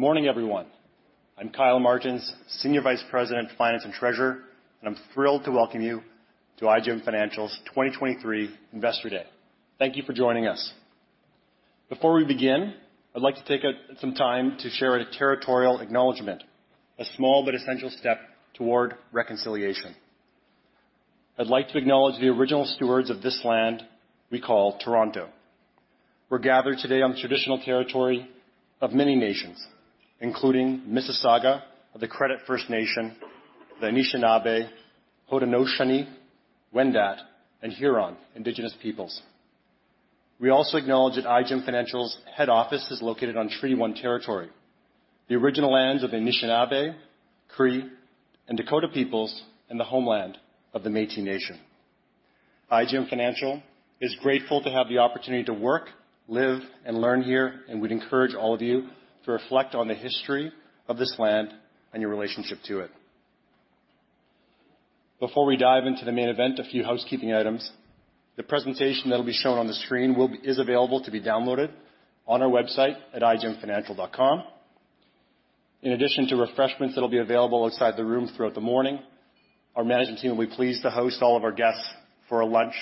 Good morning, everyone. I'm Kyle Martens, Senior Vice President of Finance and Treasurer, and I'm thrilled to welcome you to IGM Financial's 2023 Investor Day. Thank you for joining us. Before we begin, I'd like to take some time to share a territorial acknowledgment, a small but essential step toward reconciliation. I'd like to acknowledge the original stewards of this land we call Toronto. We're gathered today on the traditional territory of many nations, including Mississauga of the Credit First Nation, the Anishinaabe, Haudenosaunee, Wendat, and Huron Indigenous peoples. We also acknowledge that IGM Financial's head office is located on Treaty One territory, the original lands of the Anishinaabe, Cree, and Dakota peoples, and the homeland of the Métis Nation. IGM Financial is grateful to have the opportunity to work, live, and learn here, and we'd encourage all of you to reflect on the history of this land and your relationship to it. Before we dive into the main event, a few housekeeping items. The presentation that will be shown on the screen is available to be downloaded on our website at igmfinancial.com. In addition to refreshments that'll be available outside the room throughout the morning, our management team will be pleased to host all of our guests for a lunch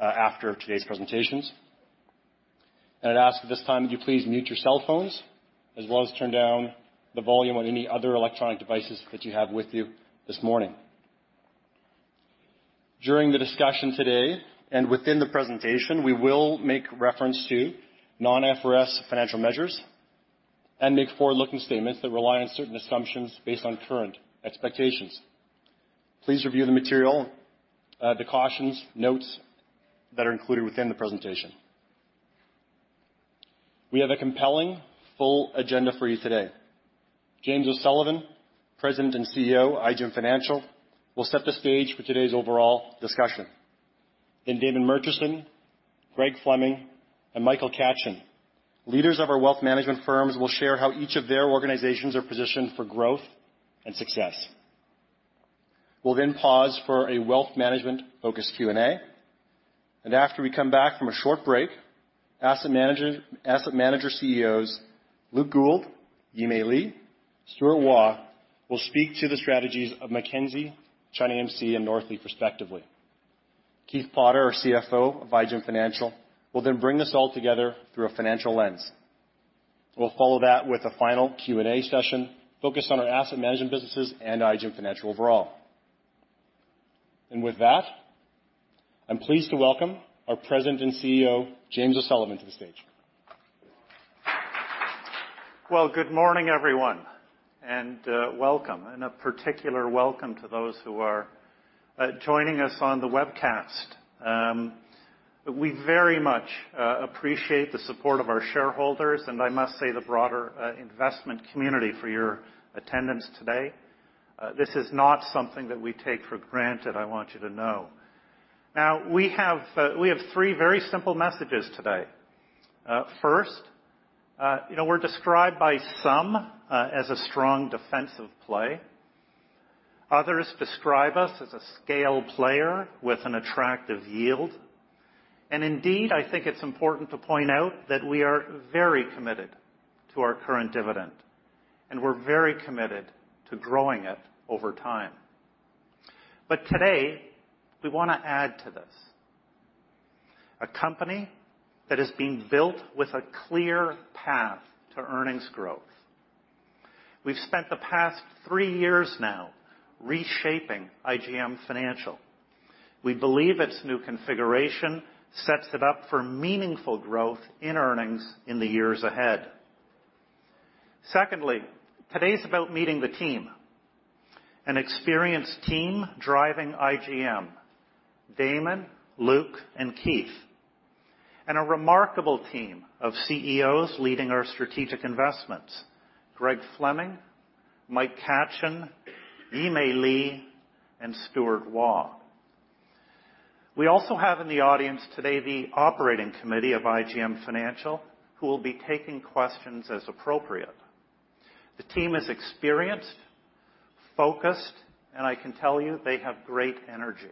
after today's presentations. I'd ask at this time that you please mute your cell phones, as well as turn down the volume on any other electronic devices that you have with you this morning. During the discussion today and within the presentation, we will make reference to non-IFRS financial measures and make forward-looking statements that rely on certain assumptions based on current expectations. Please review the material, the cautions, notes that are included within the presentation. We have a compelling, full agenda for you today. James O'Sullivan, President and CEO, IGM Financial, will set the stage for today's overall discussion. Then Damon Murchison, Greg Fleming, and Michael Katchen, leaders of our wealth management firms, will share how each of their organizations are positioned for growth and success. We'll then pause for a wealth management-focused Q&A, and after we come back from a short break, asset manager CEOs, Luke Gould, Yimei Li, Stuart Waugh, will speak to the strategies of Mackenzie, ChinaAMC, and Northleaf respectively. Keith Potter, our CFO of IGM Financial, will then bring this all together through a financial lens. We'll follow that with a final Q&A session focused on our asset management businesses and IGM Financial overall. With that, I'm pleased to welcome our President and CEO, James O'Sullivan, to the stage. Well, good morning, everyone, and welcome. And a particular welcome to those who are joining us on the webcast. We very much appreciate the support of our shareholders, and I must say, the broader investment community for your attendance today. This is not something that we take for granted, I want you to know. Now, we have three very simple messages today. First, you know, we're described by some as a strong defensive play. Others describe us as a scale player with an attractive yield. And indeed, I think it's important to point out that we are very committed to our current dividend, and we're very committed to growing it over time. But today, we wanna add to this: a company that is being built with a clear path to earnings growth. We've spent the past three years now reshaping IGM Financial. We believe its new configuration sets it up for meaningful growth in earnings in the years ahead. Secondly, today's about meeting the team, an experienced team driving IGM: Damon, Luke, and Keith, and a remarkable team of CEOs leading our strategic investments, Greg Fleming, Mike Katchen, Yimei Li, and Stuart Waugh. We also have in the audience today the operating committee of IGM Financial, who will be taking questions as appropriate. The team is experienced, focused, and I can tell you they have great energy.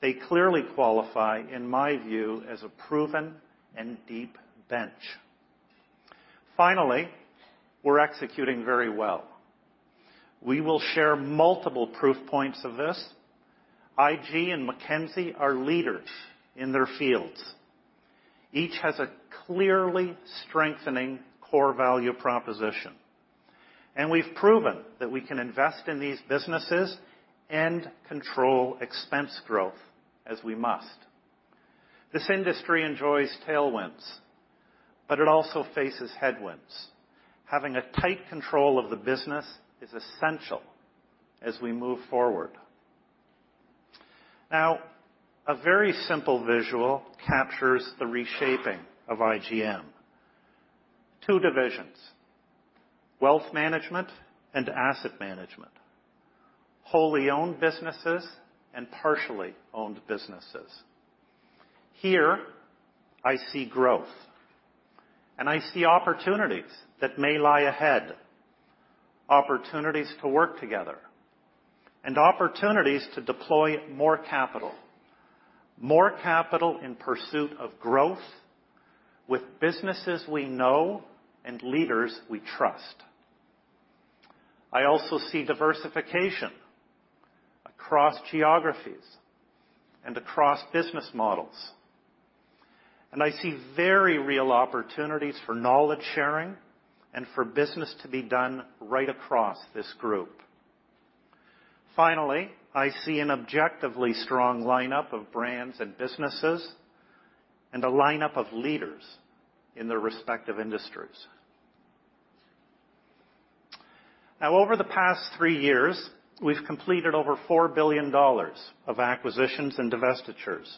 They clearly qualify, in my view, as a proven and deep bench. Finally, we're executing very well. We will share multiple proof points of this. IG and Mackenzie are leaders in their fields. Each has a clearly strengthening core value proposition, and we've proven that we can invest in these businesses and control expense growth as we must. This industry enjoys tailwinds, but it also faces headwinds. Having a tight control of the business is essential as we move forward. Now, a very simple visual captures the reshaping of IGM. Two divisions, wealth management and asset management, wholly owned businesses and partially owned businesses. Here, I see growth, and I see opportunities that may lie ahead. opportunities to work together, and opportunities to deploy more capital, more capital in pursuit of growth with businesses we know and leaders we trust. I also see diversification across geographies and across business models, and I see very real opportunities for knowledge sharing and for business to be done right across this group. Finally, I see an objectively strong lineup of brands and businesses, and a lineup of leaders in their respective industries. Now, over the past 3 years, we've completed over 4 billion dollars of acquisitions and divestitures.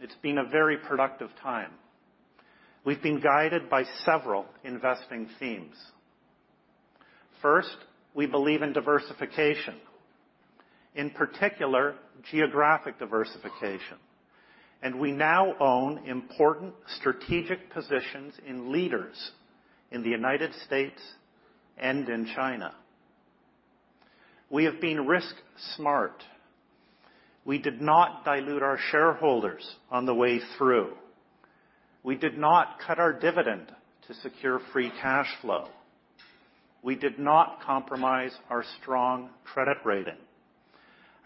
It's been a very productive time. We've been guided by several investing themes. First, we believe in diversification, in particular, geographic diversification, and we now own important strategic positions in leaders in the United States and in China. We have been risk-smart. We did not dilute our shareholders on the way through. We did not cut our dividend to secure free cash flow. We did not compromise our strong credit rating.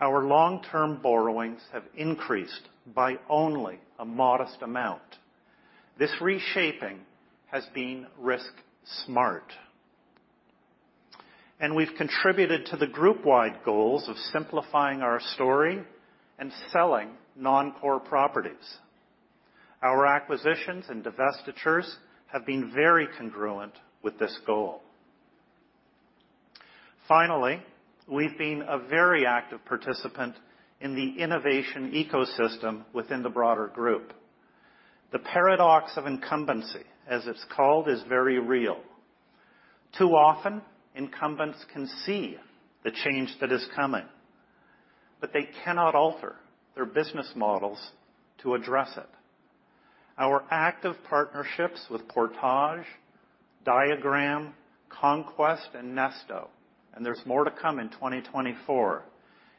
Our long-term borrowings have increased by only a modest amount. This reshaping has been risk-smart, and we've contributed to the group-wide goals of simplifying our story and selling non-core properties. Our acquisitions and divestitures have been very congruent with this goal. Finally, we've been a very active participant in the innovation ecosystem within the broader group. The paradox of incumbency, as it's called, is very real. Too often, incumbents can see the change that is coming, but they cannot alter their business models to address it. Our active partnerships with Portage, Diagram, Conquest, and Nesto, and there's more to come in 2024.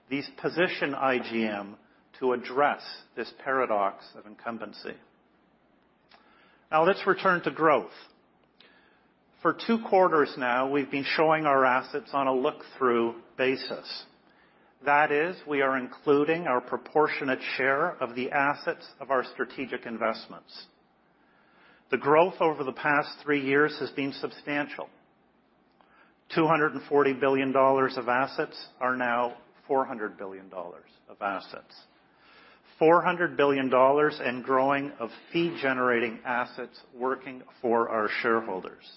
These position IGM to address this paradox of incumbency. Now, let's return to growth. For two quarters now, we've been showing our assets on a look-through basis. That is, we are including our proportionate share of the assets of our strategic investments. The growth over the past three years has been substantial. 240 billion dollars of assets are now 400 billion dollars of assets. 400 billion dollars in growing of fee-generating assets working for our shareholders.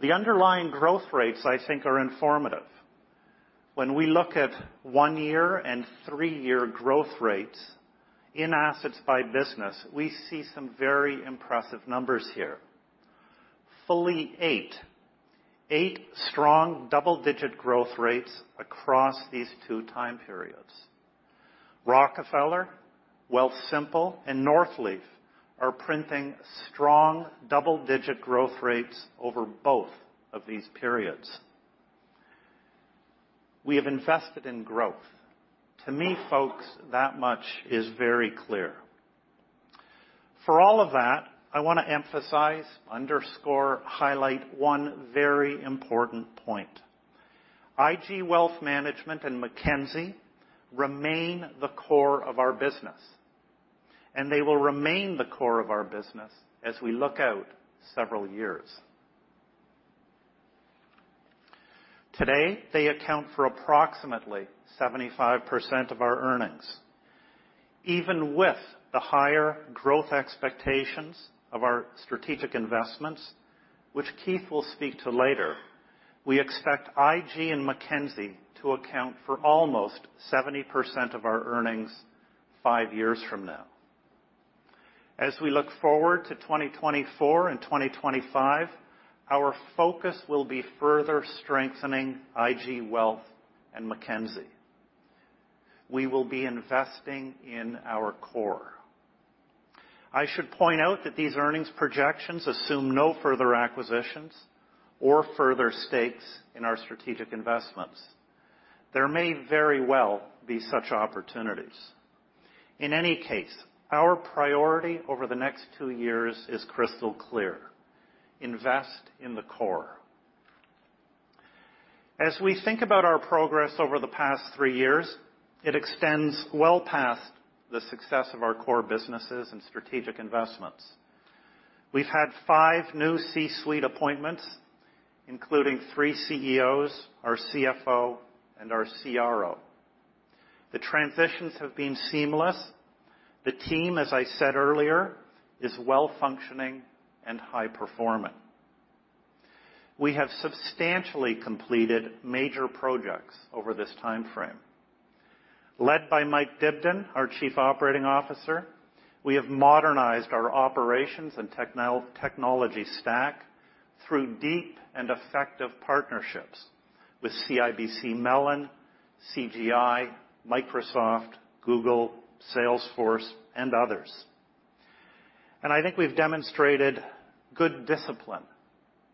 The underlying growth rates, I think, are informative. When we look at one year and three-year growth rates in assets by business, we see some very impressive numbers here. Fully eight strong double-digit growth rates across these two time periods. Rockefeller, Wealthsimple, and Northleaf are printing strong double-digit growth rates over both of these periods. We have invested in growth. To me, folks, that much is very clear. For all of that, I want to emphasize, underscore, highlight one very important point. IG Wealth Management and Mackenzie remain the core of our business, and they will remain the core of our business as we look out several years. Today, they account for approximately 75% of our earnings. Even with the higher growth expectations of our strategic investments, which Keith will speak to later, we expect IG and Mackenzie to account for almost 70% of our earnings 5 years from now. As we look forward to 2024 and 2025, our focus will be further strengthening IG Wealth and Mackenzie. We will be investing in our core. I should point out that these earnings projections assume no further acquisitions or further stakes in our strategic investments. There may very well be such opportunities. In any case, our priority over the next two years is crystal clear: invest in the core. As we think about our progress over the past three years, it extends well past the success of our core businesses and strategic investments. We've had 5 new C-suite appointments, including 3 CEOs, our CFO, and our CRO. The transitions have been seamless. The team, as I said earlier, is well-functioning and high-performing. We have substantially completed major projects over this timeframe. Led by Mike Dibden, our Chief Operating Officer, we have modernized our operations and technology stack through deep and effective partnerships with CIBC Mellon, CGI, Microsoft, Google, Salesforce, and others. I think we've demonstrated good discipline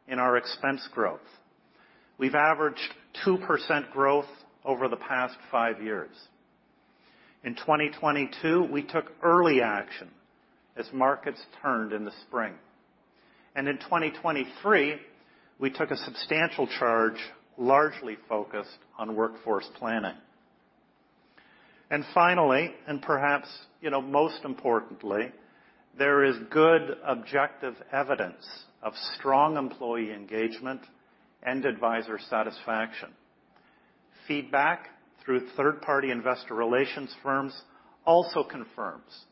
in our expense growth. We've averaged 2% growth over the past 5 years. In 2022, we took early action as markets turned in the spring. In 2023, we took a substantial charge, largely focused on workforce planning. Finally, and perhaps, you know, most importantly, there is good objective evidence of strong employee engagement and advisor satisfaction. Feedback through third-party investor relations firms also confirms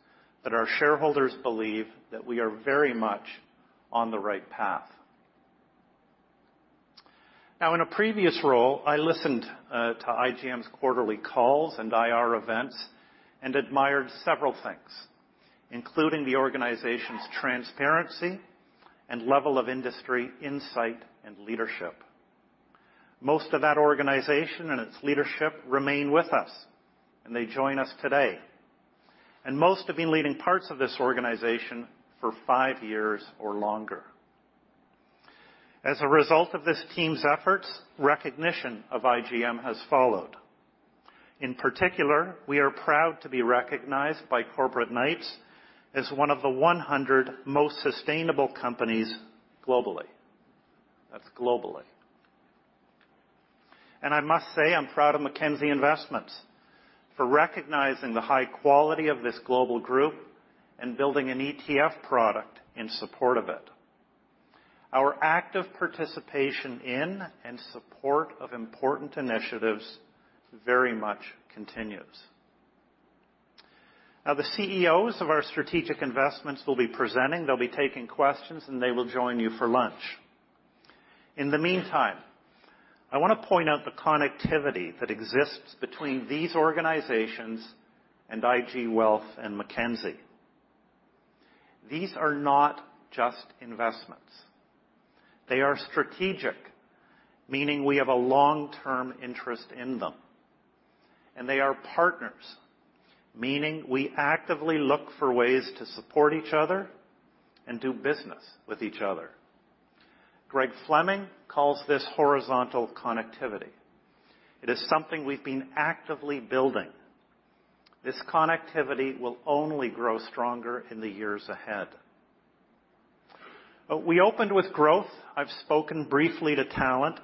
that our shareholders believe that we are very much on the right path. Now, in a previous role, I listened to IGM's quarterly calls and IR events and admired several things, including the organization's transparency and level of industry insight and leadership. Most of that organization and its leadership remain with us, and they join us today. Most have been leading parts of this organization for 5 years or longer. As a result of this team's efforts, recognition of IGM has followed. In particular, we are proud to be recognized by Corporate Knights as one of the 100 most sustainable companies globally. That's globally. I must say, I'm proud of Mackenzie Investments for recognizing the high quality of this global group and building an ETF product in support of it. Our active participation in and support of important initiatives very much continues. Now, the CEOs of our strategic investments will be presenting, they'll be taking questions, and they will join you for lunch. In the meantime, I want to point out the connectivity that exists between these organizations and IG Wealth and Mackenzie. These are not just investments. They are strategic, meaning we have a long-term interest in them, and they are partners, meaning we actively look for ways to support each other and do business with each other. Greg Fleming calls this horizontal connectivity. It is something we've been actively building. This connectivity will only grow stronger in the years ahead. We opened with growth. I've spoken briefly to talent.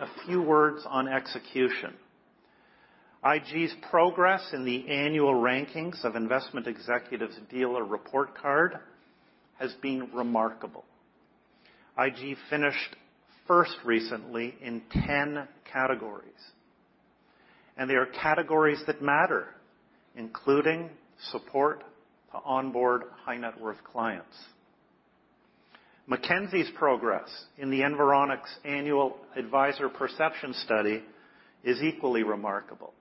A few words on execution. IG's progress in the annual rankings of Investment Executives Dealer Report Card has been remarkable. IG finished first recently in 10 categories, and they are categories that matter, including support to onboard high-net-worth clients. Mackenzie's progress in the Environics Annual Advisor Perception Study is equally remarkable.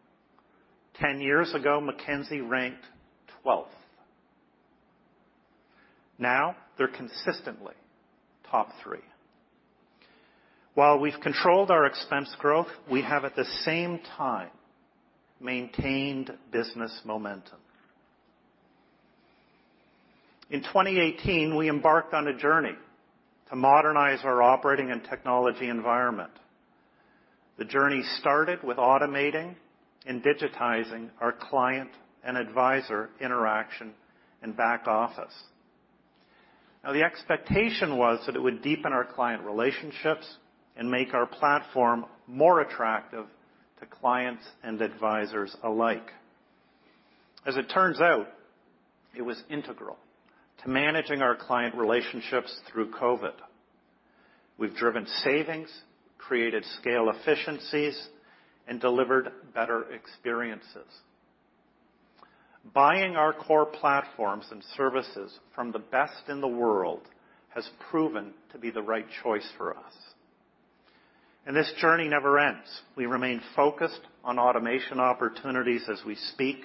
10 years ago, Mackenzie ranked 12th. Now, they're consistently top three. While we've controlled our expense growth, we have, at the same time, maintained business momentum. In 2018, we embarked on a journey to modernize our operating and technology environment. The journey started with automating and digitizing our client and advisor interaction and back office. Now, the expectation was that it would deepen our client relationships and make our platform more attractive to clients and advisors alike. As it turns out, it was integral to managing our client relationships through COVID. We've driven savings, created scale efficiencies, and delivered better experiences. Buying our core platforms and services from the best in the world has proven to be the right choice for us, and this journey never ends. We remain focused on automation opportunities as we speak,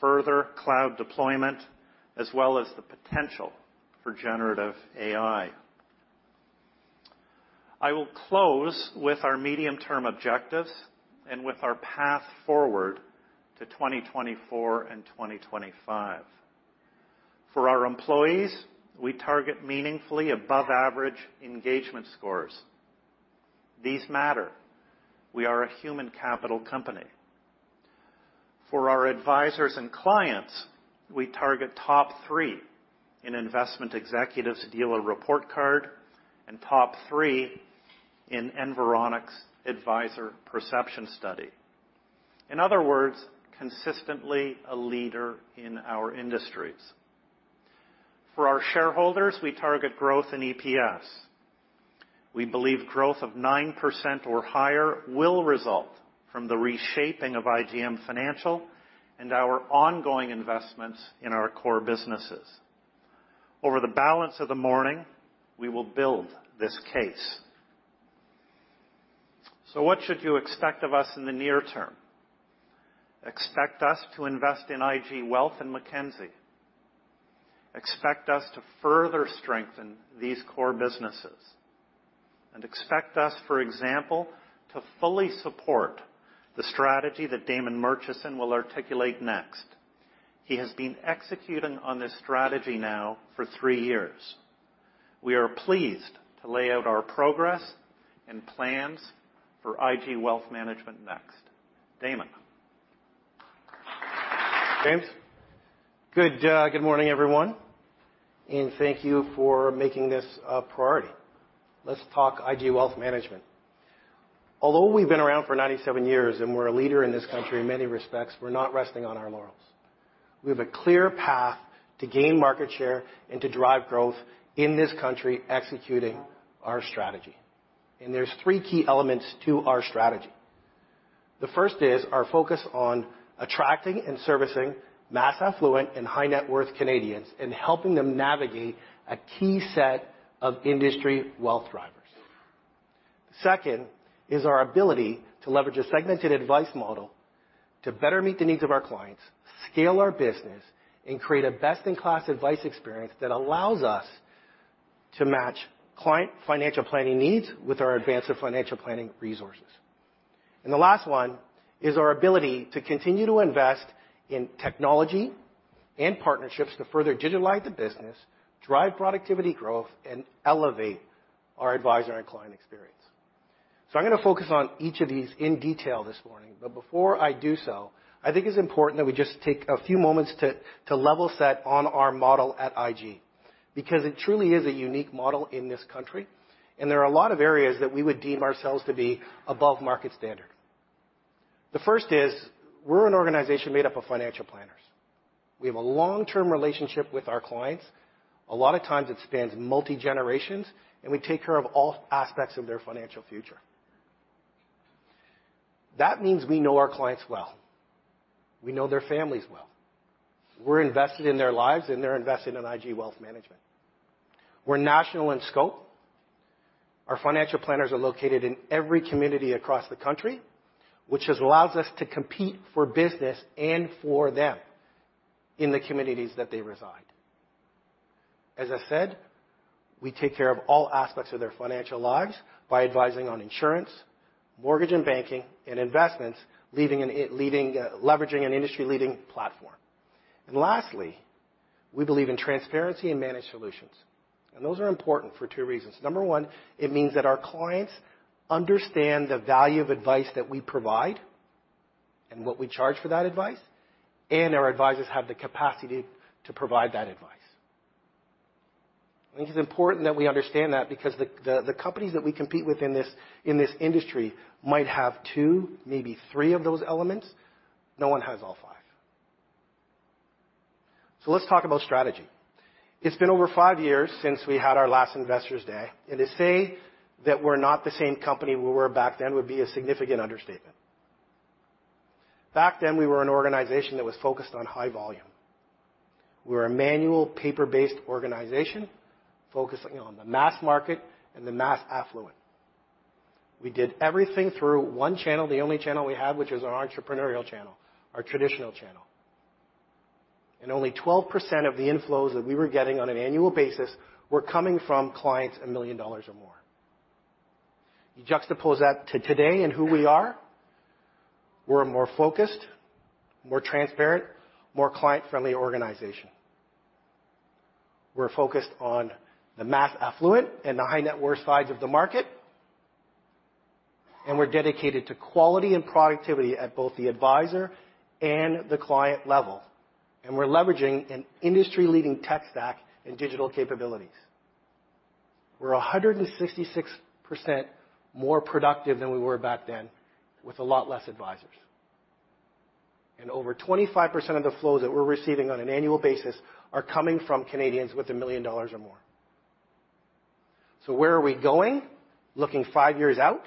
further cloud deployment, as well as the potential for generative AI. I will close with our medium-term objectives and with our path forward to 2024 and 2025. For our employees, we target meaningfully above average engagement scores. These matter. We are a human capital company. For our advisors and clients, we target top three in Investment Executive Dealer Report Card and top three in Environics Advisor Perception Study. In other words, consistently a leader in our industries. For our shareholders, we target growth in EPS. We believe growth of 9% or higher will result from the reshaping of IGM Financial and our ongoing investments in our core businesses. Over the balance of the morning, we will build this case. So what should you expect of us in the near term? Expect us to invest in IG Wealth and Mackenzie.... Expect us to further strengthen these core businesses. And expect us, for example, to fully support the strategy that Damon Murchison will articulate next. He has been executing on this strategy now for three years. We are pleased to lay out our progress and plans for IG Wealth Management next. Damon. James. Good, good morning, everyone, and thank you for making this a priority. Let's talk IG Wealth Management. Although we've been around for 97 years, and we're a leader in this country in many respects, we're not resting on our laurels. We have a clear path to gain market share and to drive growth in this country, executing our strategy. And there's three key elements to our strategy. The first is our focus on attracting and servicing mass affluent and high-net-worth Canadians and helping them navigate a key set of industry wealth drivers. Second, is our ability to leverage a segmented advice model to better meet the needs of our clients, scale our business, and create a best-in-class advice experience that allows us to match client financial planning needs with our Advanced Financial Planning resources. And the last one is our ability to continue to invest in technology and partnerships to further digitalize the business, drive productivity growth, and elevate our advisor and client experience. So I'm gonna focus on each of these in detail this morning, but before I do so, I think it's important that we just take a few moments to level set on our model at IG, because it truly is a unique model in this country, and there are a lot of areas that we would deem ourselves to be above market standard. The first is, we're an organization made up of financial planners. We have a long-term relationship with our clients. A lot of times it spans multi-generations, and we take care of all aspects of their financial future. That means we know our clients well. We know their families well. We're invested in their lives, and they're invested in IG Wealth Management. We're national in scope. Our financial planners are located in every community across the country, which has allowed us to compete for business and for them in the communities that they reside. As I said, we take care of all aspects of their financial lives by advising on insurance, mortgage and banking, and investments, leaving in, leading, leveraging an industry-leading platform. And lastly, we believe in transparency and managed solutions, and those are important for two reasons. Number one, it means that our clients understand the value of advice that we provide and what we charge for that advice, and our advisors have the capacity to provide that advice. I think it's important that we understand that because the companies that we compete with in this industry might have 2, maybe 3 of those elements. No one has all 5. So let's talk about strategy. It's been over 5 years since we had our last Investor Day, and to say that we're not the same company we were back then would be a significant understatement. Back then, we were an organization that was focused on high volume. We were a manual, paper-based organization, focusing on the mass market and the mass affluent. We did everything through one channel, the only channel we had, which is our entrepreneurial channel, our traditional channel. Only 12% of the inflows that we were getting on an annual basis were coming from clients, 1 million dollars or more. You juxtapose that to today and who we are, we're a more focused, more transparent, more client-friendly organization. We're focused on the mass affluent and the high-net-worth sides of the market, and we're dedicated to quality and productivity at both the advisor and the client level. We're leveraging an industry-leading tech stack and digital capabilities. We're 166% more productive than we were back then, with a lot less advisors. Over 25% of the flows that we're receiving on an annual basis are coming from Canadians with 1 million dollars or more. So where are we going? Looking 5 years out,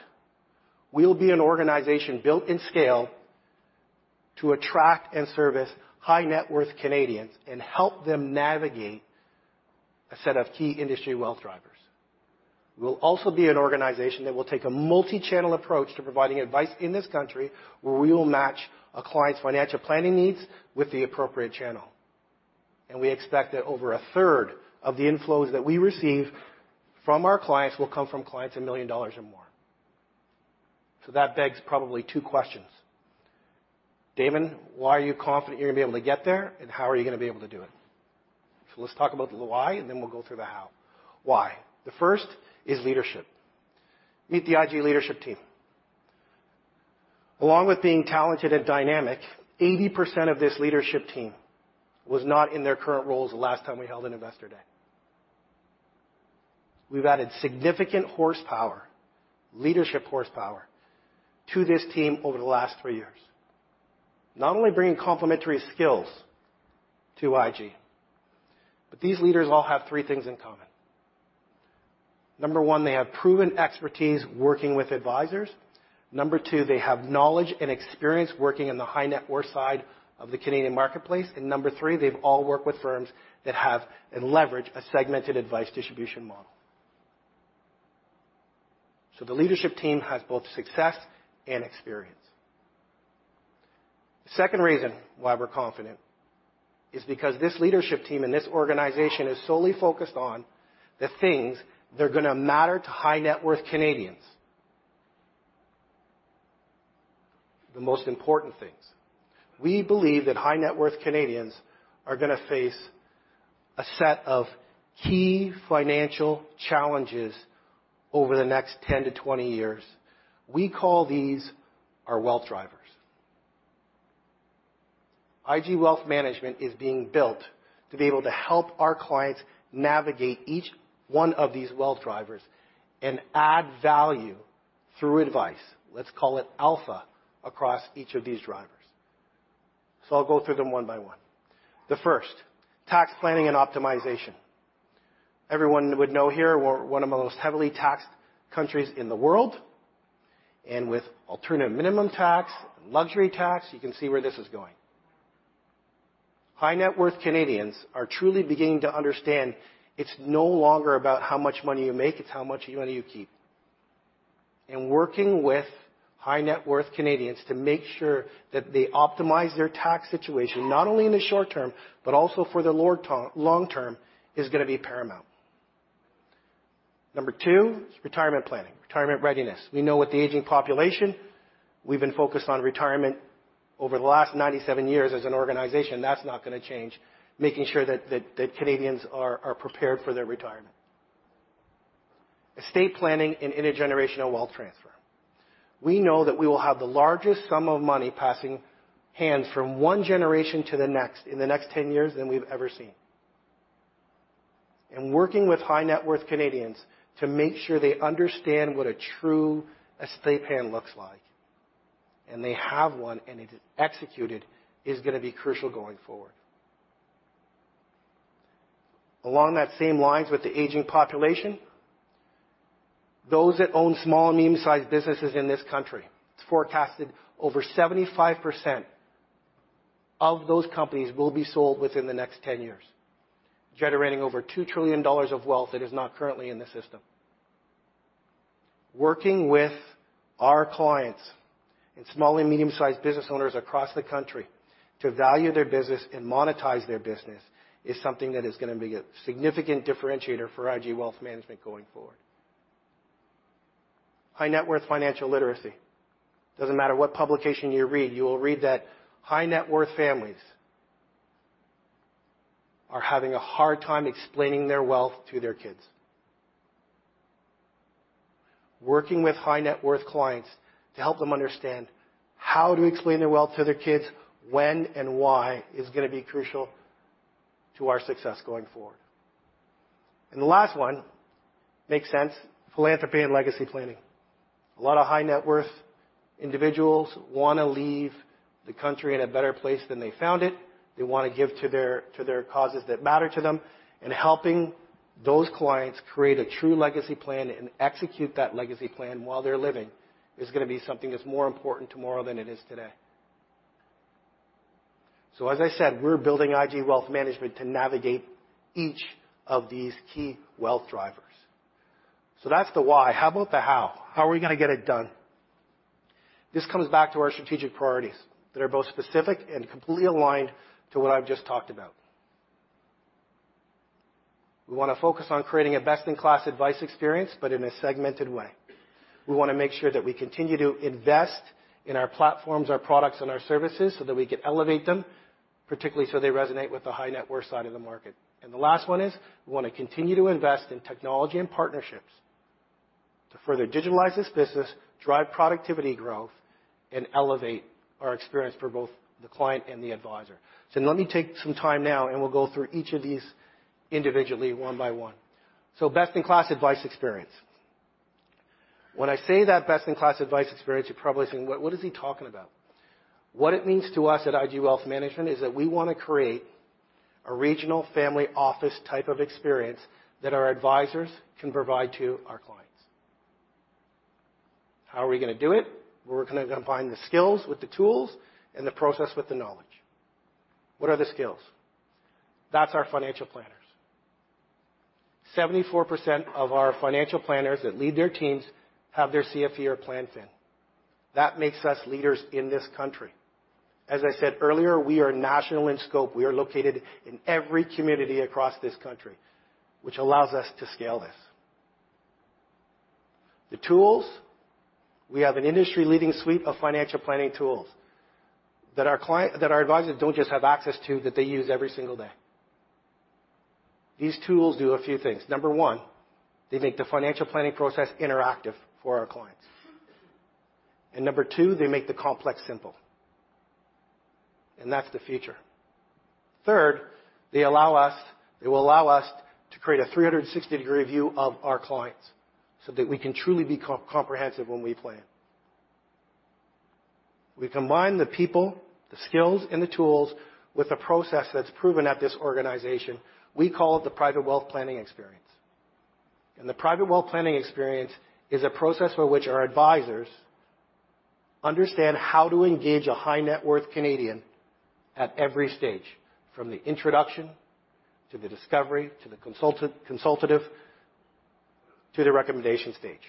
we'll be an organization built in scale to attract and service high-net-worth Canadians and help them navigate a set of key industry wealth drivers. We'll also be an organization that will take a multi-channel approach to providing advice in this country, where we will match a client's financial planning needs with the appropriate channel. We expect that over a third of the inflows that we receive from our clients will come from clients, 1 million dollars or more. That begs probably 2 questions: Damon, why are you confident you're gonna be able to get there, and how are you gonna be able to do it? Let's talk about the why, and then we'll go through the how. Why? The first is leadership. Meet the IG leadership team. Along with being talented and dynamic, 80% of this leadership team was not in their current roles the last time we held an Investor Day. We've added significant horsepower, leadership horsepower, to this team over the last 3 years. Not only bringing complementary skills to IG, but these leaders all have 3 things in common. Number 1, they have proven expertise working with advisors. Number 2, they have knowledge and experience working in the high-net-worth side of the Canadian marketplace. And number 3, they've all worked with firms that have and leverage a segmented advice distribution model... So the leadership team has both success and experience. The second reason why we're confident is because this leadership team and this organization is solely focused on the things that are gonna matter to high-net-worth Canadians. The most important things. We believe that high-net-worth Canadians are gonna face a set of key financial challenges over the next 10-20 years. We call these our Wealth drivers. IG Wealth Management is being built to be able to help our clients navigate each one of these wealth drivers and add value through advice, let's call it alpha, across each of these drivers. So I'll go through them one by one. The first, tax planning and optimization. Everyone would know here, we're one of the most heavily taxed countries in the world, and with alternative minimum tax, luxury tax, you can see where this is going. High-net-worth Canadians are truly beginning to understand it's no longer about how much money you make, it's how much money you keep. And working with high-net-worth Canadians to make sure that they optimize their tax situation, not only in the short term, but also for the long term, is gonna be paramount. Number two, retirement planning, retirement readiness. We know with the aging population, we've been focused on retirement over the last 97 years as an organization. That's not gonna change. Making sure that Canadians are prepared for their retirement. Estate planning and intergenerational wealth transfer. We know that we will have the largest sum of money passing hands from one generation to the next in the next 10 years than we've ever seen. And working with high-net-worth Canadians to make sure they understand what a true estate plan looks like, and they have one, and it is executed, is gonna be crucial going forward. Along that same lines, with the aging population, those that own small and medium-sized businesses in this country, it's forecasted over 75% of those companies will be sold within the next 10 years, generating over 2 trillion dollars of wealth that is not currently in the system. Working with our clients and small and medium-sized business owners across the country to value their business and monetize their business, is something that is gonna be a significant differentiator for IG Wealth Management going forward. High-net-worth financial literacy. Doesn't matter what publication you read, you will read that high-net-worth families are having a hard time explaining their wealth to their kids. Working with high-net-worth clients to help them understand how to explain their wealth to their kids, when and why, is gonna be crucial to our success going forward. And the last one, makes sense, philanthropy and legacy planning. A lot of high-net-worth individuals wanna leave the country in a better place than they found it. They want to give to their, to their causes that matter to them, and helping those clients create a true legacy plan and execute that legacy plan while they're living, is gonna be something that's more important tomorrow than it is today. So, as I said, we're building IG Wealth Management to navigate each of these key wealth drivers. So that's the why. How about the how? How are we gonna get it done? This comes back to our strategic priorities that are both specific and completely aligned to what I've just talked about. We wanna focus on creating a best-in-class advice experience, but in a segmented way. We wanna make sure that we continue to invest in our platforms, our products, and our services, so that we can elevate them, particularly so they resonate with the high-net-worth side of the market. The last one is, we wanna continue to invest in technology and partnerships to further digitalize this business, drive productivity growth, and elevate our experience for both the client and the advisor. Let me take some time now, and we'll go through each of these individually, one by one. Best-in-class advice experience. When I say that best-in-class advice experience, you're probably saying: What, what is he talking about? What it means to us at IG Wealth Management is that we wanna create a regional family office type of experience that our advisors can provide to our clients. How are we gonna do it? We're gonna combine the skills with the tools and the process with the knowledge. What are the skills? That's our financial planners. 74% of our financial planners that lead their teams have their CFP or PlanFin. That makes us leaders in this country. As I said earlier, we are national in scope. We are located in every community across this country, which allows us to scale this. The tools, we have an industry-leading suite of financial planning tools that our advisors don't just have access to, that they use every single day. These tools do a few things. Number one, they make the financial planning process interactive for our clients. Number two, they make the complex simple, and that's the future. Third, they will allow us to create a 360-degree view of our clients so that we can truly be comprehensive when we plan. We combine the people, the skills, and the tools with a process that's proven at this organization. We call it the Private Wealth Planning experience. The Private Wealth Planning experience is a process by which our advisors understand how to engage a high-net-worth Canadian at every stage, from the introduction, to the discovery, to the consultative, to the recommendation stage.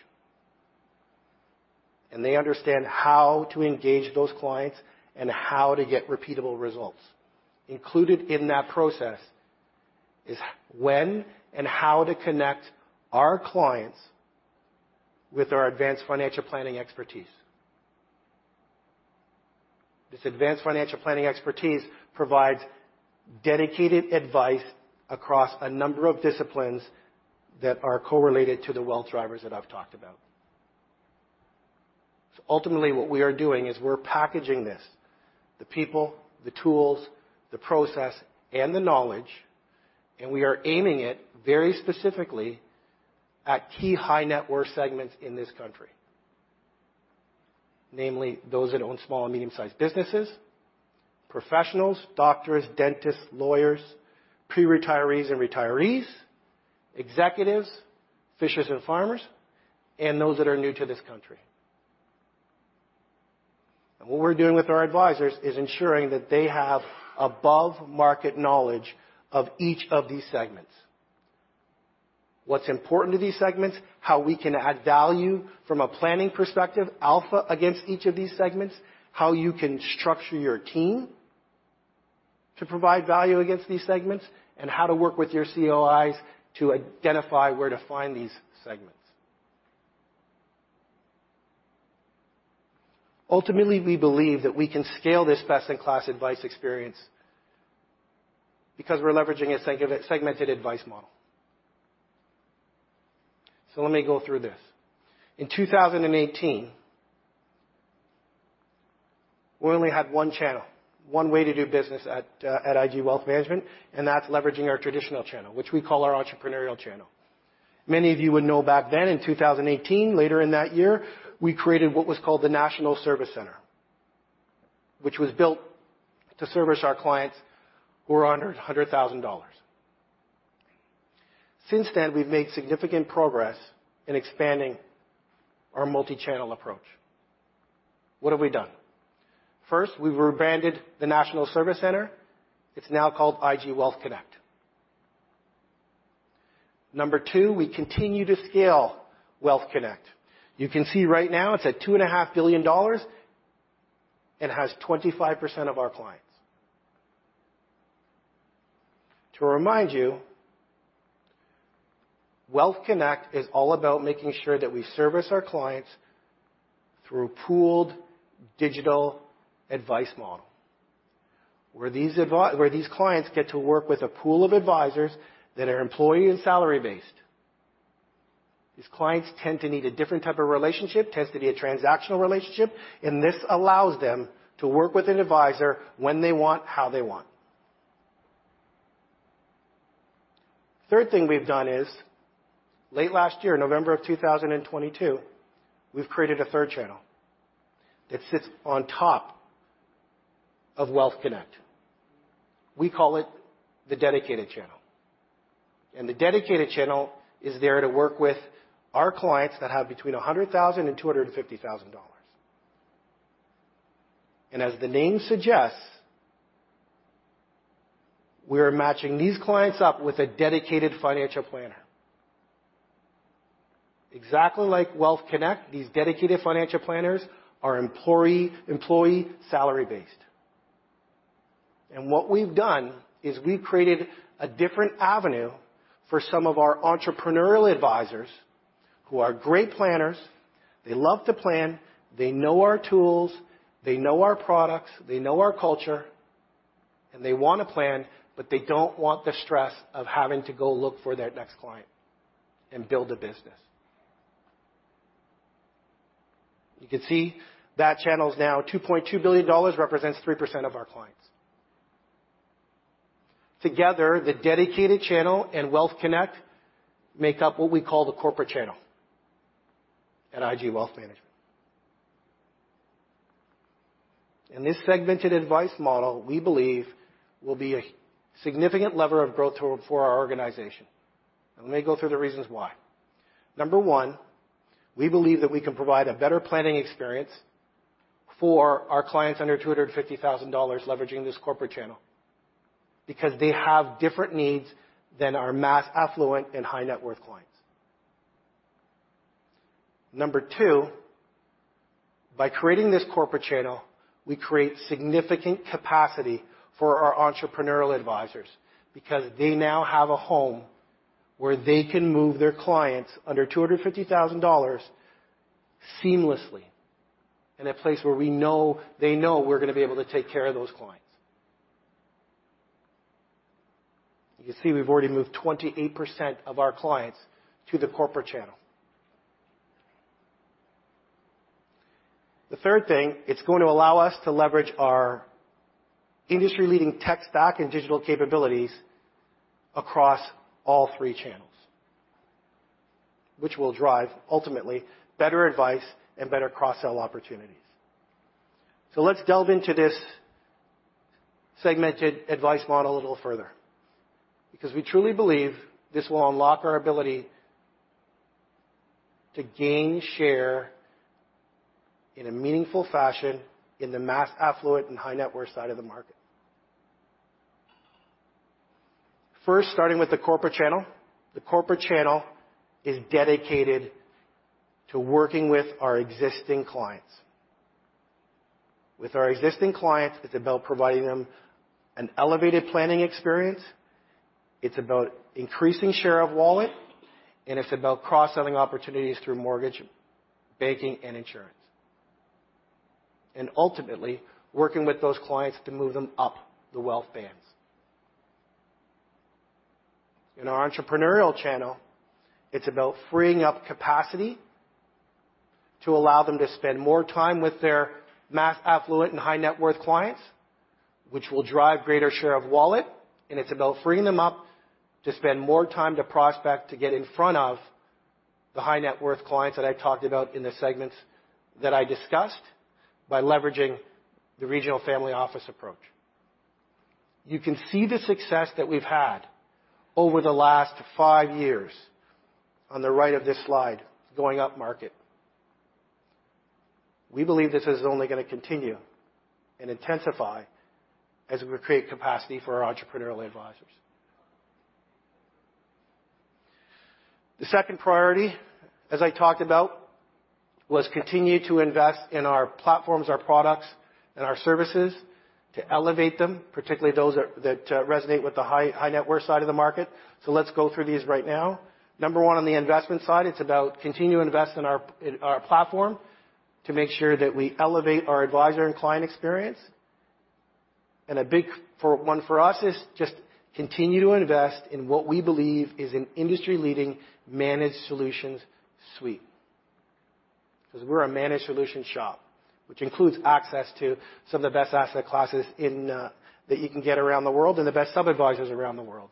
They understand how to engage those clients and how to get repeatable results. Included in that process is when and how to connect our clients with our advanced financial planning expertise. This advanced financial planning expertise provides dedicated advice across a number of disciplines that are correlated to the wealth drivers that I've talked about. Ultimately, what we are doing is we're packaging this, the people, the tools, the process, and the knowledge, and we are aiming it very specifically at key high-net-worth segments in this country. Namely, those that own small and medium-sized businesses, professionals, doctors, dentists, lawyers, pre-retirees and retirees, executives, fishers and farmers, and those that are new to this country. And what we're doing with our advisors is ensuring that they have above-market knowledge of each of these segments. What's important to these segments, how we can add value from a planning perspective, alpha against each of these segments, how you can structure your team to provide value against these segments, and how to work with your COIs to identify where to find these segments. Ultimately, we believe that we can scale this best-in-class advice experience because we're leveraging a segmented advice model. So let me go through this. In 2018, we only had one channel, one way to do business at IG Wealth Management, and that's leveraging our traditional channel, which we call our entrepreneurial channel. Many of you would know back then, in 2018, later in that year, we created what was called the National Service Center, which was built to service our clients who were under 100,000 dollars. Since then, we've made significant progress in expanding our multi-channel approach. What have we done? First, we rebranded the National Service Center. It's now called IG Wealth Connect. Number two, we continue to scale Wealth Connect. You can see right now it's at 2.5 billion dollars and has 25% of our clients. To remind you, Wealth Connect is all about making sure that we service our clients through a pooled digital advice model, where these clients get to work with a pool of advisors that are employee and salary-based. These clients tend to need a different type of relationship, tends to be a transactional relationship, and this allows them to work with an advisor when they want, how they want. Third thing we've done is, late last year, November of 2022, we've created a third channel that sits on top of Wealth Connect. We call it the dedicated channel. The dedicated channel is there to work with our clients that have between 100,000 and 250,000 dollars. As the name suggests, we are matching these clients up with a dedicated financial planner. Exactly like Wealth Connect, these dedicated financial planners are employee, employee salary-based. What we've done is we've created a different avenue for some of our entrepreneurial advisors who are great planners. They love to plan, they know our tools, they know our products, they know our culture, and they want to plan, but they don't want the stress of having to go look for their next client and build a business. You can see that channel is now 2.2 billion dollars, represents 3% of our clients. Together, the dedicated channel and Wealth Connect make up what we call the corporate channel at IG Wealth Management. And this segmented advice model, we believe, will be a significant lever of growth for our organization. Let me go through the reasons why. Number one, we believe that we can provide a better planning experience for our clients under 250,000 dollars, leveraging this corporate channel, because they have different needs than our mass affluent and high-net-worth clients. Number two, by creating this corporate channel, we create significant capacity for our entrepreneurial advisors because they now have a home where they can move their clients under 250,000 dollars seamlessly, in a place where we know, they know we're going to be able to take care of those clients. You can see we've already moved 28% of our clients to the corporate channel. The third thing, it's going to allow us to leverage our industry-leading tech stack and digital capabilities across all three channels, which will drive, ultimately, better advice and better cross-sell opportunities. So let's delve into this segmented advice model a little further, because we truly believe this will unlock our ability to gain share in a meaningful fashion in the mass affluent and high-net-worth side of the market. First, starting with the corporate channel. The corporate channel is dedicated to working with our existing clients. With our existing clients, it's about providing them an elevated planning experience, it's about increasing share of wallet, and it's about cross-selling opportunities through mortgage, banking, and insurance, and ultimately, working with those clients to move them up the wealth bands. In our entrepreneurial channel, it's about freeing up capacity to allow them to spend more time with their mass affluent and high-net-worth clients, which will drive greater share of wallet, and it's about freeing them up to spend more time to prospect, to get in front of the high-net-worth clients that I talked about in the segments that I discussed, by leveraging the regional family office approach. You can see the success that we've had over the last 5 years on the right of this slide, going up market. We believe this is only gonna continue and intensify as we create capacity for our entrepreneurial advisors. The second priority, as I talked about, was continue to invest in our platforms, our products, and our services to elevate them, particularly those that resonate with the high-net-worth side of the market. Let's go through these right now. Number one, on the investment side, it's about continue to invest in our platform to make sure that we elevate our advisor and client experience. And a big one for us is just continue to invest in what we believe is an industry-leading managed solutions suite. 'Cause we're a managed solution shop, which includes access to some of the best asset classes in that you can get around the world, and the best sub-advisors around the world.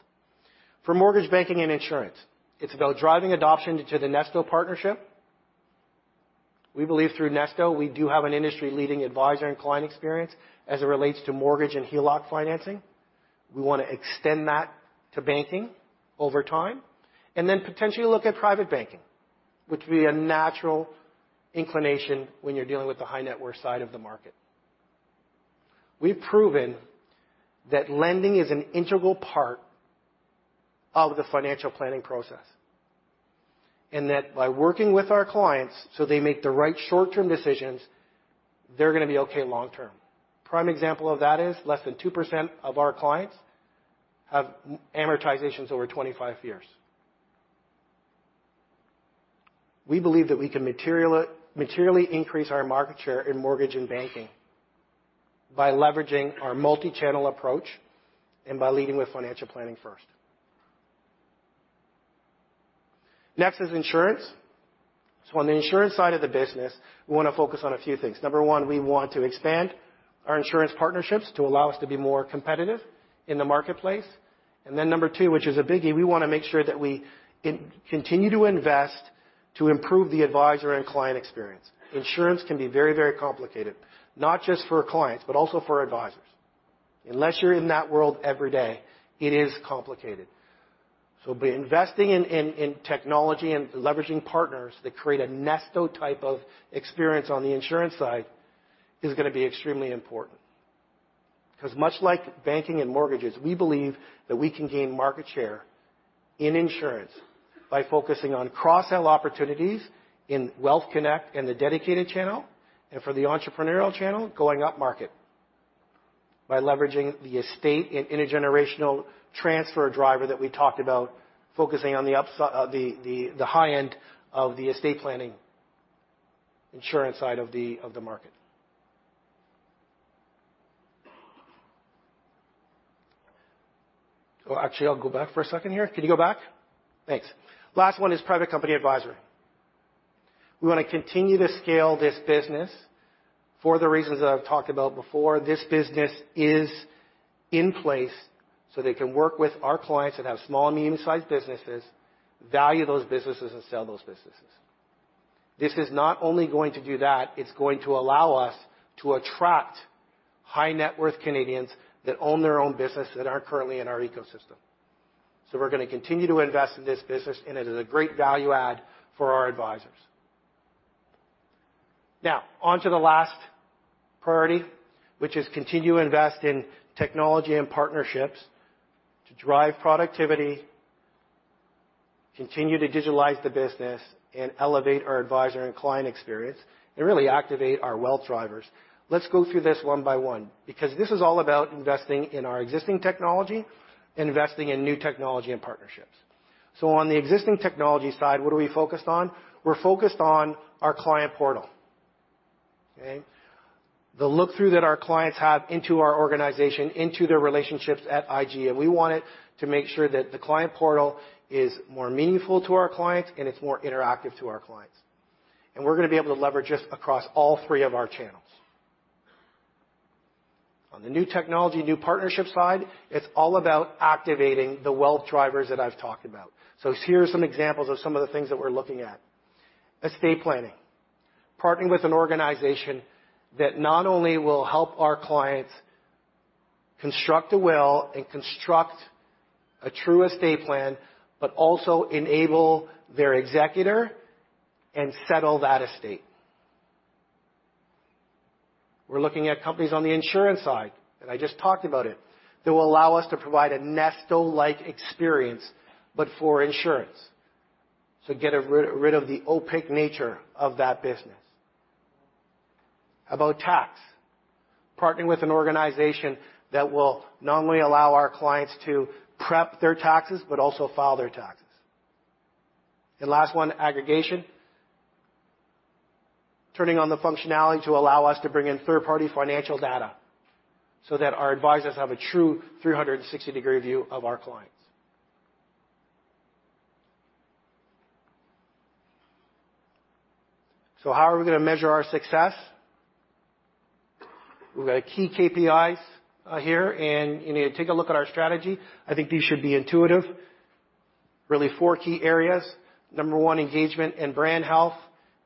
For mortgage banking and insurance, it's about driving adoption to the Nesto partnership. We believe through Nesto, we do have an industry-leading advisor and client experience as it relates to mortgage and HELOC financing. We wanna extend that to banking over time, and then potentially look at private banking, which would be a natural inclination when you're dealing with the high-net-worth side of the market. We've proven that lending is an integral part of the financial planning process, and that by working with our clients so they make the right short-term decisions, they're gonna be okay long term. Prime example of that is less than 2% of our clients have amortizations over 25 years. We believe that we can materially increase our market share in mortgage and banking by leveraging our multi-channel approach and by leading with financial planning first. Next is insurance. So on the insurance side of the business, we wanna focus on a few things. Number one, we want to expand our insurance partnerships to allow us to be more competitive in the marketplace. And then number two, which is a biggie, we wanna make sure that we continue to invest to improve the advisor and client experience. Insurance can be very, very complicated, not just for our clients, but also for our advisors. Unless you're in that world every day, it is complicated. So by investing in technology and leveraging partners that create a Nesto type of experience on the insurance side, is gonna be extremely important. 'Cause much like banking and mortgages, we believe that we can gain market share in insurance by focusing on cross-sell opportunities in Wealth Connect and the dedicated channel, and for the entrepreneurial channel, going up market. By leveraging the estate and intergenerational transfer driver that we talked about, focusing on the high end of the estate planning insurance side of the market. Oh, actually, I'll go back for a second here. Can you go back? Thanks. Last one is private company advisory. We wanna continue to scale this business for the reasons that I've talked about before. This business is in place so they can work with our clients that have small- and medium-sized businesses, value those businesses, and sell those businesses. This is not only going to do that, it's going to allow us to attract high-net-worth Canadians that own their own business that aren't currently in our ecosystem. So we're gonna continue to invest in this business, and it is a great value add for our advisors. Now, on to the last priority, which is continue to invest in technology and partnerships to drive productivity, continue to digitalize the business, and elevate our advisor and client experience, and really activate our wealth drivers. Let's go through this one by one, because this is all about investing in our existing technology and investing in new technology and partnerships. So on the existing technology side, what are we focused on? We're focused on our client portal. Okay? The look through that our clients have into our organization, into their relationships at IG, and we want it to make sure that the client portal is more meaningful to our clients, and it's more interactive to our clients. And we're gonna be able to leverage this across all three of our channels. On the new technology, new partnership side, it's all about activating the wealth drivers that I've talked about. So here are some examples of some of the things that we're looking at. Estate planning... partnering with an organization that not only will help our clients construct a will and construct a true estate plan, but also enable their executor and settle that estate. We're looking at companies on the insurance side, and I just talked about it. That will allow us to provide a Nesto-like experience, but for insurance, so get rid of the opaque nature of that business. How about tax? Partnering with an organization that will not only allow our clients to prep their taxes, but also file their taxes. And last one, aggregation. Turning on the functionality to allow us to bring in third-party financial data so that our advisors have a true 360-degree view of our clients. So how are we gonna measure our success? We've got key KPIs here, and you need to take a look at our strategy. I think these should be intuitive. Really four key areas. Number one, engagement and brand health.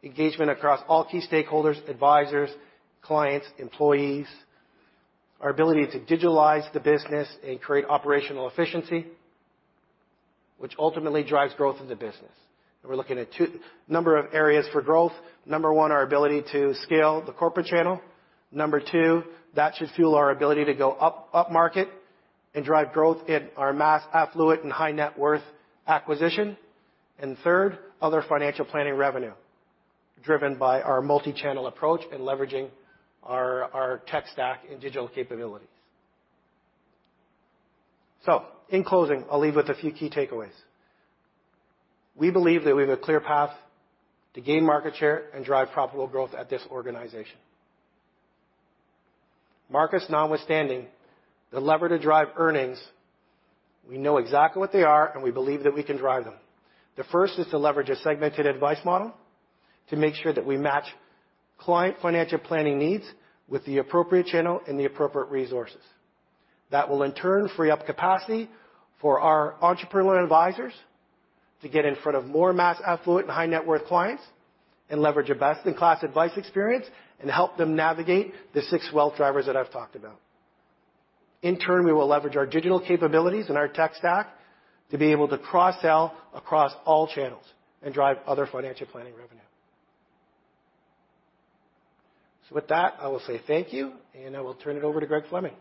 Engagement across all key stakeholders, advisors, clients, employees. Our ability to digitalize the business and create operational efficiency, which ultimately drives growth of the business. And we're looking at a number of areas for growth. Number one, our ability to scale the corporate channel. Number two, that should fuel our ability to go up market and drive growth in our mass affluent and high-net-worth acquisition. And third, other financial planning revenue, driven by our multi-channel approach and leveraging our tech stack and digital capabilities. So in closing, I'll leave with a few key takeaways. We believe that we have a clear path to gain market share and drive profitable growth at this organization. Markets notwithstanding, the lever to drive earnings, we know exactly what they are, and we believe that we can drive them. The first is to leverage a segmented advice model to make sure that we match client financial planning needs with the appropriate channel and the appropriate resources. That will, in turn, free up capacity for our entrepreneurial advisors to get in front of more mass affluent and high-net-worth clients, and leverage a best-in-class advice experience, and help them navigate the six wealth drivers that I've talked about. In turn, we will leverage our digital capabilities and our tech stack to be able to cross-sell across all channels and drive other financial planning revenue. So with that, I will say thank you, and I will turn it over to Greg Fleming.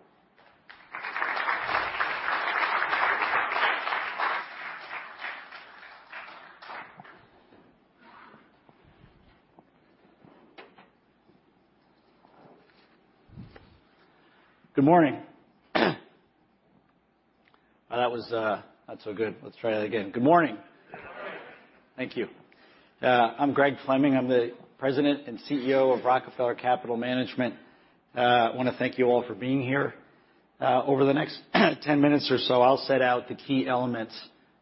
Good morning. Well, that was not so good. Let's try that again. Good morning. Good morning. Thank you. I'm Greg Fleming. I'm the President and CEO of Rockefeller Capital Management. I wanna thank you all for being here. Over the next 10 minutes or so, I'll set out the key elements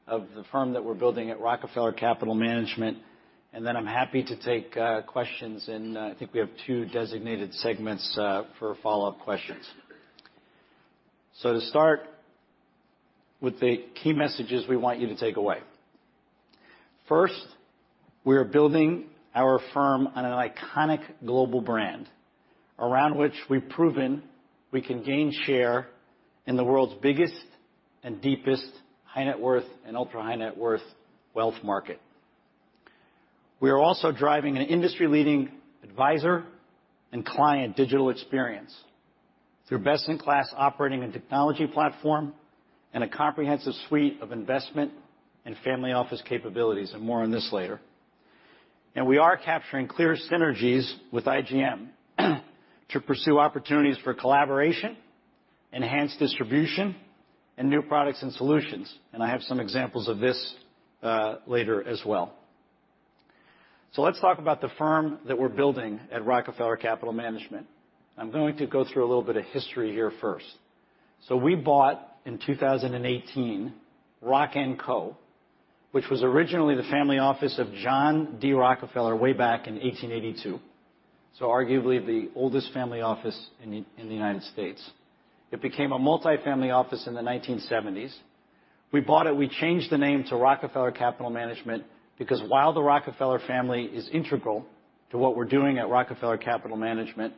of the firm that we're building at Rockefeller Capital Management, and then I'm happy to take questions in, I think we have 2 designated segments, for follow-up questions. So to start with the key messages we want you to take away. First, we are building our firm on an iconic global brand, around which we've proven we can gain share in the world's biggest and deepest high-net-worth and ultra high-net-worth wealth market. We are also driving an industry-leading advisor and client digital experience through best-in-class operating and technology platform, and a comprehensive suite of investment and family office capabilities, and more on this later. We are capturing clear synergies with IGM to pursue opportunities for collaboration, enhanced distribution, and new products and solutions, and I have some examples of this later as well. So let's talk about the firm that we're building at Rockefeller Capital Management. I'm going to go through a little bit of history here first. So we bought, in 2018, Rock & Co, which was originally the family office of John D. Rockefeller way back in 1882. So arguably, the oldest family office in the United States. It became a multifamily office in the 1970s. We bought it, we changed the name to Rockefeller Capital Management, because while the Rockefeller family is integral to what we're doing at Rockefeller Capital Management,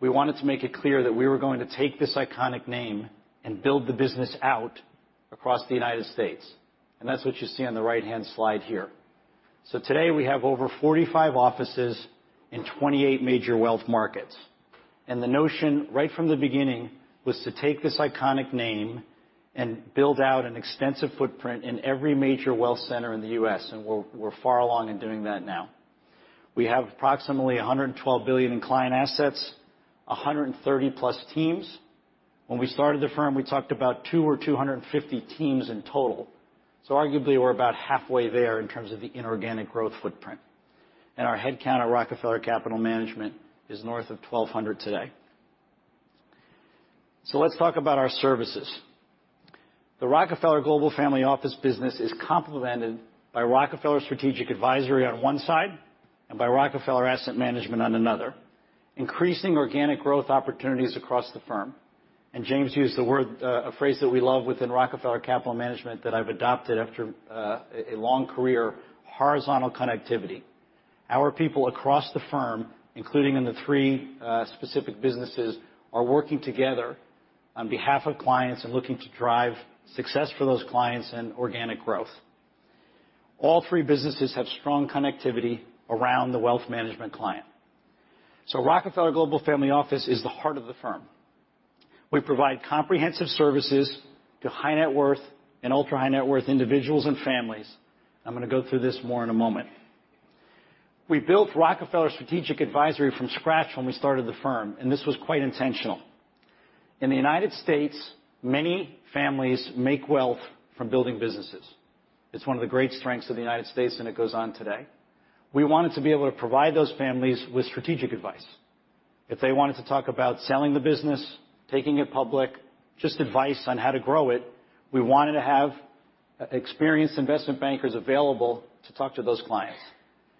we wanted to make it clear that we were going to take this iconic name and build the business out across the United States. And that's what you see on the right-hand slide here. So today, we have over 45 offices in 28 major wealth markets, and the notion right from the beginning was to take this iconic name and build out an extensive footprint in every major wealth center in the U.S., and we're far along in doing that now. We have approximately $112 billion in client assets, 130+ teams. When we started the firm, we talked about 200 or 250 teams in total. So arguably, we're about halfway there in terms of the inorganic growth footprint. Our headcount at Rockefeller Capital Management is north of 1,200 today. So let's talk about our services. The Rockefeller Global Family Office business is complemented by Rockefeller Strategic Advisory on one side and by Rockefeller Asset Management on another. Increasing organic growth opportunities across the firm, and James used the word, a phrase that we love within Rockefeller Capital Management that I've adopted after a long career, horizontal connectivity. Our people across the firm, including in the three specific businesses, are working together on behalf of clients and looking to drive success for those clients and organic growth. All three businesses have strong connectivity around the wealth management client. So Rockefeller Global Family Office is the heart of the firm. We provide comprehensive services to high-net-worth and ultra-high-net-worth individuals and families. I'm gonna go through this more in a moment. We built Rockefeller Strategic Advisory from scratch when we started the firm, and this was quite intentional. In the United States, many families make wealth from building businesses. It's one of the great strengths of the United States, and it goes on today. We wanted to be able to provide those families with strategic advice. If they wanted to talk about selling the business, taking it public, just advice on how to grow it, we wanted to have experienced investment bankers available to talk to those clients,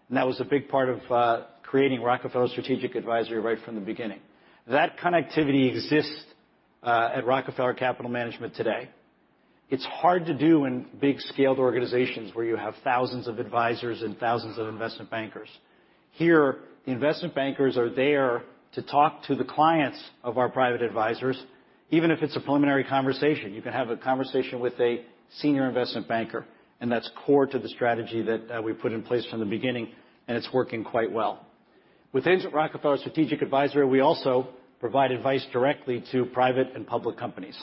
and that was a big part of creating Rockefeller Strategic Advisory right from the beginning. That connectivity exists at Rockefeller Capital Management today. It's hard to do in big-scaled organizations where you have thousands of advisors and thousands of investment bankers. Here, the investment bankers are there to talk to the clients of our private advisors, even if it's a preliminary conversation. You can have a conversation with a senior investment banker, and that's core to the strategy that we put in place from the beginning, and it's working quite well. Within Rockefeller Strategic Advisory, we also provide advice directly to private and public companies.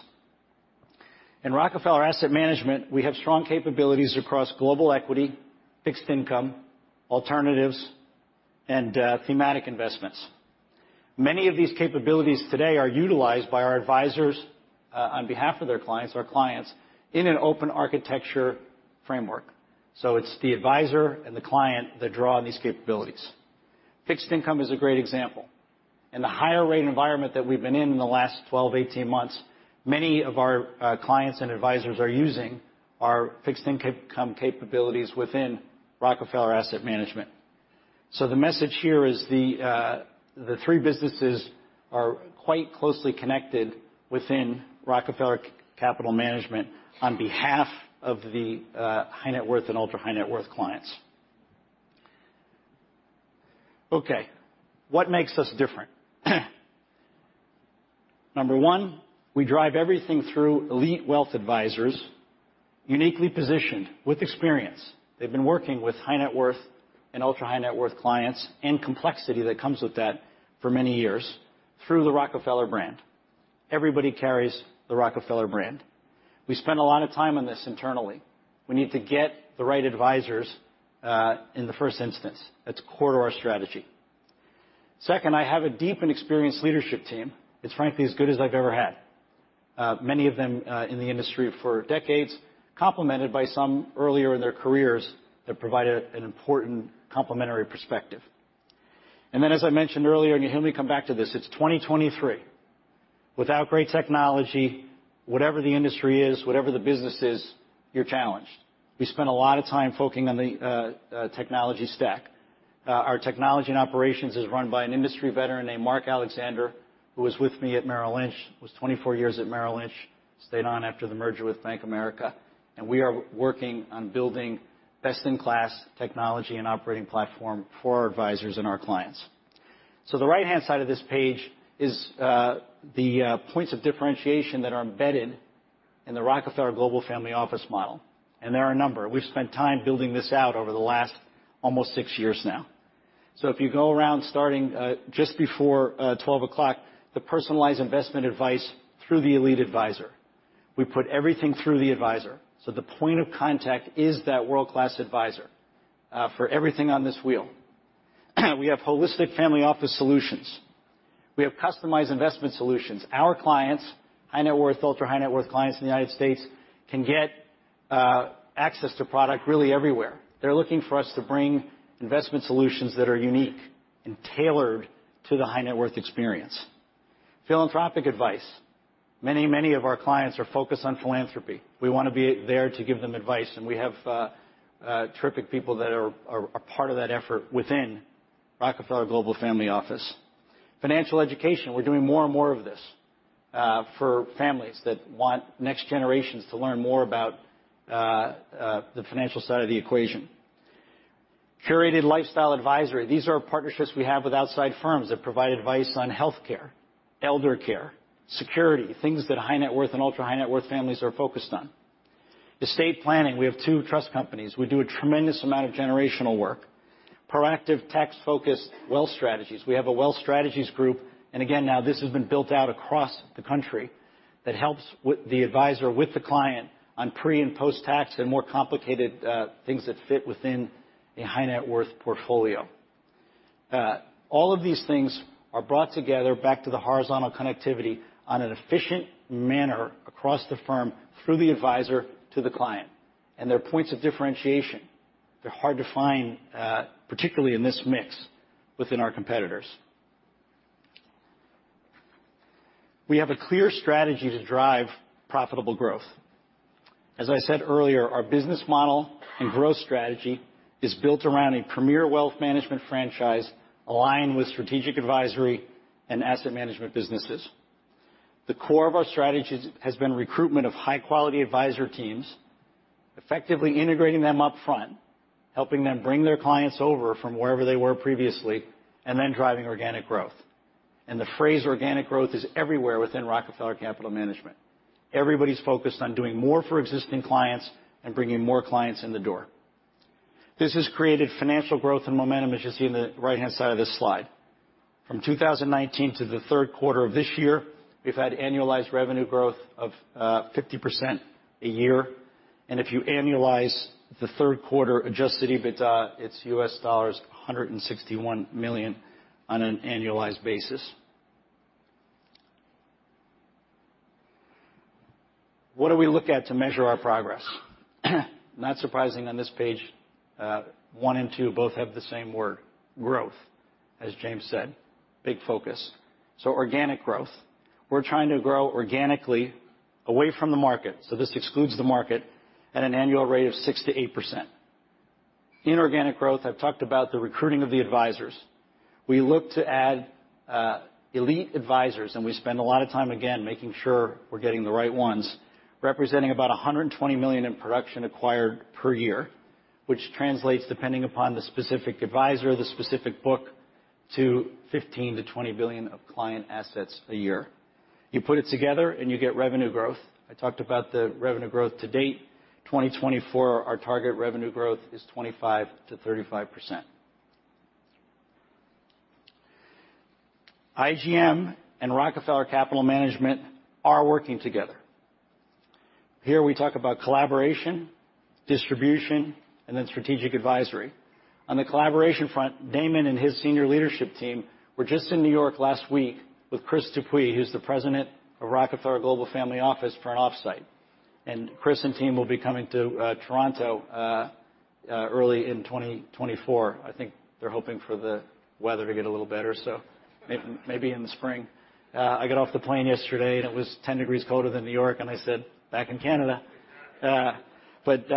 In Rockefeller Asset Management, we have strong capabilities across global equity, fixed income, alternatives, and thematic investments. Many of these capabilities today are utilized by our advisors on behalf of their clients, our clients, in an open architecture framework. So it's the advisor and the client that draw on these capabilities. Fixed income is a great example. In the higher rate environment that we've been in in the last 12-18 months, many of our clients and advisors are using our fixed income capabilities within Rockefeller Asset Management. So the message here is the three businesses are quite closely connected within Rockefeller Capital Management on behalf of the high-net-worth and ultra-high-net-worth clients. Okay, what makes us different? Number one, we drive everything through elite wealth advisors, uniquely positioned with experience. They've been working with high-net-worth and ultra-high-net-worth clients and complexity that comes with that for many years through the Rockefeller brand. Everybody carries the Rockefeller brand. We spend a lot of time on this internally. We need to get the right advisors in the first instance. That's core to our strategy. Second, I have a deep and experienced leadership team. It's frankly as good as I've ever had. Many of them in the industry for decades, complemented by some earlier in their careers that provide an important complementary perspective. And then, as I mentioned earlier, and you'll hear me come back to this, it's 2023. Without great technology, whatever the industry is, whatever the business is, you're challenged. We spend a lot of time focusing on the technology stack. Our technology and operations is run by an industry veteran named Mark Alexander, who was with me at Merrill Lynch, was 24 years at Merrill Lynch, stayed on after the merger with Bank of America, and we are working on building best-in-class technology and operating platform for our advisors and our clients. So the right-hand side of this page is the points of differentiation that are embedded in the Rockefeller Global Family Office model, and there are a number. We've spent time building this out over the last almost six years now. So if you go around starting just before twelve o'clock, the personalized investment advice through the elite advisor. We put everything through the advisor, so the point of contact is that world-class advisor for everything on this wheel. We have holistic family office solutions. We have customized investment solutions. Our clients, high-net-worth, ultra-high-net-worth clients in the United States, can get access to product really everywhere. They're looking for us to bring investment solutions that are unique and tailored to the high-net-worth experience. Philanthropic advice. Many, many of our clients are focused on philanthropy. We want to be there to give them advice, and we have terrific people that are a part of that effort within Rockefeller Global Family Office. Financial education. We're doing more and more of this, for families that want next generations to learn more about, the financial side of the equation. Curated lifestyle advisory. These are partnerships we have with outside firms that provide advice on healthcare, elder care, security, things that high-net-worth and ultra-high-net-worth families are focused on. Estate planning. We have two trust companies. We do a tremendous amount of generational work. Proactive, tax-focused Wealth Strategies. We have a Wealth Strategies Group, and again, now this has been built out across the country, that helps with the advisor, with the client on pre- and post-tax and more complicated, things that fit within a high-net-worth portfolio. All of these things are brought together back to the horizontal connectivity on an efficient manner across the firm, through the advisor to the client. And they're points of differentiation. They're hard to find, particularly in this mix within our competitors.... We have a clear strategy to drive profitable growth. As I said earlier, our business model and growth strategy is built around a premier wealth management franchise, aligned with strategic advisory and asset management businesses. The core of our strategy has been recruitment of high-quality advisor teams, effectively integrating them upfront, helping them bring their clients over from wherever they were previously, and then driving organic growth. And the phrase organic growth is everywhere within Rockefeller Capital Management. Everybody's focused on doing more for existing clients and bringing more clients in the door. This has created financial growth and momentum, as you see in the right-hand side of this slide. From 2019 to the third quarter of this year, we've had annualized revenue growth of 50% a year. If you annualize the third quarter adjusted EBITDA, it's $161 million on an annualized basis. What do we look at to measure our progress? Not surprising, on this page, 1 and 2 both have the same word, growth. As James said, big focus. So organic growth. We're trying to grow organically away from the market, so this excludes the market, at an annual rate of 6%-8%. Inorganic growth, I've talked about the recruiting of the advisors. We look to add elite advisors, and we spend a lot of time, again, making sure we're getting the right ones, representing about $120 million in production acquired per year, which translates, depending upon the specific advisor, the specific book, to $15 billion-$20 billion of client assets a year. You put it together, and you get revenue growth. I talked about the revenue growth to date. 2024, our target revenue growth is 25%-35%. IGM and Rockefeller Capital Management are working together. Here we talk about collaboration, distribution, and then strategic advisory. On the collaboration front, Damon and his senior leadership team were just in New York last week with Chris Dupuy, who's the President of Rockefeller Global Family Office, for an off-site, and Chris and team will be coming to Toronto early in 2024. I think they're hoping for the weather to get a little better, so maybe, maybe in the spring. I got off the plane yesterday, and it was 10 degrees colder than New York, and I said, "Back in Canada." But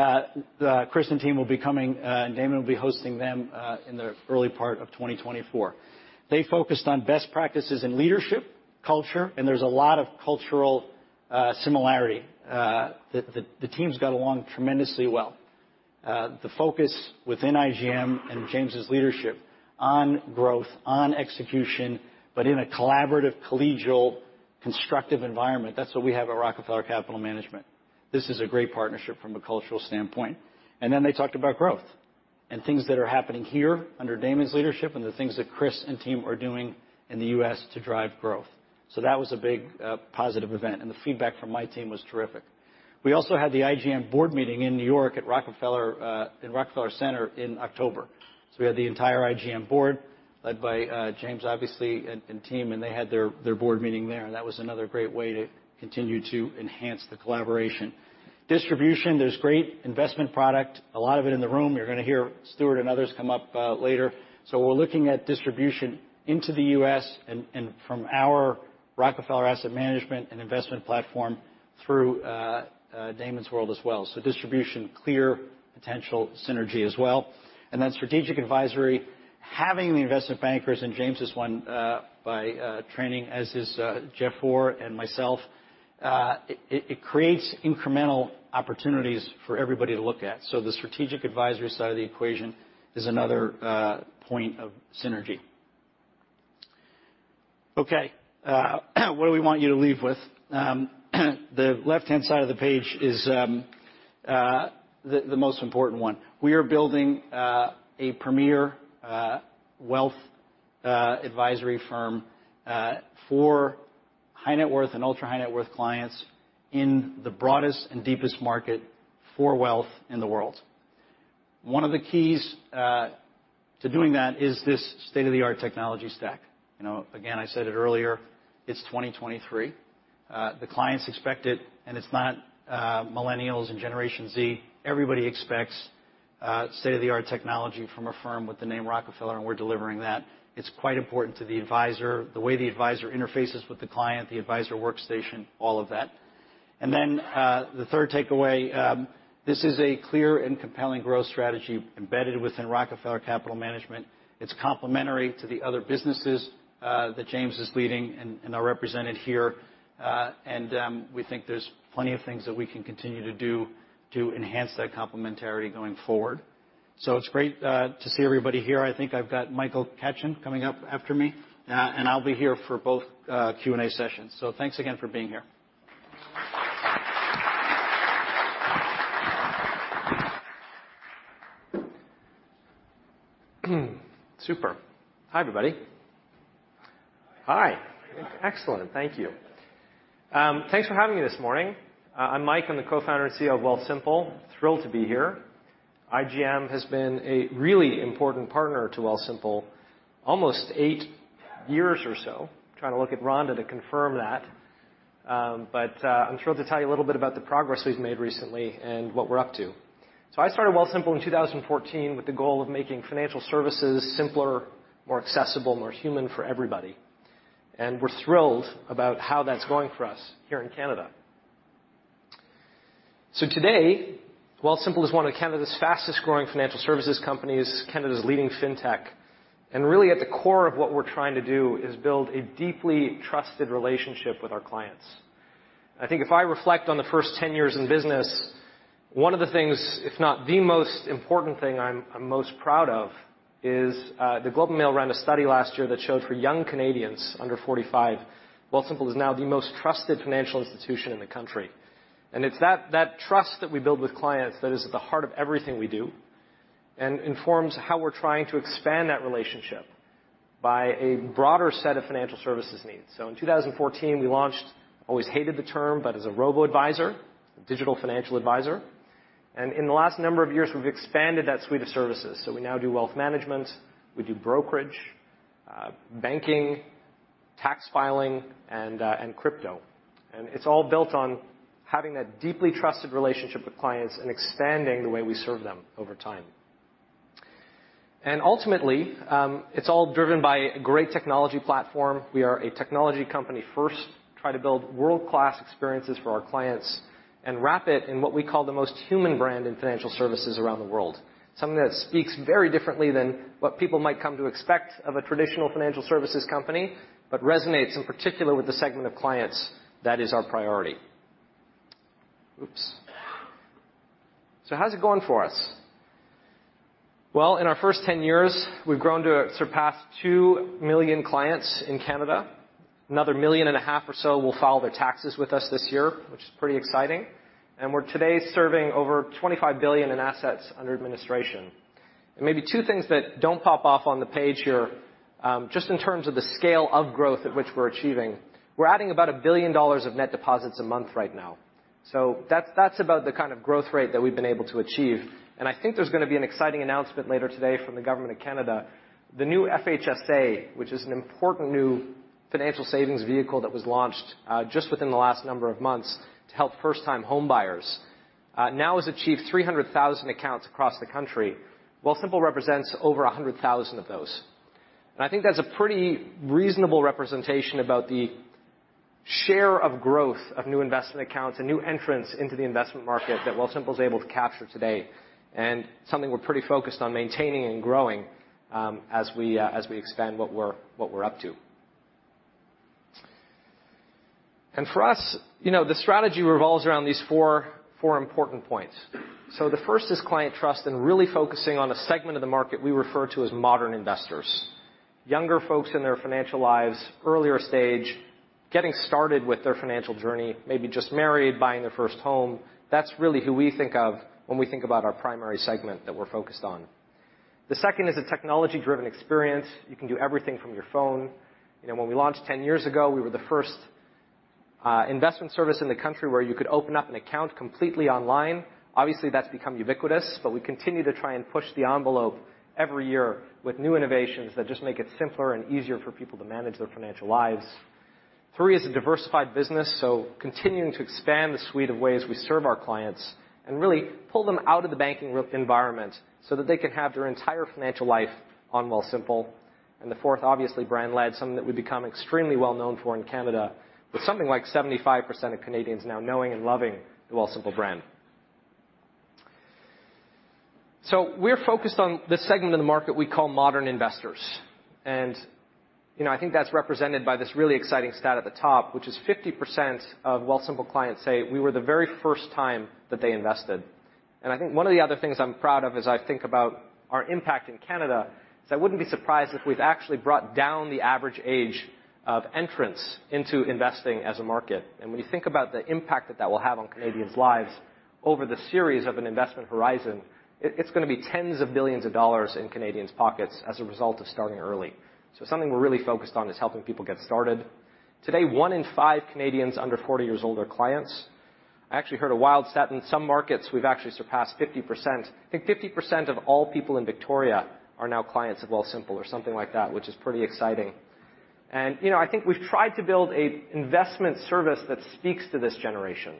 the Chris and team will be coming, and Damon will be hosting them in the early part of 2024. They focused on best practices in leadership, culture, and there's a lot of cultural similarity, the teams got along tremendously well. The focus within IGM and James' leadership on growth, on execution, but in a collaborative, collegial, constructive environment, that's what we have at Rockefeller Capital Management. This is a great partnership from a cultural standpoint. And then they talked about growth and things that are happening here under Damon's leadership, and the things that Chris and team are doing in the U.S. to drive growth. So that was a big positive event, and the feedback from my team was terrific. We also had the IGM board meeting in New York, at Rockefeller, in Rockefeller Center in October. So we had the entire IGM board, led by, James, obviously, and, and team, and they had their, their board meeting there, and that was another great way to continue to enhance the collaboration. Distribution, there's great investment product, a lot of it in the room. You're gonna hear Stuart and others come up, later. So we're looking at distribution into the U.S. and, and from our Rockefeller Asset Management and investment platform through, Damon's world as well. So distribution, clear potential synergy as well. And then strategic advisory, having the investment bankers and James is one, by, training, as is, Jeff Orr and myself, it creates incremental opportunities for everybody to look at. So the strategic advisory side of the equation is another, point of synergy. Okay, what do we want you to leave with? The left-hand side of the page is the most important one. We are building a premier wealth advisory firm for high-net-worth and ultra high net-worth clients in the broadest and deepest market for wealth in the world. One of the keys to doing that is this state-of-the-art technology stack. You know, again, I said it earlier, it's 2023. The clients expect it, and it's not millennials and Generation Z. Everybody expects state-of-the-art technology from a firm with the name Rockefeller, and we're delivering that. It's quite important to the advisor, the way the advisor interfaces with the client, the advisor workstation, all of that. And then the third takeaway, this is a clear and compelling growth strategy embedded within Rockefeller Capital Management. It's complementary to the other businesses, that James is leading and are represented here. And, we think there's plenty of things that we can continue to do to enhance that complementarity going forward. So it's great to see everybody here. I think I've got Michael Catchen coming up after me, and I'll be here for both, Q&A sessions. So thanks again for being here. Super. Hi, everybody. Hi. Excellent. Thank you. Thanks for having me this morning. I'm Mike. I'm the co-founder and CEO of Wealthsimple. Thrilled to be here. IGM has been a really important partner to Wealthsimple almost eight years or so. Trying to look at Rhonda to confirm that. I'm thrilled to tell you a little bit about the progress we've made recently and what we're up to... So I started Wealthsimple in 2014 with the goal of making financial services simpler, more accessible, more human for everybody. And we're thrilled about how that's going for us here in Canada. So today, Wealthsimple is one of Canada's fastest-growing financial services companies, Canada's leading fintech. And really at the core of what we're trying to do is build a deeply trusted relationship with our clients. I think if I reflect on the first 10 years in business, one of the things, if not the most important thing I'm most proud of, is the Globe and Mail ran a study last year that showed for young Canadians under 45, Wealthsimple is now the most trusted financial institution in the country. It's that, that trust that we build with clients that is at the heart of everything we do, and informs how we're trying to expand that relationship by a broader set of financial services needs. In 2014, we launched, always hated the term, but as a robo-advisor, a digital financial advisor, and in the last number of years, we've expanded that suite of services. We now do wealth management, we do brokerage, banking, tax filing, and crypto. It's all built on having that deeply trusted relationship with clients and expanding the way we serve them over time. And ultimately, it's all driven by a great technology platform. We are a technology company first, try to build world-class experiences for our clients and wrap it in what we call the most human brand in financial services around the world. Something that speaks very differently than what people might come to expect of a traditional financial services company, but resonates in particular with the segment of clients, that is our priority. Oops! So how's it going for us? Well, in our first 10 years, we've grown to surpass 2 million clients in Canada. Another 1.5 million or so will file their taxes with us this year, which is pretty exciting. And we're today serving over 25 billion in assets under administration. Maybe two things that don't pop off on the page here, just in terms of the scale of growth at which we're achieving. We're adding about 1 billion dollars of net deposits a month right now. So that's about the kind of growth rate that we've been able to achieve. And I think there's gonna be an exciting announcement later today from the government of Canada. The new FHSA, which is an important new financial savings vehicle that was launched, just within the last number of months to help first-time homebuyers, now has achieved 300,000 accounts across the country. Wealthsimple represents over 100,000 of those. I think that's a pretty reasonable representation about the share of growth of new investment accounts and new entrants into the investment market that Wealthsimple is able to capture today, and something we're pretty focused on maintaining and growing, as we expand what we're up to. For us, you know, the strategy revolves around these four important points. So the first is client trust and really focusing on a segment of the market we refer to as modern investors. Younger folks in their financial lives, earlier stage, getting started with their financial journey, maybe just married, buying their first home. That's really who we think of when we think about our primary segment that we're focused on. The second is a technology-driven experience. You can do everything from your phone. You know, when we launched 10 years ago, we were the first investment service in the country where you could open up an account completely online. Obviously, that's become ubiquitous, but we continue to try and push the envelope every year with new innovations that just make it simpler and easier for people to manage their financial lives. Three is a diversified business, so continuing to expand the suite of ways we serve our clients and really pull them out of the banking environment so that they can have their entire financial life on Wealthsimple. And the fourth, obviously, brand-led, something that we've become extremely well known for in Canada, with something like 75% of Canadians now knowing and loving the Wealthsimple brand. So we're focused on this segment of the market we call modern investors. You know, I think that's represented by this really exciting stat at the top, which is 50% of Wealthsimple clients say we were the very first-time that they invested. And I think one of the other things I'm proud of as I think about our impact in Canada, is I wouldn't be surprised if we've actually brought down the average age of entrants into investing as a market. And when you think about the impact that that will have on Canadians' lives over the series of an investment horizon, it's gonna be tens of billions of CAD in Canadians' pockets as a result of starting early. So something we're really focused on is helping people get started. Today, one in five Canadians under 40 years old are clients. I actually heard a wild stat. In some markets, we've actually surpassed 50%. I think 50% of all people in Victoria are now clients of Wealthsimple or something like that, which is pretty exciting. And, you know, I think we've tried to build an investment service that speaks to this generation.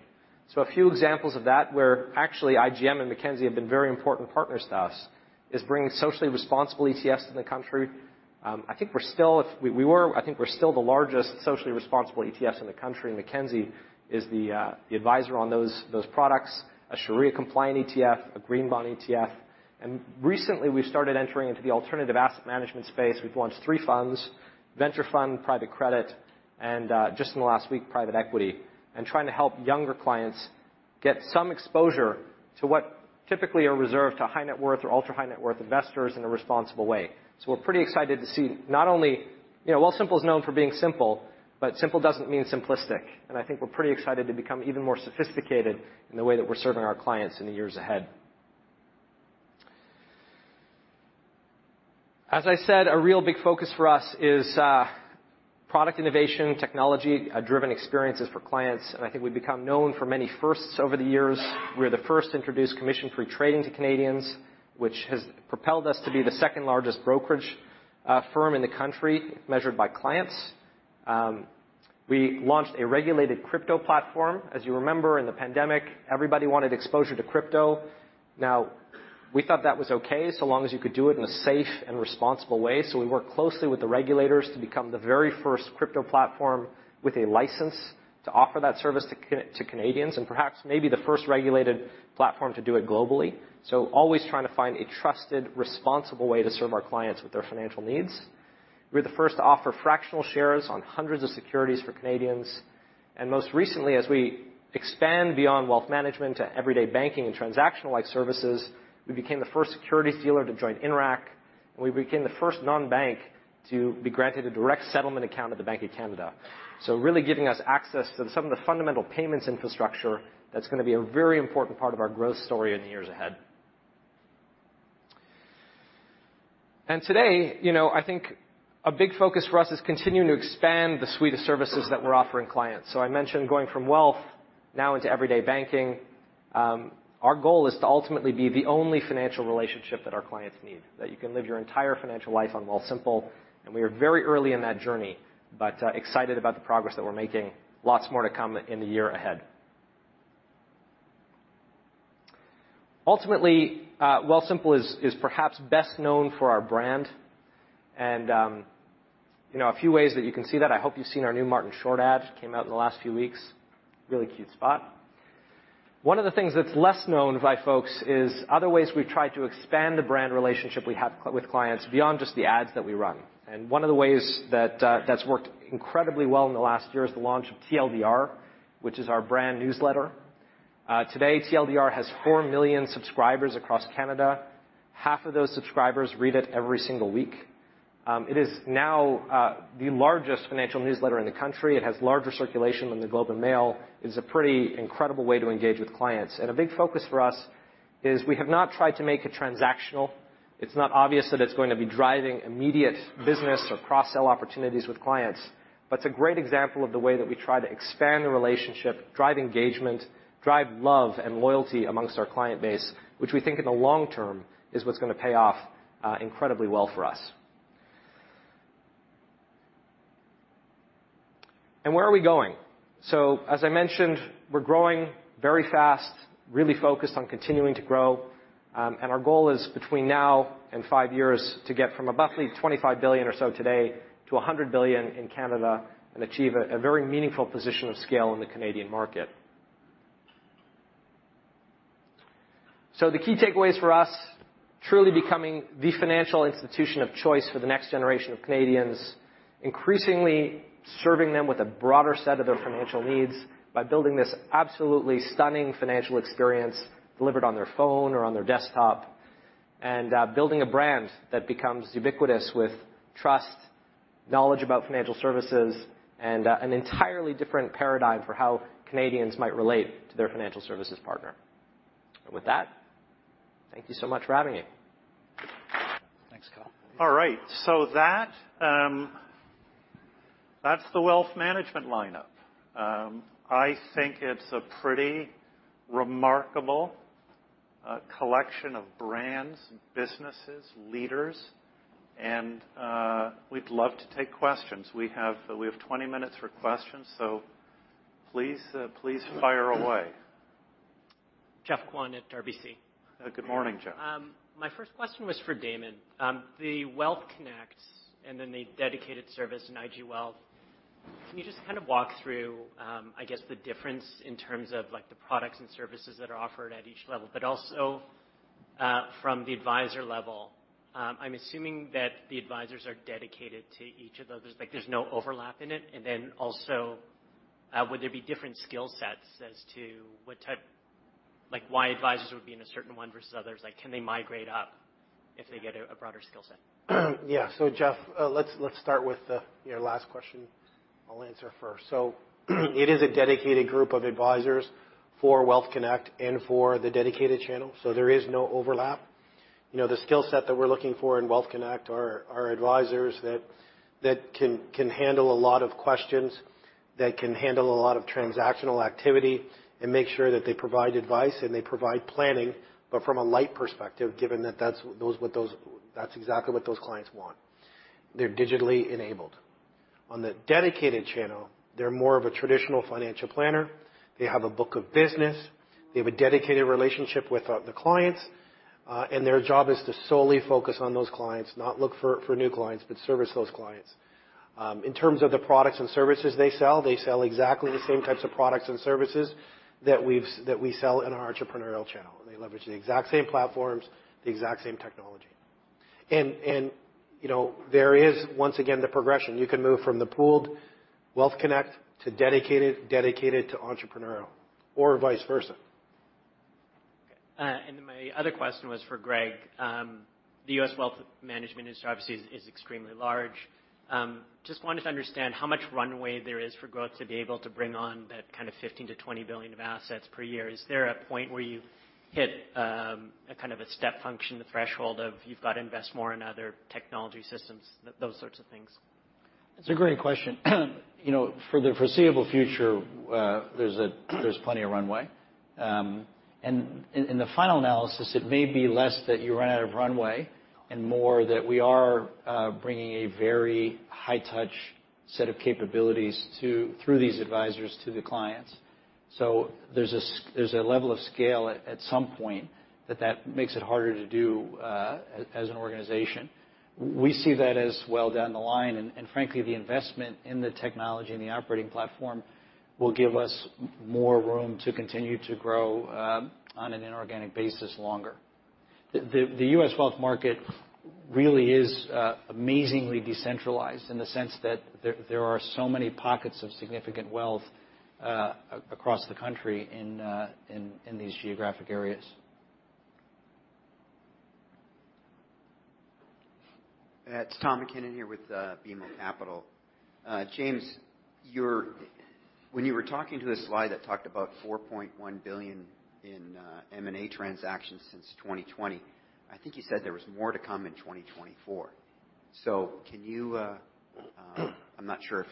So a few examples of that, where actually IGM and Mackenzie have been very important partners to us, is bringing socially responsible ETFs to the country. I think we're still the largest socially responsible ETFs in the country, and Mackenzie is the advisor on those products, a Sharia-compliant ETF, a green bond ETF. And recently, we started entering into the alternative asset management space. We've launched three funds, venture fund, private credit, and just in the last week, private equity, and trying to help younger clients get some exposure to what typically are reserved to high-net-worth or ultra-high-net-worth investors in a responsible way. So we're pretty excited to see not only... You know, Wealthsimple is known for being simple, but simple doesn't mean simplistic. I think we're pretty excited to become even more sophisticated in the way that we're serving our clients in the years ahead. As I said, a real big focus for us is product innovation, technology-driven experiences for clients, and I think we've become known for many firsts over the years. We're the first to introduce commission-free trading to Canadians, which has propelled us to be the second-largest brokerage firm in the country, measured by clients. We launched a regulated crypto platform. As you remember, in the pandemic, everybody wanted exposure to crypto. Now, we thought that was okay, so long as you could do it in a safe and responsible way. So we worked closely with the regulators to become the very first crypto platform with a license to offer that service to Canadians, and perhaps maybe the first regulated platform to do it globally. So always trying to find a trusted, responsible way to serve our clients with their financial needs. We're the first to offer fractional shares on hundreds of securities for Canadians, and most recently, as we expand beyond wealth management to everyday banking and transactional-like services, we became the first securities dealer to join Interac, and we became the first non-bank to be granted a direct settlement account at the Bank of Canada. So really giving us access to some of the fundamental payments infrastructure that's gonna be a very important part of our growth story in the years ahead. And today, you know, I think a big focus for us is continuing to expand the suite of services that we're offering clients. So I mentioned going from wealth now into everyday banking. Our goal is to ultimately be the only financial relationship that our clients need, that you can live your entire financial life on Wealthsimple, and we are very early in that journey, but excited about the progress that we're making. Lots more to come in the year ahead. Ultimately, Wealthsimple is perhaps best known for our brand. And you know, a few ways that you can see that. I hope you've seen our new Martin Short ad, came out in the last few weeks. Really cute spot. One of the things that's less known by folks is other ways we've tried to expand the brand relationship we have with clients beyond just the ads that we run. And one of the ways that that's worked incredibly well in the last year is the launch of TLDR, which is our brand newsletter. Today, TLDR has 4 million subscribers across Canada. Half of those subscribers read it every single week. It is now the largest financial newsletter in the country. It has larger circulation than The Globe and Mail. It's a pretty incredible way to engage with clients. And a big focus for us is we have not tried to make it transactional. It's not obvious that it's going to be driving immediate business or cross-sell opportunities with clients, but it's a great example of the way that we try to expand the relationship, drive engagement, drive love and loyalty among our client base, which we think in the long term is what's gonna pay off incredibly well for us. And where are we going? So, as I mentioned, we're growing very fast, really focused on continuing to grow. And our goal is between now and 5 years to get from about 25 billion or so today to 100 billion in Canada and achieve a very meaningful position of scale in the Canadian market. So the key takeaways for us, truly becoming the financial institution of choice for the next generation of Canadians, increasingly serving them with a broader set of their financial needs by building this absolutely stunning financial experience delivered on their phone or on their desktop, and, building a brand that becomes ubiquitous with trust, knowledge about financial services, and, an entirely different paradigm for how Canadians might relate to their financial services partner. With that, thank you so much for having me. Thanks, Kyle. All right, so that, that's the wealth management lineup. I think it's a pretty remarkable collection of brands, businesses, leaders, and, we'd love to take questions. We have 20 minutes for questions, so please, please fire away. Geoff Kwan at RBC. Good morning, Geoff My first question was for Damon. The Wealth Connect and then the dedicated service in IG Wealth, can you just kind of walk through, I guess, the difference in terms of, like, the products and services that are offered at each level, but also, from the advisor level? I'm assuming that the advisors are dedicated to each of those. There's, like, there's no overlap in it. And then also, would there be different skill sets as to what type... Like, why advisors would be in a certain one versus others? Like, can they migrate up if they get a, a broader skill set? Yeah. So, Geoff, let's start with your last question. I'll answer first. So it is a dedicated group of advisors for Wealth Connect and for the dedicated channel, so there is no overlap. You know, the skill set that we're looking for in Wealth Connect are advisors that can handle a lot of questions, that can handle a lot of transactional activity, and make sure that they provide advice and they provide planning, but from a light perspective, given that that's exactly what those clients want. They're digitally enabled. On the dedicated channel, they're more of a traditional financial planner. They have a book of business. They have a dedicated relationship with the clients, and their job is to solely focus on those clients, not look for new clients, but service those clients. In terms of the products and services they sell, they sell exactly the same types of products and services that we sell in our entrepreneurial channel. They leverage the exact same platforms, the exact same technology. You know, there is, once again, the progression. You can move from the pooled Wealth Connect to dedicated, dedicated to entrepreneurial, or vice versa. And my other question was for Greg. The U.S. wealth management industry, obviously is, is extremely large. Just wanted to understand how much runway there is for growth to be able to bring on that kind of $15 billion-$20 billion of assets per year. Is there a point where you hit, a kind of a step function, the threshold of you've got to invest more in other technology systems, those sorts of things? It's a great question. You know, for the foreseeable future, there's plenty of runway.... and in the final analysis, it may be less that you run out of runway and more that we are bringing a very high touch set of capabilities through these advisors to the clients. So there's a level of scale at some point that makes it harder to do as an organization. We see that as well down the line, and frankly, the investment in the technology and the operating platform will give us more room to continue to grow on an inorganic basis longer. The U.S. wealth market really is amazingly decentralized in the sense that there are so many pockets of significant wealth across the country in these geographic areas. It's Tom MacKinnon here with BMO Capital. James, when you were talking to a slide that talked about 4.1 billion in M&A transactions since 2020, I think you said there was more to come in 2024. So can you, I'm not sure if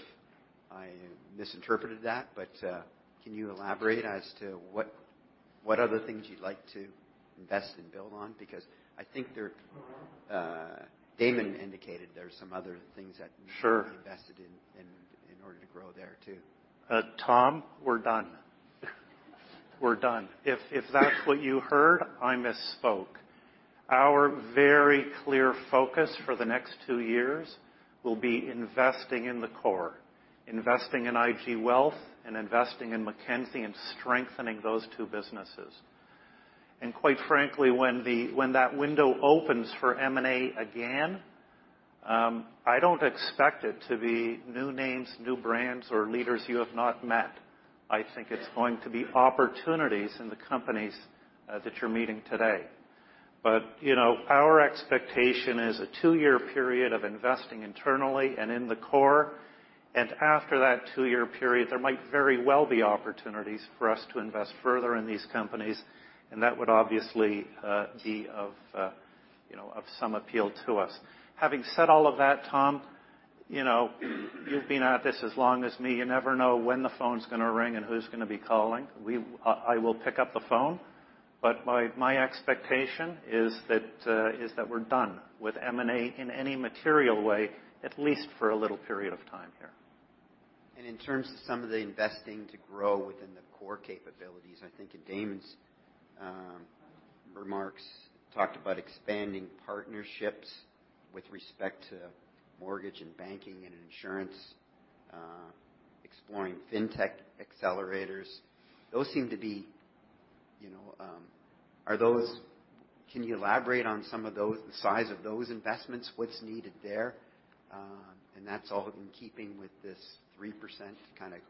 I misinterpreted that, but can you elaborate as to what, what other things you'd like to invest and build on? Because I think there, Damon indicated there are some other things that- Sure. -invested in order to grow there, too. Tom, we're done. We're done. If that's what you heard, I misspoke. Our very clear focus for the next two years will be investing in the core, investing in IG Wealth and investing in Mackenzie and strengthening those two businesses. And quite frankly, when that window opens for M&A again, I don't expect it to be new names, new brands, or leaders you have not met. I think it's going to be opportunities in the companies that you're meeting today. But, you know, our expectation is a two-year period of investing internally and in the core, and after that two-year period, there might very well be opportunities for us to invest further in these companies, and that would obviously be of, you know, of some appeal to us. Having said all of that, Tom, you know, you've been at this as long as me. You never know when the phone's gonna ring and who's gonna be calling. I will pick up the phone, but my, my expectation is that, is that we're done with M&A in any material way, at least for a little period of time here. And in terms of some of the investing to grow within the core capabilities, I think in Damon's remarks, talked about expanding partnerships with respect to mortgage and banking and insurance, exploring fintech accelerators. Those seem to be, you know... Are those-- can you elaborate on some of those, the size of those investments, what's needed there? And that's all in keeping with this 3% kind of,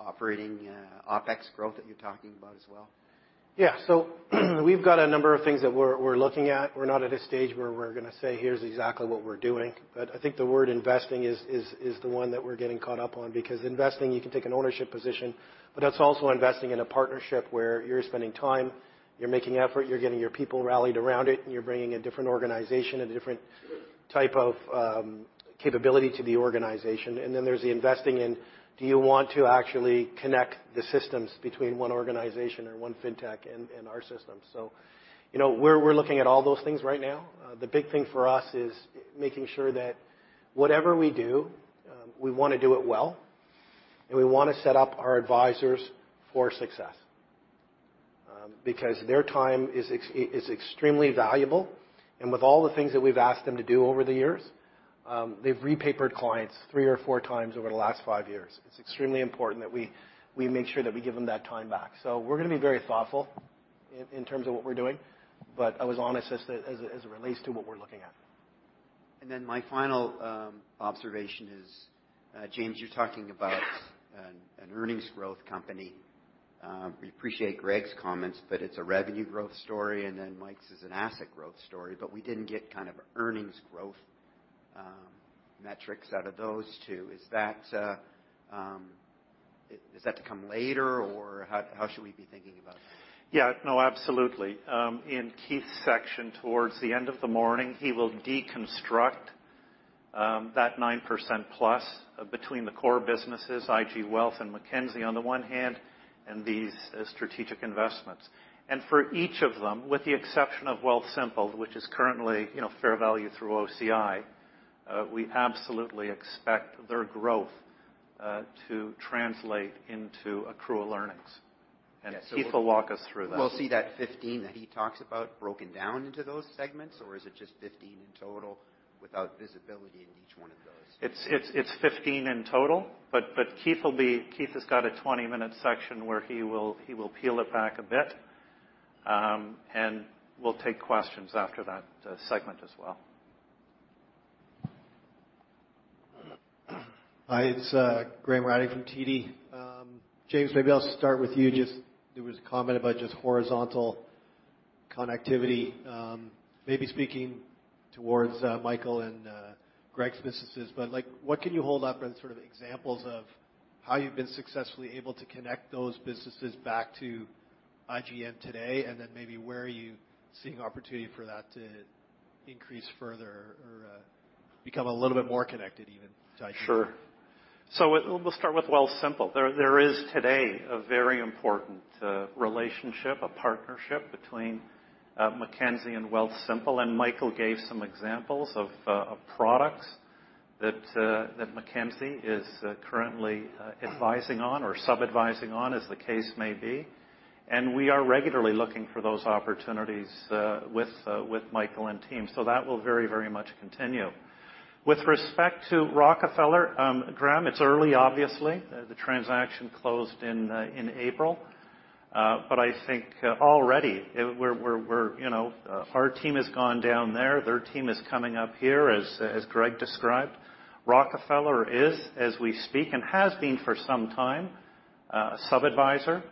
operating, OpEx growth that you're talking about as well. Yeah. So we've got a number of things that we're looking at. We're not at a stage where we're gonna say, "Here's exactly what we're doing." But I think the word investing is the one that we're getting caught up on because investing, you can take an ownership position, but that's also investing in a partnership where you're spending time, you're making effort, you're getting your people rallied around it, and you're bringing a different organization and a different type of capability to the organization. And then there's the investing in, do you want to actually connect the systems between one organization or one fintech and our system? So, you know, we're looking at all those things right now. The big thing for us is making sure that whatever we do, we want to do it well, and we want to set up our advisors for success. Because their time is extremely valuable, and with all the things that we've asked them to do over the years, the repaper clients three or four times over the last 5 years. It's extremely important that we make sure that we give them that time back. So we're gonna be very thoughtful in terms of what we're doing, but I was honest as it relates to what we're looking at. And then my final observation is, James, you're talking about an earnings growth company. We appreciate Greg's comments, but it's a revenue growth story, and then Mike's is an asset growth story, but we didn't get kind of earnings growth metrics out of those two. Is that to come later, or how should we be thinking about that? Yeah. No, absolutely. In Keith's section, towards the end of the morning, he will deconstruct that 9%+ between the core businesses, IG Wealth and Mackenzie, on the one hand, and these strategic investments. And for each of them, with the exception of Wealthsimple, which is currently, you know, fair value through OCI, we absolutely expect their growth to translate into accrual earnings. Yeah. Keith will walk us through that. We'll see that 15 that he talks about broken down into those segments, or is it just 15 in total without visibility in each one of those? It's 15 in total, but Keith has got a 20-minute section where he will peel it back a bit, and we'll take questions after that segment as well. Hi, it's Graham Ryding from TD. James, maybe I'll start with you. Just there was a comment about just horizontal connectivity, maybe speaking towards Michael and Greg's businesses, but, like, what can you hold up as sort of examples of how you've been successfully able to connect those businesses back to IGM today, and then maybe where are you seeing opportunity for that to grow?... increase further or become a little bit more connected even to IG. Sure. So we'll start with Wealthsimple. There is today a very important relationship, a partnership between Mackenzie and Wealthsimple, and Michael gave some examples of products that Mackenzie is currently advising on or sub-advising on, as the case may be. And we are regularly looking for those opportunities with Michael and team. So that will very, very much continue. With respect to Rockefeller, Graham, it's early, obviously. The transaction closed in April. But I think already we're, you know, our team has gone down there, their team is coming up here, as Greg described. Rockefeller is, as we speak, and has been for some time, sub-advisor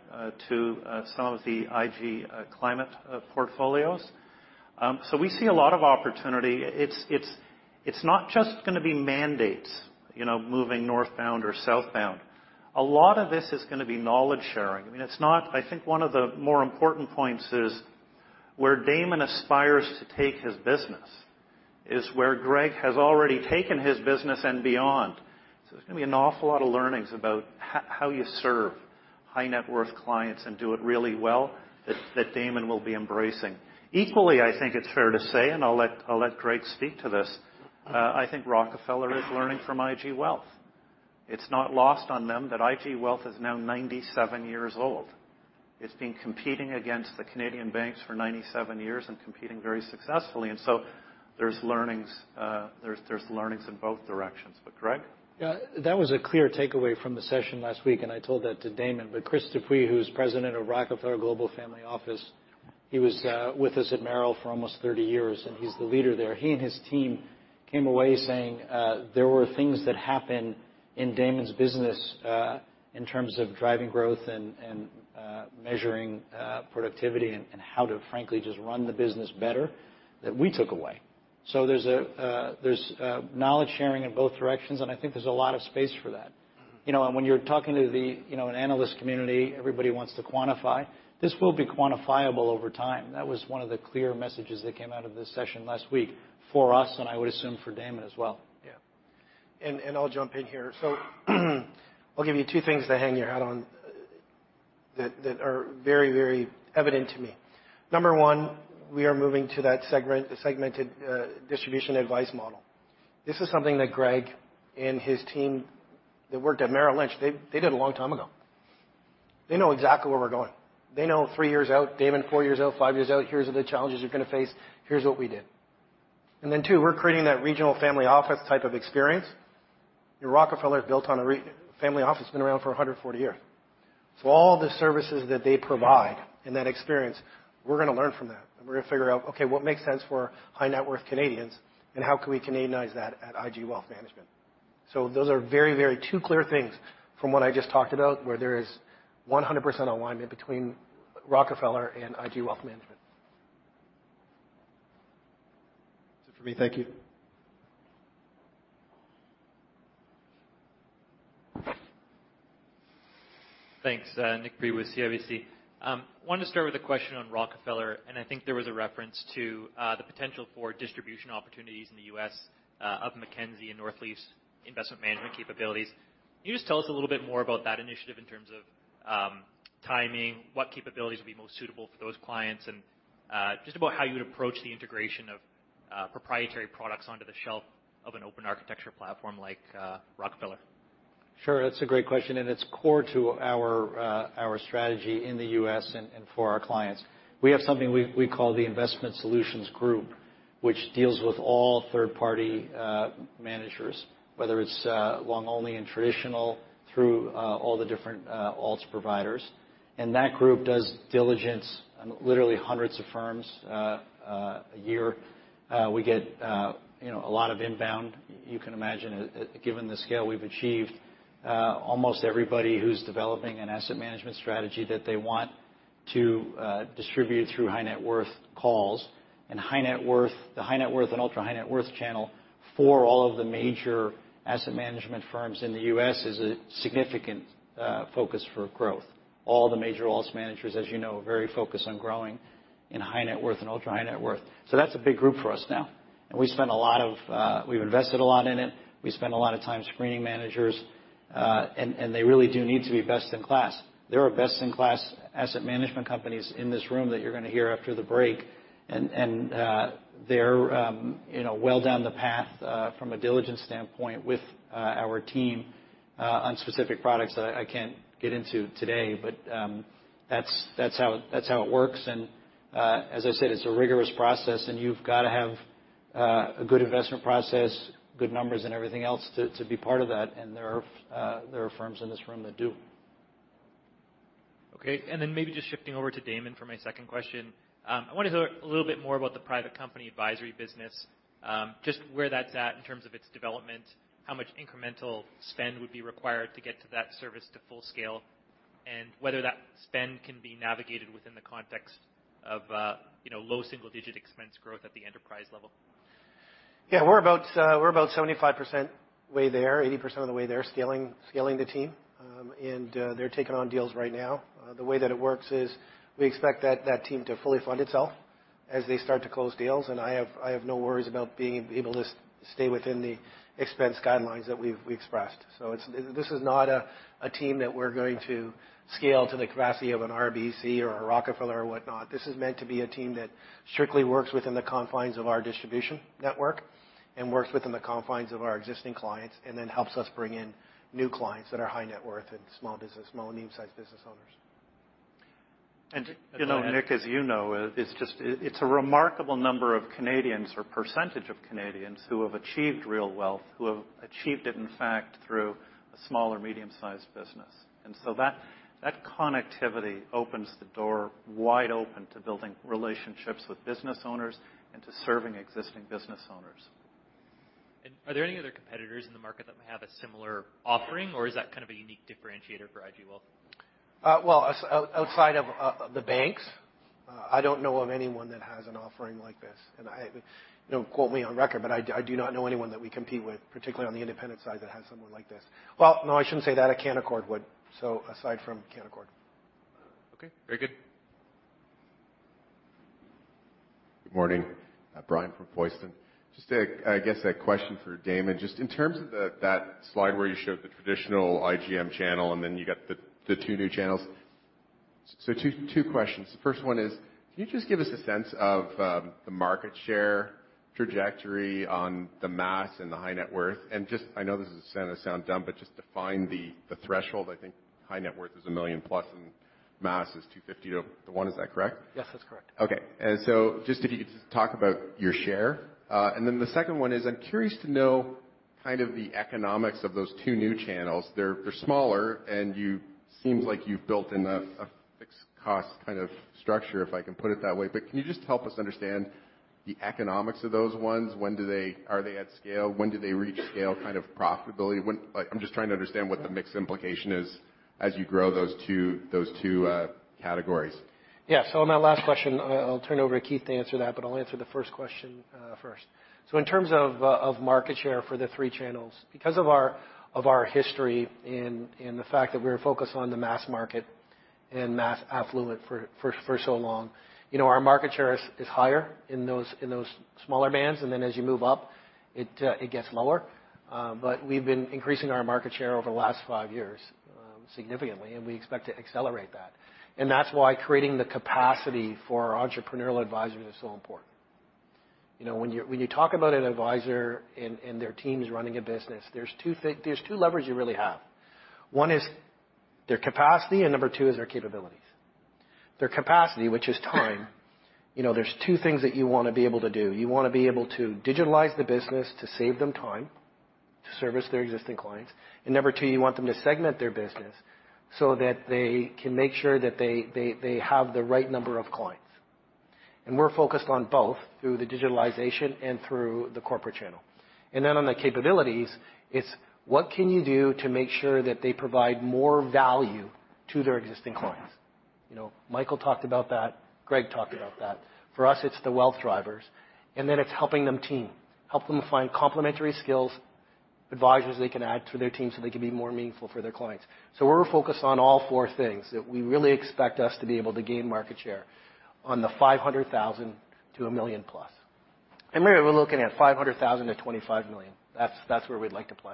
to some of the IG climate portfolios. So we see a lot of opportunity. It's not just gonna be mandates, you know, moving northbound or southbound. A lot of this is gonna be knowledge sharing. I mean, it's not. I think one of the more important points is where Damon aspires to take his business is where Greg has already taken his business and beyond. So there's gonna be an awful lot of learnings about how you serve high-net- worth clients and do it really well, that Damon will be embracing. Equally, I think it's fair to say, and I'll let Greg speak to this. I think Rockefeller is learning from IG Wealth. It's not lost on them that IG Wealth is now 97 years old. It's been competing against the Canadian banks for 97 years and competing very successfully, and so there's learnings in both directions. But Greg? Yeah, that was a clear takeaway from the session last week, and I told that to Damon. But Chris Dupuy, who's president of Rockefeller Global Family Office, he was with us at Merrill for almost 30 years, and he's the leader there. He and his team came away saying, there were things that happened in Damon's business, in terms of driving growth and, and, measuring, productivity and, and how to frankly, just run the business better, that we took away. So there's a, there's, knowledge sharing in both directions, and I think there's a lot of space for that. You know, and when you're talking to the, you know, an analyst community, everybody wants to quantify. This will be quantifiable over time. That was one of the clear messages that came out of this session last week for us, and I would assume for Damon as well. Yeah. I'll jump in here. So, I'll give you two things to hang your hat on that, that are very, very evident to me. Number one, we are moving to that segment, the segmented, distribution advice model. This is something that Greg and his team that worked at Merrill Lynch, they, they did a long time ago. They know exactly where we're going. They know three years out, Damon, four years out, 5 years out, here's the challenges you're gonna face, here's what we did. And then, two, we're creating that regional family office type of experience. Rockefeller is built on a real family office, been around for 140 years. So all the services that they provide and that experience, we're gonna learn from that, and we're gonna figure out, okay, what makes sense for high-net-worth Canadians, and how can we Canadianize that at IG Wealth Management? So those are very, very two clear things from what I just talked about, where there is 100% alignment between Rockefeller and IG Wealth Management. That's it for me. Thank you. Thanks, Nick Priebe with CIBC. Wanted to start with a question on Rockefeller, and I think there was a reference to the potential for distribution opportunities in the U.S., of Mackenzie and Northleaf's investment management capabilities. Can you just tell us a little bit more about that initiative in terms of, timing, what capabilities would be most suitable for those clients, and just about how you would approach the integration of, proprietary products onto the shelf of an open architecture platform like, Rockefeller? Sure, that's a great question, and it's core to our, our strategy in the U.S. and, and for our clients. We have something we, we call the Investment Solutions Group, which deals with all third-party, managers, whether it's, long only in traditional through, all the different, alts providers. That group does diligence on literally hundreds of firms, a year. We get, you know, a lot of inbound. You can imagine, given the scale we've achieved, almost everybody who's developing an asset management strategy that they want to, distribute through high-net-worth calls. High-net-worth the high-net-worth and ultra-high-net-worth channel for all of the major asset management firms in the U.S., is a significant, focus for growth. All the major alts managers, as you know, are very focused on growing in high-net-worth and ultra-high-net-worth. So that's a big group for us now. We've invested a lot in it, we spend a lot of time screening managers, and they really do need to be best in class. There are best-in-class asset management companies in this room that you're gonna hear after the break, and they're, you know, well down the path from a diligence standpoint with our team on specific products that I can't get into today. But that's how it works, and, as I said, it's a rigorous process, and you've got to have a good investment process, good numbers and everything else to be part of that, and there are firms in this room that do. Okay. And then maybe just shifting over to Damon for my second question. I wanted to hear a little bit more about the private company advisory business, just where that's at in terms of its development, how much incremental spend would be required to get to that service to full scale, and whether that spend can be navigated within the context of, you know, low single digit expense growth at the enterprise level?... Yeah, we're about, we're about 75% way there, 80% of the way there, scaling, scaling the team. And, they're taking on deals right now. The way that it works is we expect that, that team to fully fund itself as they start to close deals, and I have, I have no worries about being able to stay within the expense guidelines that we've, we've expressed. So, it's this is not a, a team that we're going to scale to the capacity of an RBC or a Rockefeller or whatnot. This is meant to be a team that strictly works within the confines of our distribution network and works within the confines of our existing clients, and then helps us bring in new clients that are high-net-worth and small business, small and medium-sized business owners. You know, Nick, as you know, it's just a remarkable number of Canadians or percentage of Canadians who have achieved real wealth, who have achieved it, in fact, through a small or medium-sized business. So that connectivity opens the door wide open to building relationships with business owners and to serving existing business owners. Are there any other competitors in the market that may have a similar offering, or is that kind of a unique differentiator for IG Wealth? Well, outside of the banks, I don't know of anyone that has an offering like this. And I, you know, quote me on record, but I do not know anyone that we compete with, particularly on the independent side, that has someone like this. Well, no, I shouldn't say that. A Canaccord would. So aside from Canaccord. Okay, very good. Good morning. Brian from Poiston. Just a, I guess, a question for Damon. Just in terms of that slide where you showed the traditional IGM channel, and then you got the, the two new channels. So two, two questions. The first one is: Can you just give us a sense of the market share trajectory on the mass and the high-net-worth? And just I know this is gonna sound dumb, but just define the, the threshold. I think high-net-worth is a million-plus, and mass is 250-1. Is that correct? Yes, that's correct. Okay. And so just if you could just talk about your share. And then the second one is, I'm curious to know kind of the economics of those two new channels. They're, they're smaller, and you seems like you've built in a, a fixed cost kind of structure, if I can put it that way. But can you just help us understand the economics of those ones? When do they... Are they at scale? When do they reach scale kind of profitability? When - I'm just trying to understand what the mix implication is as you grow those two, those two, categories. Yeah. So on that last question, I'll turn it over to Keith to answer that, but I'll answer the first question first. So in terms of market share for the three channels, because of our history and the fact that we were focused on the mass market and mass affluent for so long, you know, our market share is higher in those smaller bands, and then as you move up, it gets lower. But we've been increasing our market share over the last 5 years significantly, and we expect to accelerate that. And that's why creating the capacity for entrepreneurial advisors is so important. You know, when you talk about an advisor and their team is running a business, there's two levers you really have. One is their capacity, and number two is their capabilities. Their capacity, which is time, you know, there's two things that you want to be able to do. You want to be able to digitalize the business, to save them time, to service their existing clients. And number two, you want them to segment their business so that they can make sure that they have the right number of clients. And we're focused on both through the digitalization and through the corporate channel. And then on the capabilities, it's what can you do to make sure that they provide more value to their existing clients? You know, Michael talked about that. Greg talked about that. For us, it's the wealth drivers, and then it's helping them team, help them find complementary skills, advisors they can add to their team so they can be more meaningful for their clients. So we're focused on all four things that we really expect us to be able to gain market share on the 500,000 to 1 million+. And maybe we're looking at 500,000-25 million. That's where we'd like to play.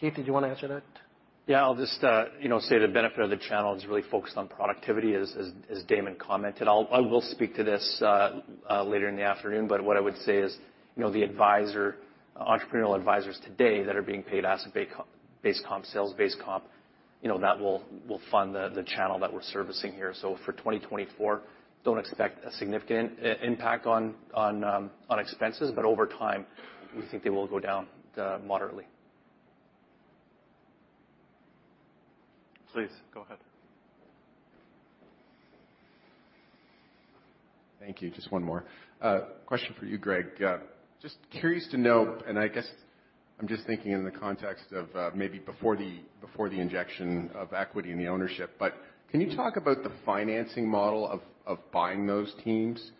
Keith, did you want to answer that? Yeah, I'll just, you know, say the benefit of the channel is really focused on productivity, as Damon commented. I will speak to this later in the afternoon, but what I would say is, you know, the advisor, entrepreneurial advisors today that are being paid asset-based comp, sales-based comp, you know, that will fund the channel that we're servicing here. So for 2024, don't expect a significant impact on expenses, but over time, we think they will go down moderately. Please, go ahead. Thank you. Just one more. Question for you, Greg. Just curious to know, and I guess I'm just thinking in the context of, maybe before the, before the injection of equity in the ownership, but can you talk about the financing model of buying those teams?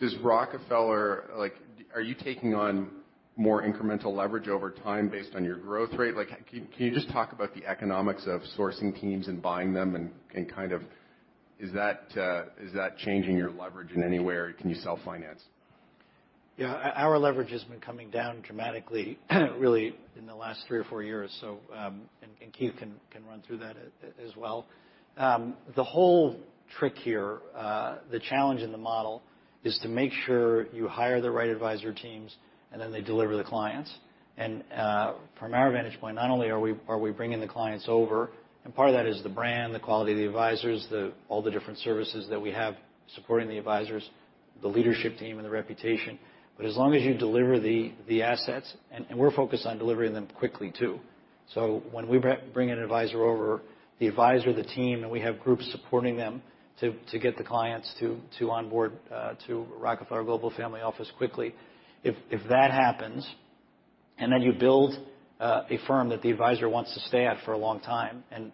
Does Rockefeller like... Are you taking on more incremental leverage over time based on your growth rate? Like, can you just talk about the economics of sourcing teams and buying them, and kind of is that changing your leverage in any way, or can you self-finance? Yeah. Our leverage has been coming down dramatically, really, in the last 3 or 4 years. So, Keith can run through that as well. The whole trick here, the challenge in the model is to make sure you hire the right advisor teams, and then they deliver the clients. And, from our vantage point, not only are we bringing the clients over, and part of that is the brand, the quality of the advisors, the, all the different services that we have supporting the advisors, the leadership team, and the reputation. But as long as you deliver the assets, and we're focused on delivering them quickly, too. So when we bring an advisor over, the advisor, the team, and we have groups supporting them to get the clients to onboard to Rockefeller Global Family Office quickly. If that happens and then you build a firm that the advisor wants to stay at for a long time. And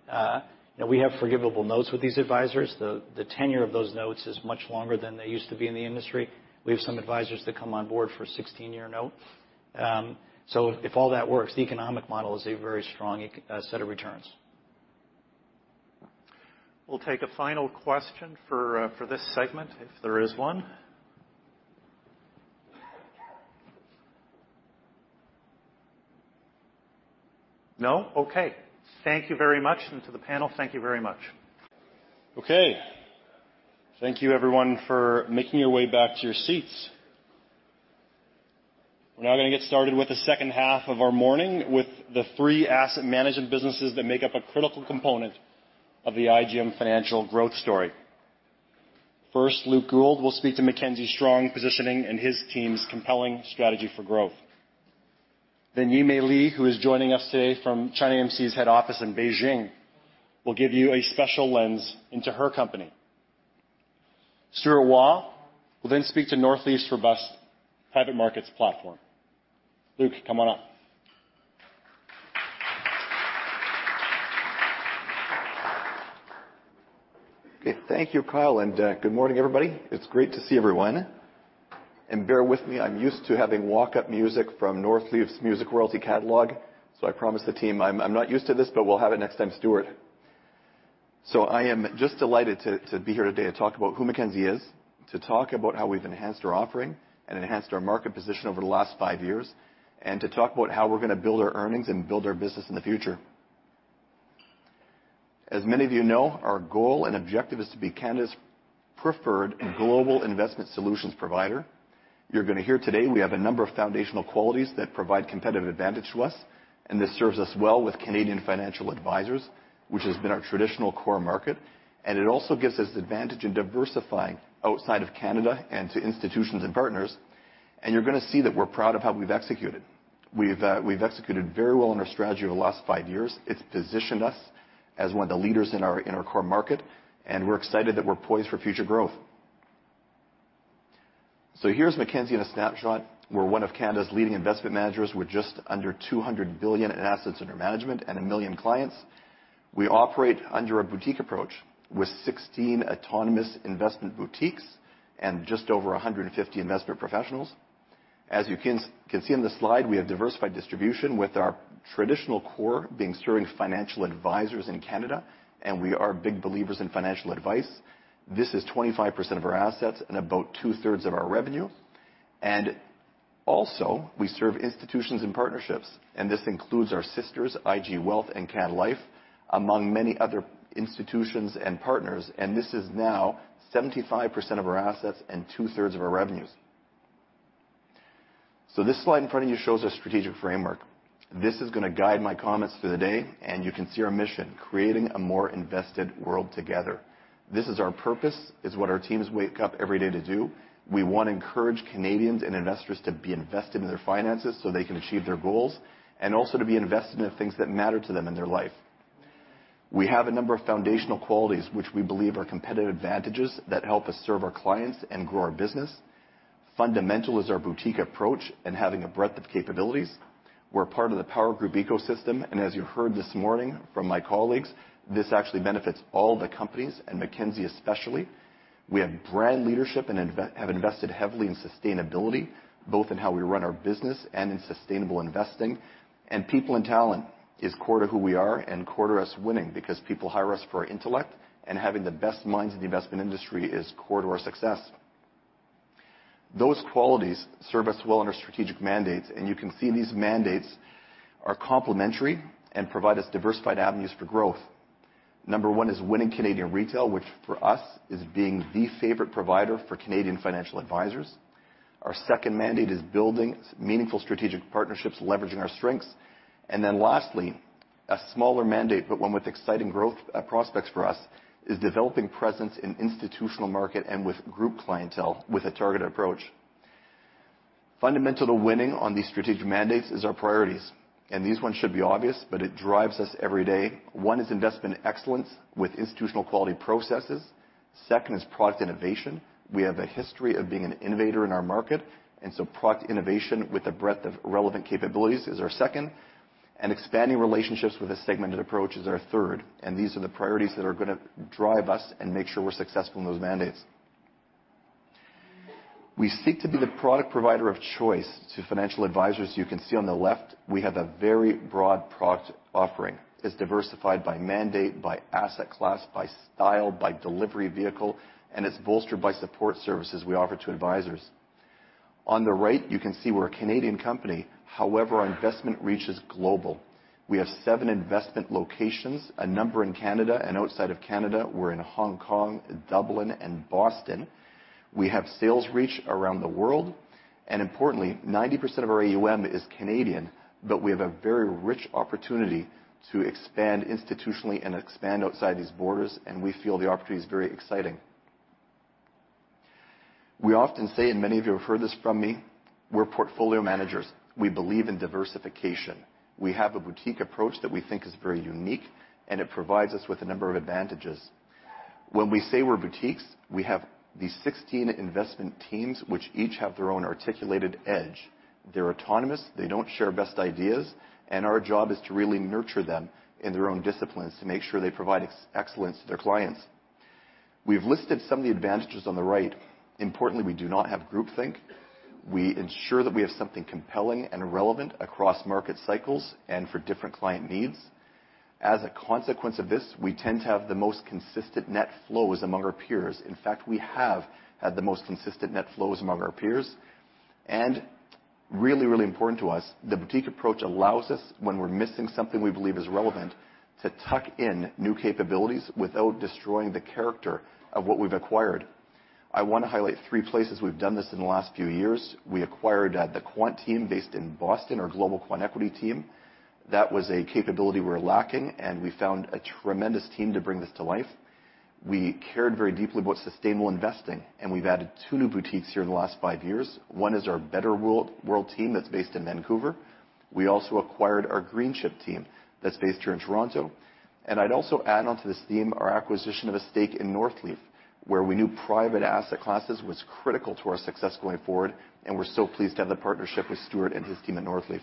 you know, we have forgivable notes with these advisors. The tenure of those notes is much longer than they used to be in the industry. We have some advisors that come on board for a 16-year note. So if all that works, the economic model is a very strong set of returns. We'll take a final question for, for this segment, if there is one. No? Okay. Thank you very much, and to the panel, thank you very much. Okay. Thank you everyone, for making your way back to your seats. We're now gonna get started with the second half of our morning, with the three asset management businesses that make up a critical component of the IGM Financial growth story. First, Luke Gould will speak to Mackenzie's strong positioning and his team's compelling strategy for growth. Then Yimei Li, who is joining us today from ChinaAMC's head office in Beijing, will give you a special lens into her company. Stuart Waugh will then speak to Northleaf's robust private markets platform. Luke, come on up. Okay. Thank you, Kyle, and good morning, everybody. It's great to see everyone. Bear with me, I'm used to having walk-up music from Northleaf's Music Royalty catalog, so I promise the team, I'm not used to this, but we'll have it next time, Stuart. So I am just delighted to be here today to talk about who Mackenzie is, to talk about how we've enhanced our offering and enhanced our market position over the last 5 years, and to talk about how we're gonna build our earnings and build our business in the future. As many of you know, our goal and objective is to be Canada's preferred global investment solutions provider. You're gonna hear today, we have a number of foundational qualities that provide competitive advantage to us, and this serves us well with Canadian financial advisors, which has been our traditional core market. It also gives us advantage in diversifying outside of Canada and to institutions and partners, and you're gonna see that we're proud of how we've executed. We've executed very well on our strategy over the last 5 years. It's positioned us as one of the leaders in our core market, and we're excited that we're poised for future growth. So here's Mackenzie in a snapshot. We're one of Canada's leading investment managers. We're just under 200 billion in assets under management and 1 million clients. We operate under a boutique approach, with 16 autonomous investment boutiques and just over 150 investment professionals. As you can see on the slide, we have diversified distribution with our traditional core being serving financial advisors in Canada, and we are big believers in financial advice. This is 25% of our assets and about two-thirds of our revenue. Also, we serve institutions and partnerships, and this includes our sisters, IG Wealth and CanLife, among many other institutions and partners. This is now 75% of our assets and two-thirds of our revenues. This slide in front of you shows a strategic framework. This is gonna guide my comments for the day, and you can see our mission, "Creating a more invested world together." This is our purpose. It's what our teams wake up every day to do. We want to encourage Canadians and investors to be invested in their finances so they can achieve their goals, and also to be invested in the things that matter to them in their life. We have a number of foundational qualities which we believe are competitive advantages that help us serve our clients and grow our business. Fundamental is our boutique approach and having a breadth of capabilities. We're part of the Power Group ecosystem, and as you heard this morning from my colleagues, this actually benefits all the companies, and Mackenzie especially. We have brand leadership and have invested heavily in sustainability, both in how we run our business and in sustainable investing. And people and talent is core to who we are and core to us winning, because people hire us for our intellect, and having the best minds in the investment industry is core to our success. Those qualities serve us well under strategic mandates, and you can see these mandates are complementary and provide us diversified avenues for growth. Number one is winning Canadian retail, which for us, is being the favorite provider for Canadian financial advisors. Our second mandate is building meaningful strategic partnerships, leveraging our strengths. And then lastly, a smaller mandate, but one with exciting growth prospects for us, is developing presence in institutional market and with group clientele with a targeted approach. Fundamental to winning on these strategic mandates is our priorities, and these ones should be obvious, but it drives us every day. One is investment excellence with institutional quality processes. Second is product innovation. We have a history of being an innovator in our market, and so product innovation with a breadth of relevant capabilities is our second, and expanding relationships with a segmented approach is our third, and these are the priorities that are gonna drive us and make sure we're successful in those mandates. We seek to be the product provider of choice to financial advisors. You can see on the left, we have a very broad product offering. It's diversified by mandate, by asset class, by style, by delivery vehicle, and it's bolstered by support services we offer to advisors. On the right, you can see we're a Canadian company, however, our investment reach is global. We have 7 investment locations, a number in Canada and outside of Canada. We're in Hong Kong, Dublin, and Boston. We have sales reach around the world, and importantly, 90% of our AUM is Canadian, but we have a very rich opportunity to expand institutionally and expand outside these borders, and we feel the opportunity is very exciting. We often say, and many of you have heard this from me, we're portfolio managers. We believe in diversification. We have a boutique approach that we think is very unique, and it provides us with a number of advantages. When we say we're boutiques, we have these 16 investment teams, which each have their own articulated edge. They're autonomous, they don't share best ideas, and our job is to really nurture them in their own disciplines, to make sure they provide excellence to their clients. We've listed some of the advantages on the right. Importantly, we do not have groupthink. We ensure that we have something compelling and relevant across market cycles and for different client needs. As a consequence of this, we tend to have the most consistent net flows among our peers. In fact, we have had the most consistent net flows among our peers. Really, really important to us, the boutique approach allows us, when we're missing something we believe is relevant, to tuck in new capabilities without destroying the character of what we've acquired. I wanna highlight three places we've done this in the last few years. We acquired the quant team based in Boston, our global quant equity team. That was a capability we were lacking, and we found a tremendous team to bring this to life. We cared very deeply about sustainable investing, and we've added two new boutiques here in the last 5 years. One is our Betterworld, World team that's based in Vancouver. We also acquired our Greenchip team that's based here in Toronto. And I'd also add onto this theme, our acquisition of a stake in Northleaf, where we knew private asset classes was critical to our success going forward, and we're so pleased to have the partnership with Stuart and his team at Northleaf.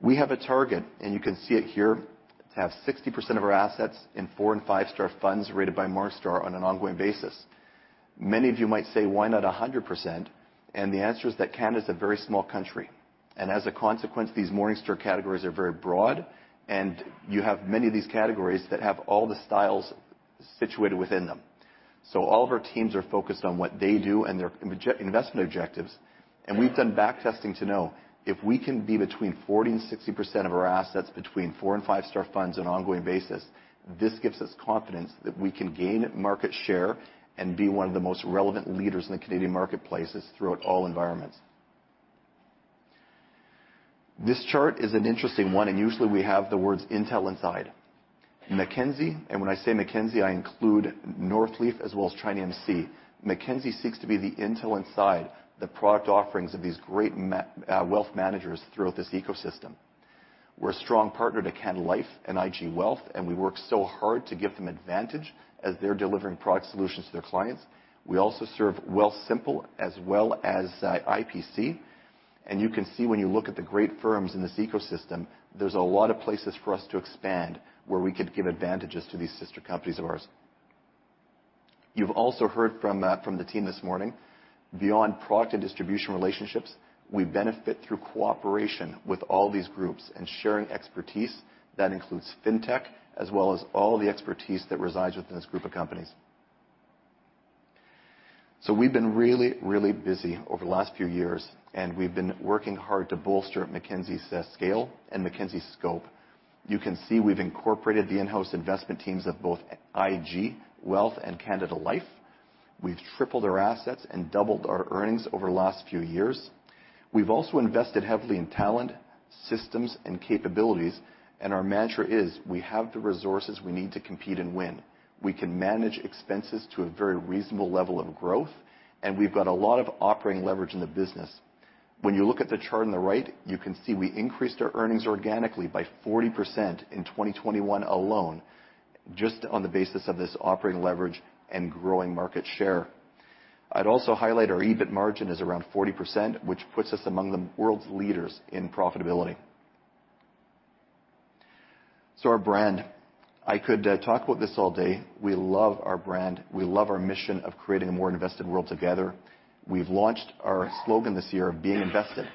We have a target, and you can see it here, to have 60% of our assets in four and five-star funds rated by Morningstar on an ongoing basis. Many of you might say, "Why not 100%?" And the answer is that Canada is a very small country, and as a consequence, these Morningstar categories are very broad, and you have many of these categories that have all the styles situated within them. So all of our teams are focused on what they do and their investment objectives. We've done back testing to know if we can be between 40%-60% of our assets between 4- and 5-star funds on an ongoing basis. This gives us confidence that we can gain market share and be one of the most relevant leaders in the Canadian marketplaces throughout all environments. This chart is an interesting one, and usually, we have the words Intel Inside. Mackenzie, and when I say Mackenzie, I include Northleaf as well as Trimark. Mackenzie seeks to be the Intel Inside, the product offerings of these great wealth managers throughout this ecosystem. We're a strong partner to Canada Life and IG Wealth, and we work so hard to give them advantage as they're delivering product solutions to their clients. We also serve Wealthsimple as well as IPC. You can see when you look at the great firms in this ecosystem, there's a lot of places for us to expand, where we could give advantages to these sister companies of ours. You've also heard from, from the team this morning. Beyond product and distribution relationships, we benefit through cooperation with all these groups and sharing expertise. That includes Fintech, as well as all the expertise that resides within this group of companies. So we've been really, really busy over the last few years, and we've been working hard to bolster Mackenzie's scale and Mackenzie's scope. You can see we've incorporated the in-house investment teams of both IG Wealth and Canada Life. We've tripled our assets and doubled our earnings over the last few years. We've also invested heavily in talent, systems, and capabilities, and our mantra is: We have the resources we need to compete and win. We can manage expenses to a very reasonable level of growth, and we've got a lot of operating leverage in the business. When you look at the chart on the right, you can see we increased our earnings organically by 40% in 2021 alone, just on the basis of this operating leverage and growing market share. I'd also highlight our EBIT margin is around 40%, which puts us among the world's leaders in profitability. So our brand, I could talk about this all day. We love our brand. We love our mission of creating a more invested world together. We've launched our slogan this year of Being Invested,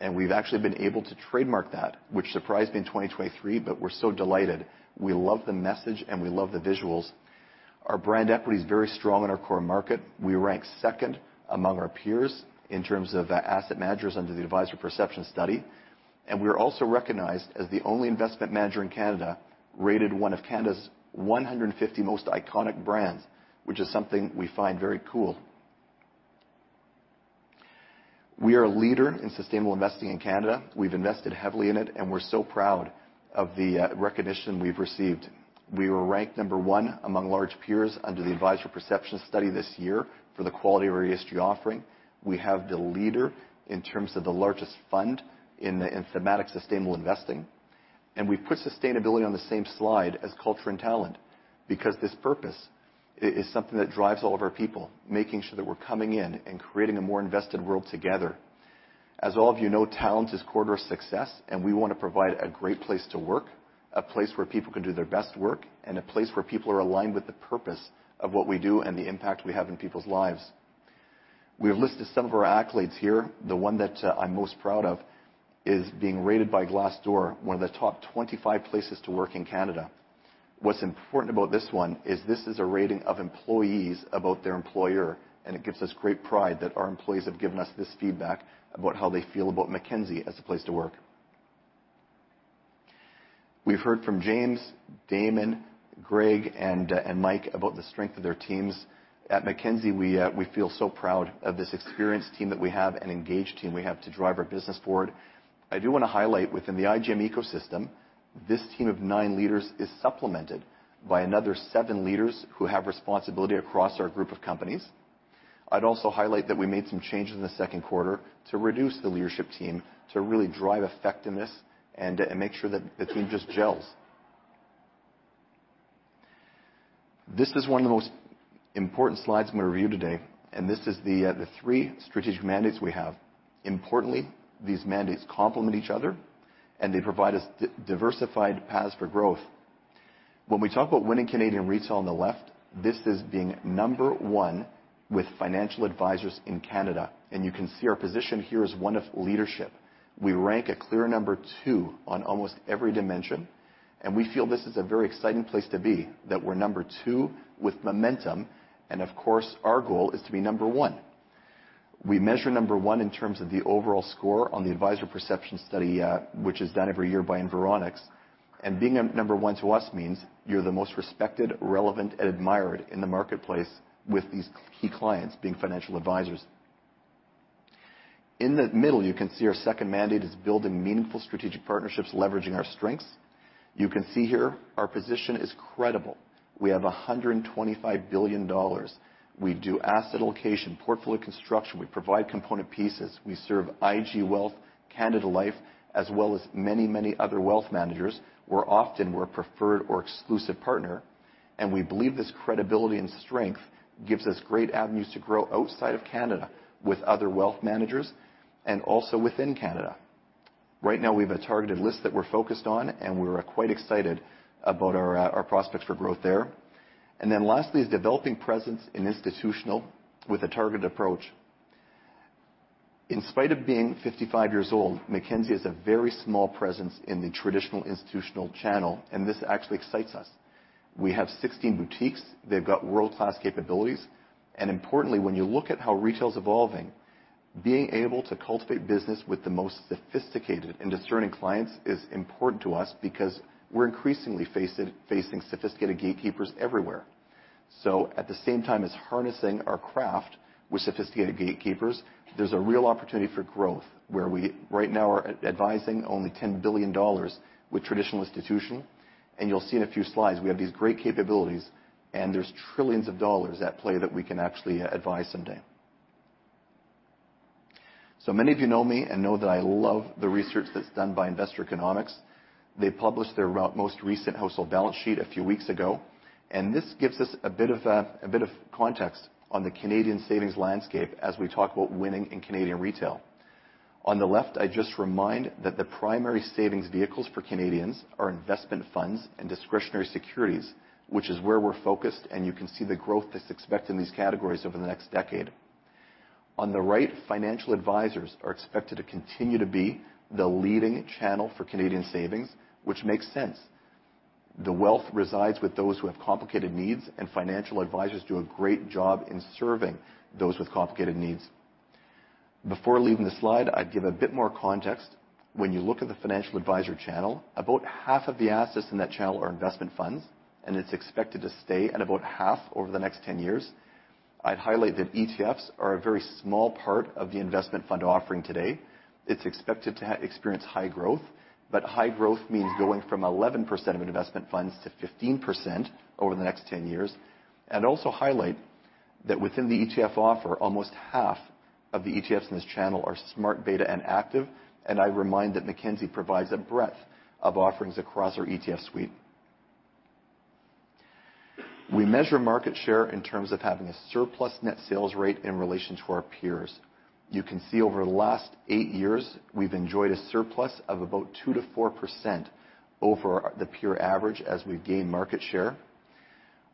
and we've actually been able to trademark that, which surprised me in 2023, but we're so delighted. We love the message, and we love the visuals. Our brand equity is very strong in our core market. We rank second among our peers in terms of asset managers under the Advisor Perception Study, and we are also recognized as the only investment manager in Canada, rated one of Canada's 150 most iconic brands, which is something we find very cool. We are a leader in sustainable investing in Canada. We've invested heavily in it, and we're so proud of the recognition we've received. We were ranked number one among large peers under the Advisor Perception Study this year for the quality of our ESG offering. We have the leader in terms of the largest fund in the, in thematic sustainable investing, and we put sustainability on the same slide as culture and talent, because this purpose is something that drives all of our people, making sure that we're coming in and creating a more invested world together. As all of you know, talent is core to our success, and we wanna provide a great place to work, a place where people can do their best work, and a place where people are aligned with the purpose of what we do and the impact we have in people's lives. We have listed some of our accolades here. The one that I'm most proud of is being rated by Glassdoor, one of the top 25 places to work in Canada. What's important about this one is this is a rating of employees about their employer, and it gives us great pride that our employees have given us this feedback about how they feel about Mackenzie as a place to work. We've heard from James, Damon, Greg, and Mike about the strength of their teams. At Mackenzie, we feel so proud of this experienced team that we have, an engaged team we have to drive our business forward. I do wanna highlight, within the IGM ecosystem, this team of nine leaders is supplemented by another seven leaders who have responsibility across our group of companies. I'd also highlight that we made some changes in the second quarter to reduce the leadership team, to really drive effectiveness and make sure that the team just gels. This is one of the most important slides I'm gonna review today, and this is the three strategic mandates we have. Importantly, these mandates complement each other, and they provide us diversified paths for growth. When we talk about winning Canadian retail on the left, this is being number one with financial advisors in Canada, and you can see our position here is one of leadership. We rank a clear number two on almost every dimension, and we feel this is a very exciting place to be, that we're number two with momentum, and of course, our goal is to be number one. We measure number one in terms of the overall score on the Advisor Perception Study, which is done every year by Environics. Being at number one to us means you're the most respected, relevant, and admired in the marketplace with these key clients being financial advisors. In the middle, you can see our second mandate is building meaningful strategic partnerships, leveraging our strengths. You can see here, our position is credible. We have 125 billion dollars. We do asset allocation, portfolio construction, we provide component pieces. We serve IG Wealth, Canada Life, as well as many, many other wealth managers, where often we're a preferred or exclusive partner. We believe this credibility and strength gives us great avenues to grow outside of Canada with other wealth managers and also within Canada. Right now, we have a targeted list that we're focused on, and we're quite excited about our, our prospects for growth there. And then lastly, is developing presence in institutional with a targeted approach. In spite of being 55 years old, Mackenzie has a very small presence in the traditional institutional channel, and this actually excites us. We have 16 boutiques. They've got world-class capabilities, and importantly, when you look at how retail's evolving, being able to cultivate business with the most sophisticated and discerning clients is important to us because we're increasingly faced, facing sophisticated gatekeepers everywhere. So at the same time as harnessing our craft with sophisticated gatekeepers, there's a real opportunity for growth where we, right now, are advising only 10 billion dollars with traditional institution. And you'll see in a few slides, we have these great capabilities, and there's trillions dollars at play that we can actually advise someday. So many of you know me and know that I love the research that's done by Investor Economics. They published their ro... Most recent household balance sheet a few weeks ago, and this gives us a bit of, a bit of context on the Canadian savings landscape as we talk about winning in Canadian retail. On the left, I just remind that the primary savings vehicles for Canadians are investment funds and discretionary securities, which is where we're focused, and you can see the growth that's expected in these categories over the next decade. On the right, financial advisors are expected to continue to be the leading channel for Canadian savings, which makes sense. The wealth resides with those who have complicated needs, and financial advisors do a great job in serving those with complicated needs. Before leaving the slide, I'd give a bit more context. When you look at the financial advisor channel, about half of the assets in that channel are investment funds, and it's expected to stay at about half over the next 10 years. I'd highlight that ETFs are a very small part of the investment fund offering today. It's expected to experience high growth, but high growth means going from 11% of investment funds to 15% over the next 10 years. And also highlight that within the ETF offer, almost half of the ETFs in this channel are smart beta and active, and I remind that Mackenzie provides a breadth of offerings across our ETF suite. We measure market share in terms of having a surplus net sales rate in relation to our peers. You can see over the last 8 years, we've enjoyed a surplus of about 2%-4% over the peer average as we've gained market share.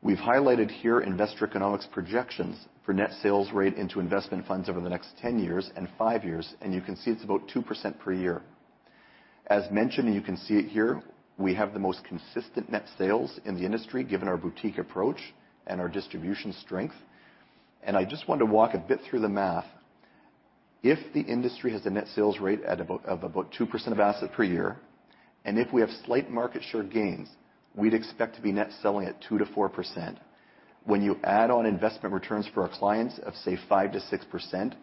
We've highlighted here Investor Economics projections for net sales rate into investment funds over the next 10 years and 5 years, and you can see it's about 2% per year. As mentioned, and you can see it here, we have the most consistent net sales in the industry, given our boutique approach and our distribution strength. And I just want to walk a bit through the math. If the industry has a net sales rate of about 2% of asset per year, and if we have slight market share gains, we'd expect to be net selling at 2%-4%. When you add on investment returns for our clients of, say, 5%-6%,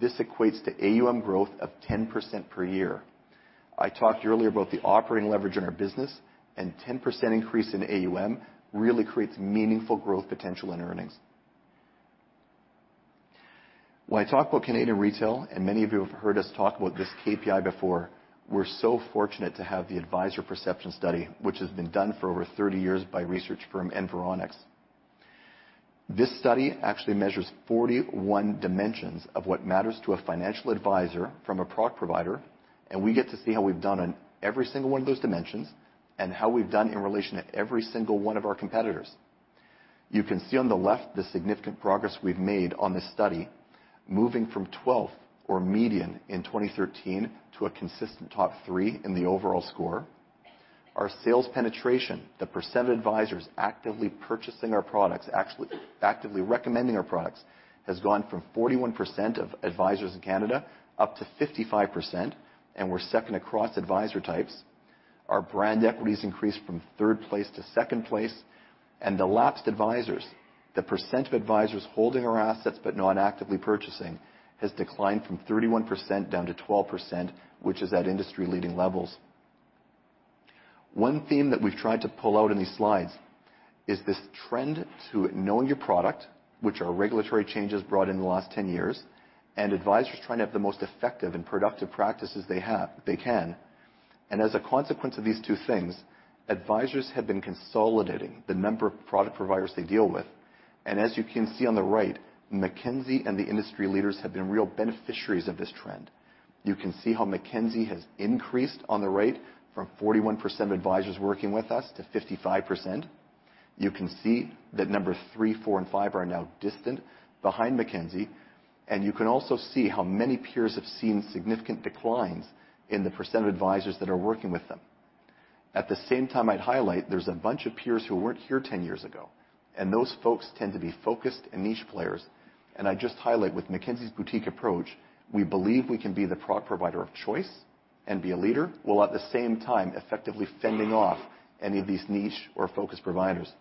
this equates to AUM growth of 10% per year. I talked earlier about the operating leverage in our business, and 10% increase in AUM really creates meaningful growth potential and earnings. When I talk about Canadian retail, and many of you have heard us talk about this KPI before, we're so fortunate to have the Advisor Perception Study, which has been done for over 30 years by research firm, Environics. This study actually measures 41 dimensions of what matters to a financial advisor from a product provider, and we get to see how we've done on every single one of those dimensions and how we've done in relation to every single one of our competitors. You can see on the left the significant progress we've made on this study, moving from 12th or median in 2013 to a consistent top 3 in the overall score. Our sales penetration, the percent of advisors actively purchasing our products, actually, actively recommending our products, has gone from 41% of advisors in Canada up to 55%, and we're second across advisor types. Our brand equity has increased from 3rd place to 2nd place, and the lapsed advisors, the percent of advisors holding our assets but not actively purchasing, has declined from 31% down to 12%, which is at industry-leading levels. One theme that we've tried to pull out in these slides is this trend to knowing your product, which our regulatory changes brought in the last 10 years, and advisors trying to have the most effective and productive practices they have, they can. As a consequence of these two things, advisors have been consolidating the number of product providers they deal with. As you can see on the right, Mackenzie and the industry leaders have been real beneficiaries of this trend. You can see how Mackenzie has increased on the right from 41% of advisors working with us to 55%. You can see that number 3, 4, and 5 are now distant behind Mackenzie, and you can also see how many peers have seen significant declines in the percent of advisors that are working with them. At the same time, I'd highlight there's a bunch of peers who weren't here 10 years ago, and those folks tend to be focused and niche players. I just highlight with Mackenzie's boutique approach, we believe we can be the product provider of choice and be a leader, while at the same time effectively fending off any of these niche or focused providers.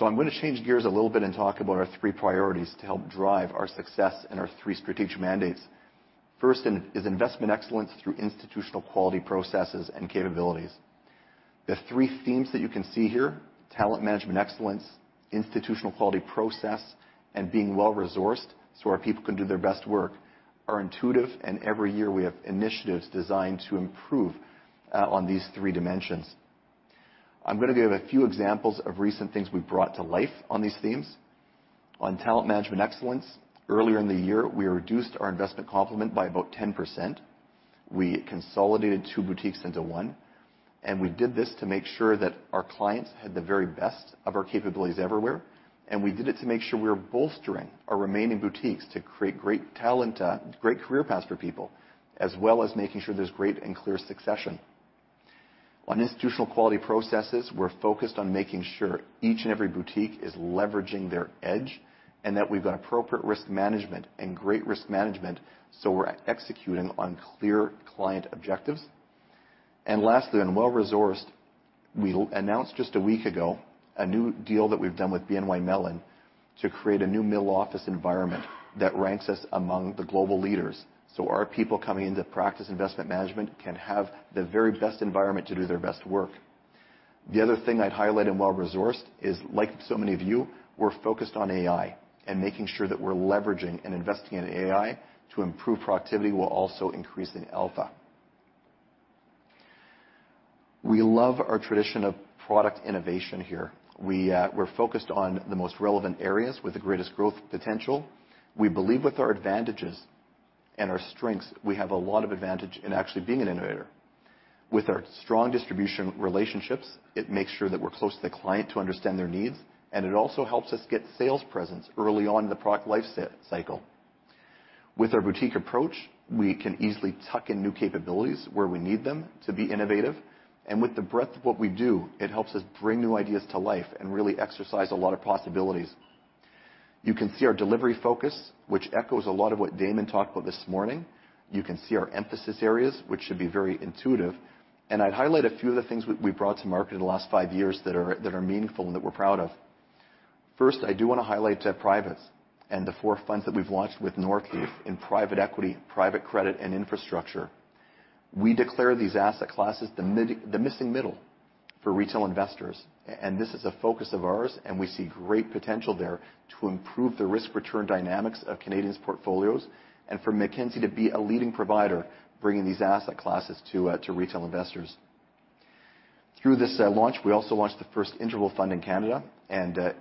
I'm going to change gears a little bit and talk about our three priorities to help drive our success and our three strategic mandates. First is investment excellence through institutional quality processes and capabilities. The three themes that you can see here, talent management excellence, institutional quality process, and being well-resourced so our people can do their best work, are intuitive, and every year we have initiatives designed to improve on these three dimensions. I'm going to give a few examples of recent things we've brought to life on these themes. On talent management excellence, earlier in the year, we reduced our investment complement by about 10%. We consolidated two boutiques into one, and we did this to make sure that our clients had the very best of our capabilities everywhere, and we did it to make sure we were bolstering our remaining boutiques to create great talent, great career paths for people, as well as making sure there's great and clear succession. On institutional quality processes, we're focused on making sure each and every boutique is leveraging their edge, and that we've got appropriate risk management and great risk management, so we're executing on clear client objectives. And lastly, on well-resourced, we announced just a week ago, a new deal that we've done with BNY Mellon to create a new middle office environment that ranks us among the global leaders, so our people coming into practice investment management can have the very best environment to do their best work. The other thing I’d highlight in well-resourced is, like so many of you, we’re focused on AI and making sure that we’re leveraging and investing in AI to improve productivity while also increasing alpha. We love our tradition of product innovation here. We’re focused on the most relevant areas with the greatest growth potential. We believe with our advantages and our strengths, we have a lot of advantage in actually being an innovator. With our strong distribution relationships, it makes sure that we’re close to the client to understand their needs, and it also helps us get sales presence early on in the product life cycle. With our boutique approach, we can easily tuck in new capabilities where we need them to be innovative. And with the breadth of what we do, it helps us bring new ideas to life and really exercise a lot of possibilities. You can see our delivery focus, which echoes a lot of what Damon talked about this morning. You can see our emphasis areas, which should be very intuitive, and I'd highlight a few of the things we, we've brought to market in the last 5 years that are meaningful and that we're proud of. First, I do want to highlight privates and the four funds that we've launched with Northleaf in private equity, private credit, and infrastructure. We declare these asset classes the missing middle for retail investors, and this is a focus of ours, and we see great potential there to improve the risk-return dynamics of Canadians' portfolios, and for Mackenzie to be a leading provider, bringing these asset classes to retail investors. Through this launch, we also launched the first interval fund in Canada, and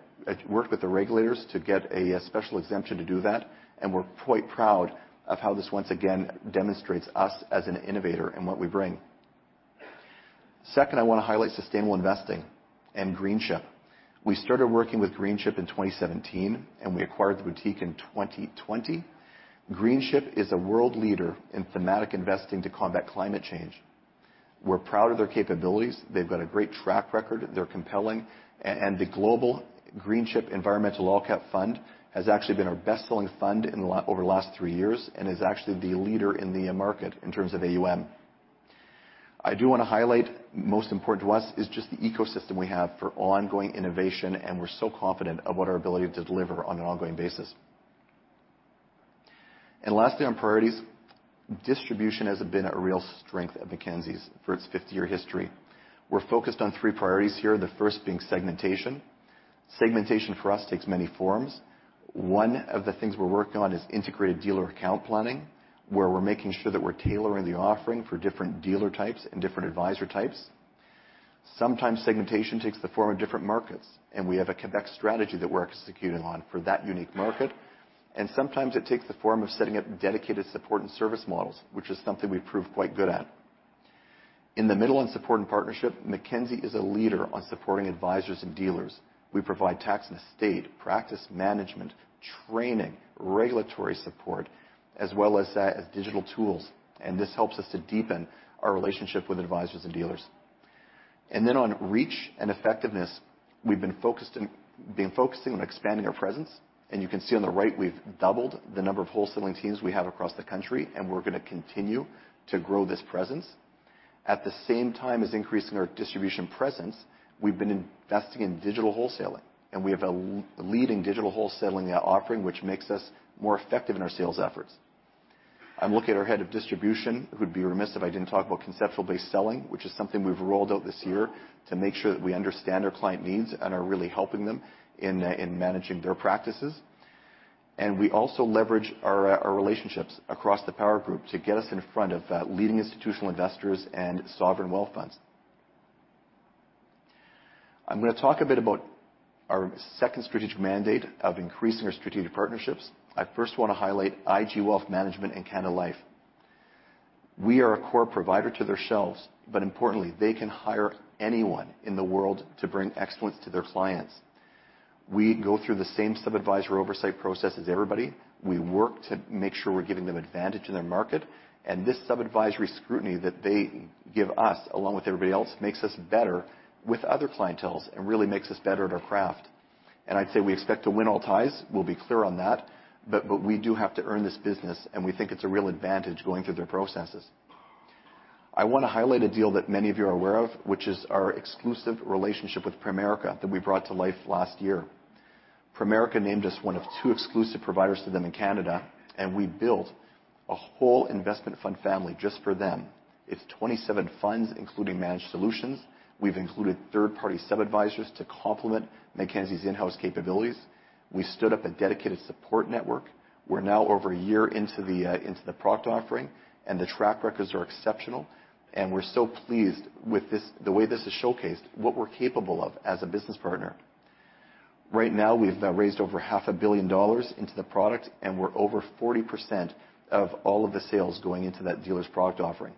worked with the regulators to get a special exemption to do that, and we're quite proud of how this once again demonstrates us as an innovator and what we bring. Second, I want to highlight sustainable investing and Greenchip. We started working with Greenchip in 2017, and we acquired the boutique in 2020. Greenchip is a world leader in thematic investing to combat climate change. We're proud of their capabilities. They've got a great track record, they're compelling, and the Global Greenchip Environmental All Cap Fund has actually been our best-selling fund over the last three years and is actually the leader in the market in terms of AUM. I do want to highlight, most important to us is just the ecosystem we have for ongoing innovation, and we're so confident of what our ability to deliver on an ongoing basis. Lastly, on priorities, distribution has been a real strength of Mackenzie's for its 50-year history. We're focused on three priorities here, the first being segmentation. Segmentation for us takes many forms. One of the things we're working on is integrated dealer account planning, where we're making sure that we're tailoring the offering for different dealer types and different advisor types. Sometimes segmentation takes the form of different markets, and we have a Quebec strategy that we're executing on for that unique market. Sometimes it takes the form of setting up dedicated support and service models, which is something we've proved quite good at. In the middle and support and partnership, Mackenzie is a leader on supporting advisors and dealers. We provide tax and estate, practice management, training, regulatory support, as well as digital tools, and this helps us to deepen our relationship with advisors and dealers. And then on reach and effectiveness, we've been focusing on expanding our presence, and you can see on the right, we've doubled the number of wholesaling teams we have across the country, and we're going to continue to grow this presence. At the same time as increasing our distribution presence, we've been investing in digital wholesaling, and we have a leading digital wholesaling offering, which makes us more effective in our sales efforts. I'm looking at our head of distribution. It would be remiss if I didn't talk about conceptual-based selling, which is something we've rolled out this year to make sure that we understand our client needs and are really helping them in, in managing their practices. We also leverage our our relationships across the Power Group to get us in front of leading institutional investors and sovereign wealth funds. I'm gonna talk a bit about our second strategic mandate of increasing our strategic partnerships. I first wanna highlight IG Wealth Management and Canada Life. We are a core provider to their shelves, but importantly, they can hire anyone in the world to bring excellence to their clients. We go through the same sub-advisory oversight process as everybody. We work to make sure we're giving them advantage in their market, and this sub-advisory scrutiny that they give us, along with everybody else, makes us better with other clienteles and really makes us better at our craft. And I'd say, we expect to win all ties. We'll be clear on that, but, but we do have to earn this business, and we think it's a real advantage going through their processes. I wanna highlight a deal that many of you are aware of, which is our exclusive relationship with Primerica that we brought to life last year. Primerica named us one of two exclusive providers to them in Canada, and we built a whole investment fund family just for them. It's 27 funds, including managed solutions. We've included third-party sub-advisors to complement Mackenzie's in-house capabilities. We stood up a dedicated support network. We're now over a year into the product offering, and the track records are exceptional, and we're so pleased with this... the way this is showcased, what we're capable of as a business partner. Right now, we've raised over 500 million dollars into the product, and we're over 40% of all of the sales going into that dealer's product offering.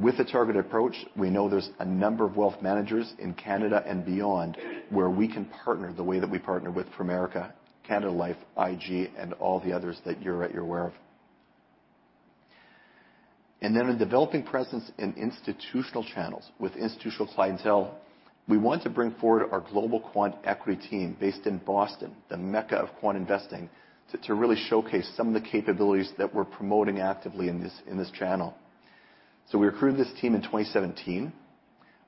With the targeted approach, we know there's a number of wealth managers in Canada and beyond, where we can partner the way that we partner with Primerica, Canada Life, IG, and all the others that you're at, you're aware of. And then a developing presence in institutional channels with institutional clientele. We want to bring forward our global quant equity team based in Boston, the mecca of quant investing, to really showcase some of the capabilities that we're promoting actively in this channel. So we recruited this team in 2017.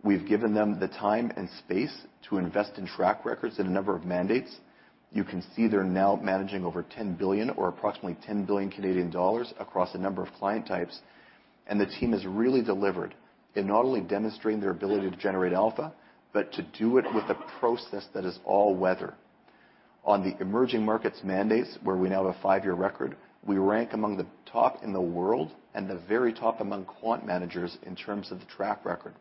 We've given them the time and space to invest in track records in a number of mandates. You can see they're now managing over 10 billion or approximately 10 billion Canadian dollars across a number of client types. And the team has really delivered in not only demonstrating their ability to generate alpha, but to do it with a process that is all weather. On the emerging markets mandates, where we now have a five-year record, we rank among the top in the world and the very top among quant managers in terms of the track record.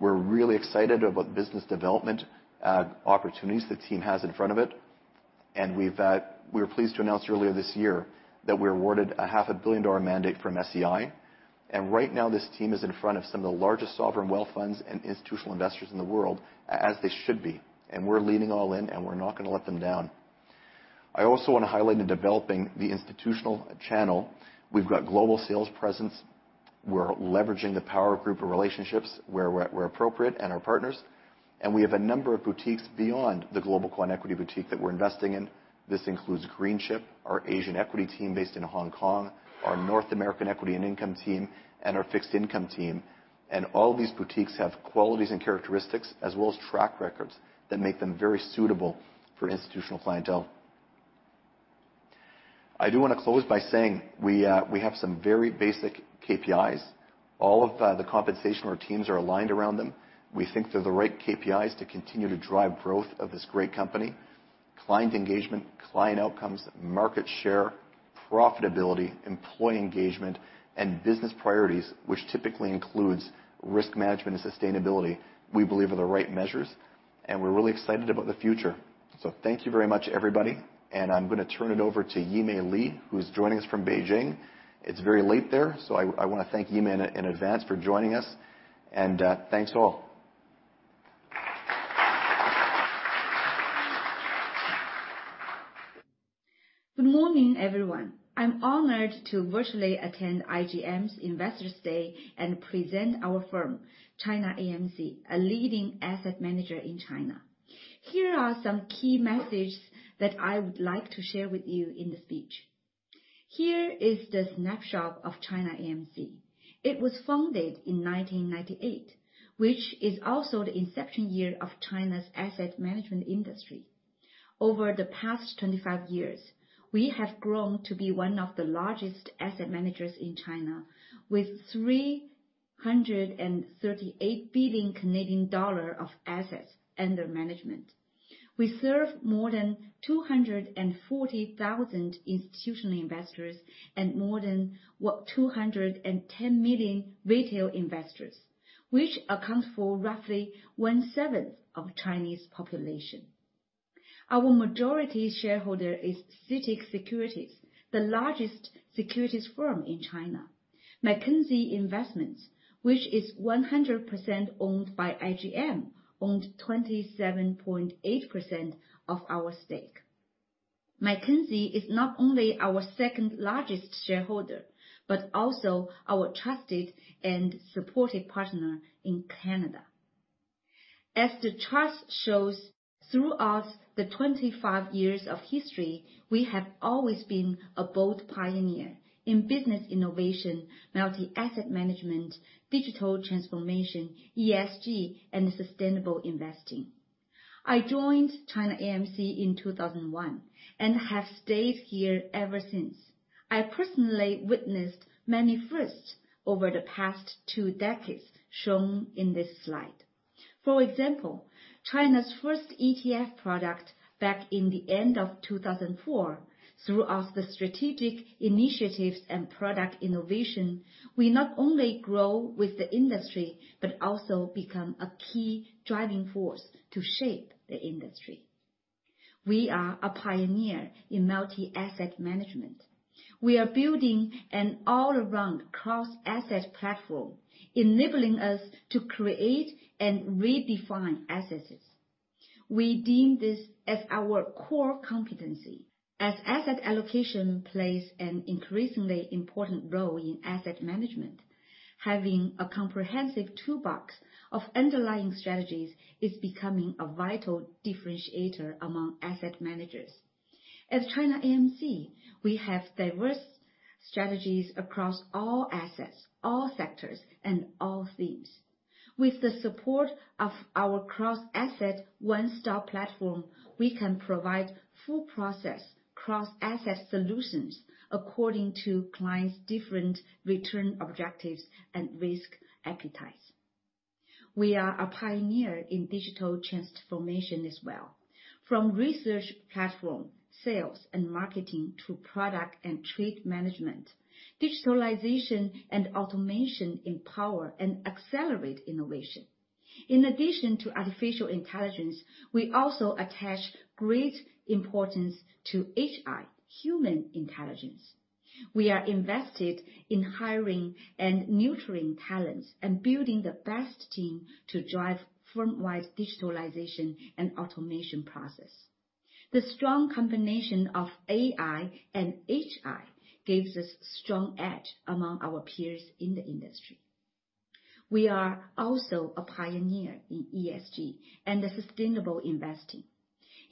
We're really excited about business development opportunities the team has in front of it, and we've, we're pleased to announce earlier this year that we're awarded a $500 million mandate from SEI. Right now, this team is in front of some of the largest sovereign wealth funds and institutional investors in the world, as they should be, and we're leaning all in, and we're not gonna let them down. I also wanna highlight in developing the institutional channel, we've got global sales presence. We're leveraging the Power Group of relationships where appropriate, and our partners, and we have a number of boutiques beyond the global quant equity boutique that we're investing in. This includes Greenchip, our Asian equity team based in Hong Kong, our North American equity and income team, and our fixed income team. And all these boutiques have qualities and characteristics, as well as track records, that make them very suitable for institutional clientele. I do wanna close by saying, we, we have some very basic KPIs. All of, the compensation of our teams are aligned around them. We think they're the right KPIs to continue to drive growth of this great company. Client engagement, client outcomes, market share, profitability, employee engagement, and business priorities, which typically includes risk management and sustainability, we believe are the right measures, and we're really excited about the future. So thank you very much, everybody, and I'm gonna turn it over to Yimei Li, who's joining us from Beijing. It's very late there, so I, I wanna thank Yimei in, in advance for joining us, and, thanks, all. Good morning, everyone. I'm honored to virtually attend IGM's Investors Day and present our firm, ChinaAMC, a leading asset manager in China. Here are some key messages that I would like to share with you in the speech. Here is the snapshot of ChinaAMC. It was founded in 1998, which is also the inception year of China's asset management industry. Over the past 25 years, we have grown to be one of the largest asset managers in China, with 338 billion Canadian dollars of assets under management. We serve more than 240,000 institutional investors and more than, what, 210 million retail investors, which accounts for roughly 1/7 of Chinese population. Our majority shareholder is CITIC Securities, the largest securities firm in China. Mackenzie Investments, which is 100% owned by IGM, owned 27.8% of our stake. Mackenzie is not only our second largest shareholder, but also our trusted and supportive partner in Canada. As the trust shows, throughout the 25 years of history, we have always been a bold pioneer in business innovation, multi-asset management, digital transformation, ESG, and sustainable investing. I joined ChinaAMC in 2001 and have stayed here ever since. I personally witnessed many firsts over the past two decades, shown in this slide. For example, China's first ETF product back in the end of 2004. Throughout the strategic initiatives and product innovation, we not only grow with the industry, but also become a key driving force to shape the industry. We are a pioneer in multi-asset management. We are building an all-around cross-asset platform, enabling us to create and redefine assets. We deem this as our core competency. As asset allocation plays an increasingly important role in asset management, having a comprehensive toolbox of underlying strategies is becoming a vital differentiator among asset managers. At ChinaAMC, we have diverse strategies across all assets, all sectors, and all themes. With the support of our cross-asset one-stop platform, we can provide full process, cross-asset solutions according to clients' different return objectives and risk appetites. We are a pioneer in digital transformation as well. From research platform, sales and marketing, to product and trade management, digitalization and automation empower and accelerate innovation. In addition to artificial intelligence, we also attach great importance to HI, human intelligence. We are invested in hiring and nurturing talents, and building the best team to drive firm-wide digitalization and automation process. The strong combination of AI and HI gives us strong edge among our peers in the industry. We are also a pioneer in ESG and the sustainable investing.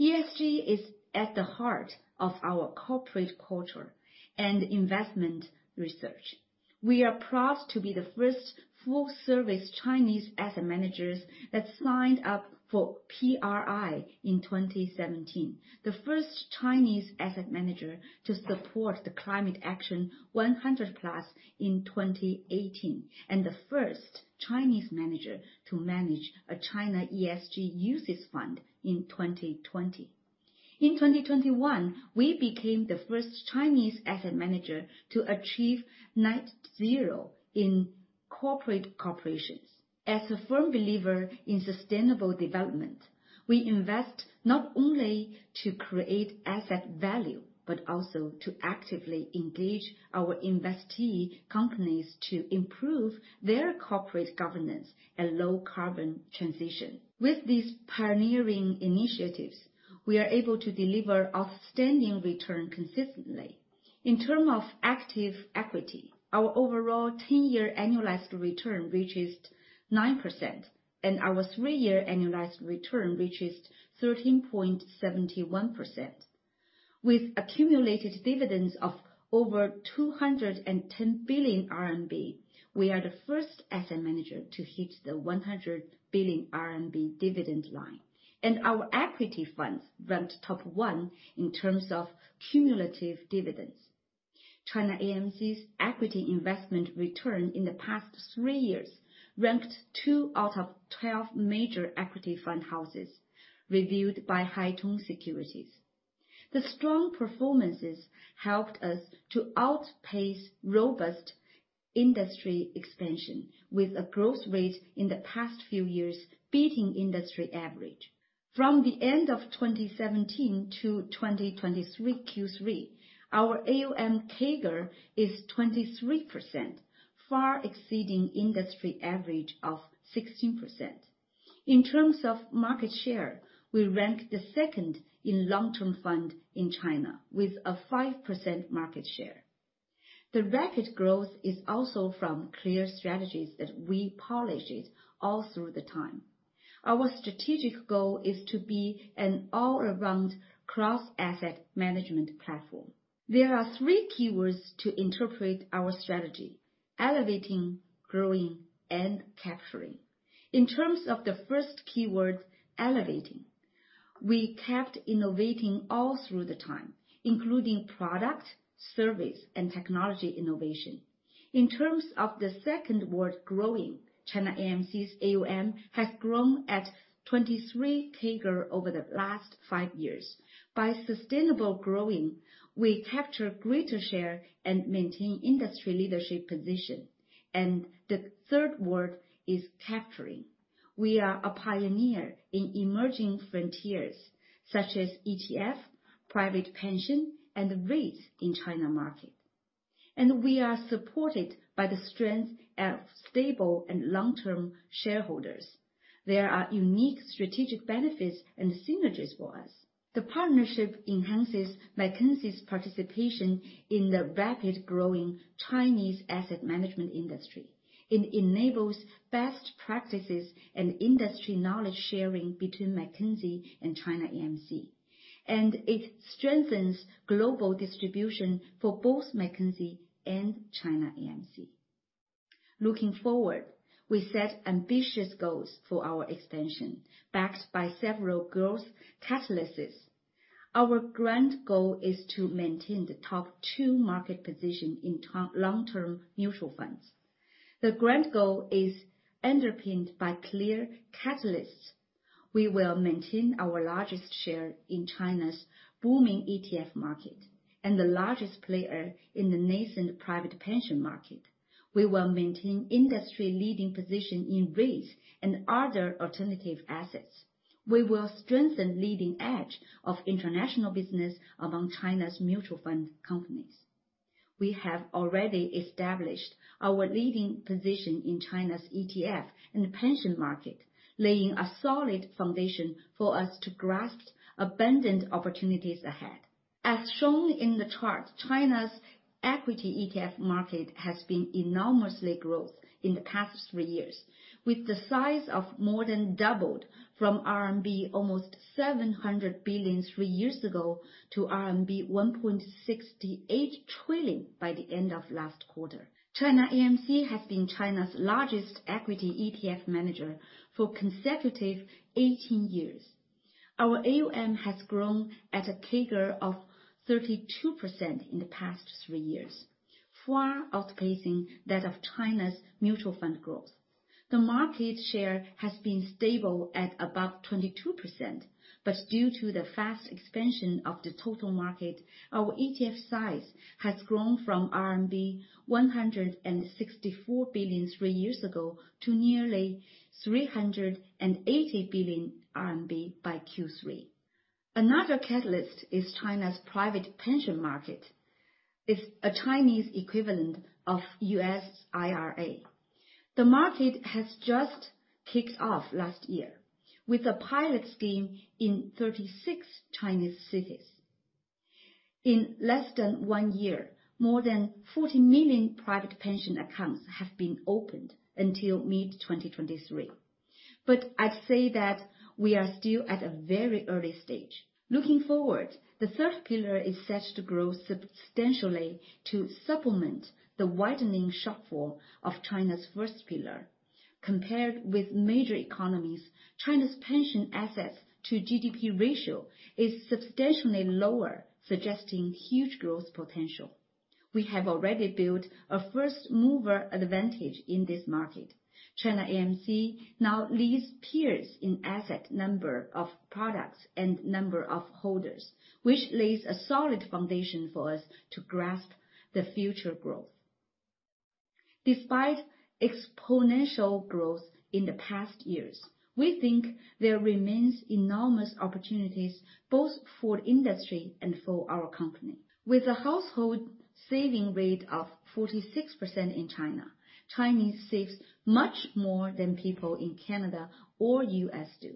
ESG is at the heart of our corporate culture and investment research. We are proud to be the first full-service Chinese asset managers that signed up for PRI in 2017. The first Chinese asset manager to support the Climate Action 100+ in 2018, and the first Chinese manager to manage a China ESG UCITS fund in 2020. In 2021, we became the first Chinese asset manager to achieve net zero in corporate corporations. As a firm believer in sustainable development, we invest not only to create asset value, but also to actively engage our investee companies to improve their corporate governance and low carbon transition. With these pioneering initiatives, we are able to deliver outstanding return consistently. In terms of active equity, our overall 10-year annualized return reaches 9%, and our 3-year annualized return reaches 13.71%. With accumulated dividends of over 210 billion RMB, we are the first asset manager to hit the 100 billion RMB dividend line, and our equity funds ranked top one in terms of cumulative dividends. ChinaAMC's equity investment return in the past three years ranked 2 out of 12 major equity fund houses, reviewed by Haitong Securities. The strong performances helped us to outpace robust industry expansion with a growth rate in the past few years, beating industry average. From the end of 2017 to 2023 Q3, our AUM CAGR is 23%, far exceeding industry average of 16%. In terms of market share, we rank the second in long-term fund in China with a 5% market share. The rapid growth is also from clear strategies that we polished all through the time. Our strategic goal is to be an all-around cross-asset management platform. There are three keywords to interpret our strategy: elevating, growing, and capturing. In terms of the first keyword, elevating, we kept innovating all through the time, including product, service, and technology innovation. In terms of the second word, growing, ChinaAMC's AUM has grown at 23% CAGR over the last 5 years. By sustainable growing, we capture greater share and maintain industry leadership position. The third word is capturing. We are a pioneer in emerging frontiers, such as ETF, private pension, and REIT in China market. We are supported by the strength of stable and long-term shareholders. There are unique strategic benefits and synergies for us. The partnership enhances Mackenzie's participation in the rapid growing Chinese asset management industry. It enables best practices and industry knowledge sharing between Mackenzie and ChinaAMC, and it strengthens global distribution for both Mackenzie and ChinaAMC... Looking forward, we set ambitious goals for our expansion, backed by several growth catalysts. Our grand goal is to maintain the top two market position in total long-term mutual funds. The grand goal is underpinned by clear catalysts. We will maintain our largest share in China's booming ETF market and the largest player in the nascent private pension market. We will maintain industry-leading position in REITs and other alternative assets. We will strengthen leading edge of international business among China's mutual fund companies. We have already established our leading position in China's ETF and pension market, laying a solid foundation for us to grasp abundant opportunities ahead. As shown in the chart, China's equity ETF market has been enormous growth in the past 3 years, with the size of more than doubled from almost 700 billion RMB 3 years ago to RMB 1.68 trillion by the end of last quarter. ChinaAMC has been China's largest equity ETF manager for consecutive 18 years. Our AUM has grown at a CAGR of 32% in the past 3 years, far outpacing that of China's mutual fund growth. The market share has been stable at about 22%, but due to the fast expansion of the total market, our ETF size has grown from RMB 164 billion 3 years ago to nearly 380 billion RMB by Q3. Another catalyst is China's private pension market. It's a Chinese equivalent of U.S. IRA. The market has just kicked off last year with a pilot scheme in 36 Chinese cities. In less than one year, more than 40 million private pension accounts have been opened until mid-2023. But I'd say that we are still at a very early stage. Looking forward, the third pillar is set to grow substantially to supplement the widening shortfall of China's first pillar. Compared with major economies, China's pension assets to GDP ratio is substantially lower, suggesting huge growth potential. We have already built a first-mover advantage in this market. ChinaAMC now leads peers in asset number of products and number of holders, which lays a solid foundation for us to grasp the future growth. Despite exponential growth in the past years, we think there remains enormous opportunities both for the industry and for our company. With a household saving rate of 46% in China, Chinese save much more than people in Canada or U.S. do.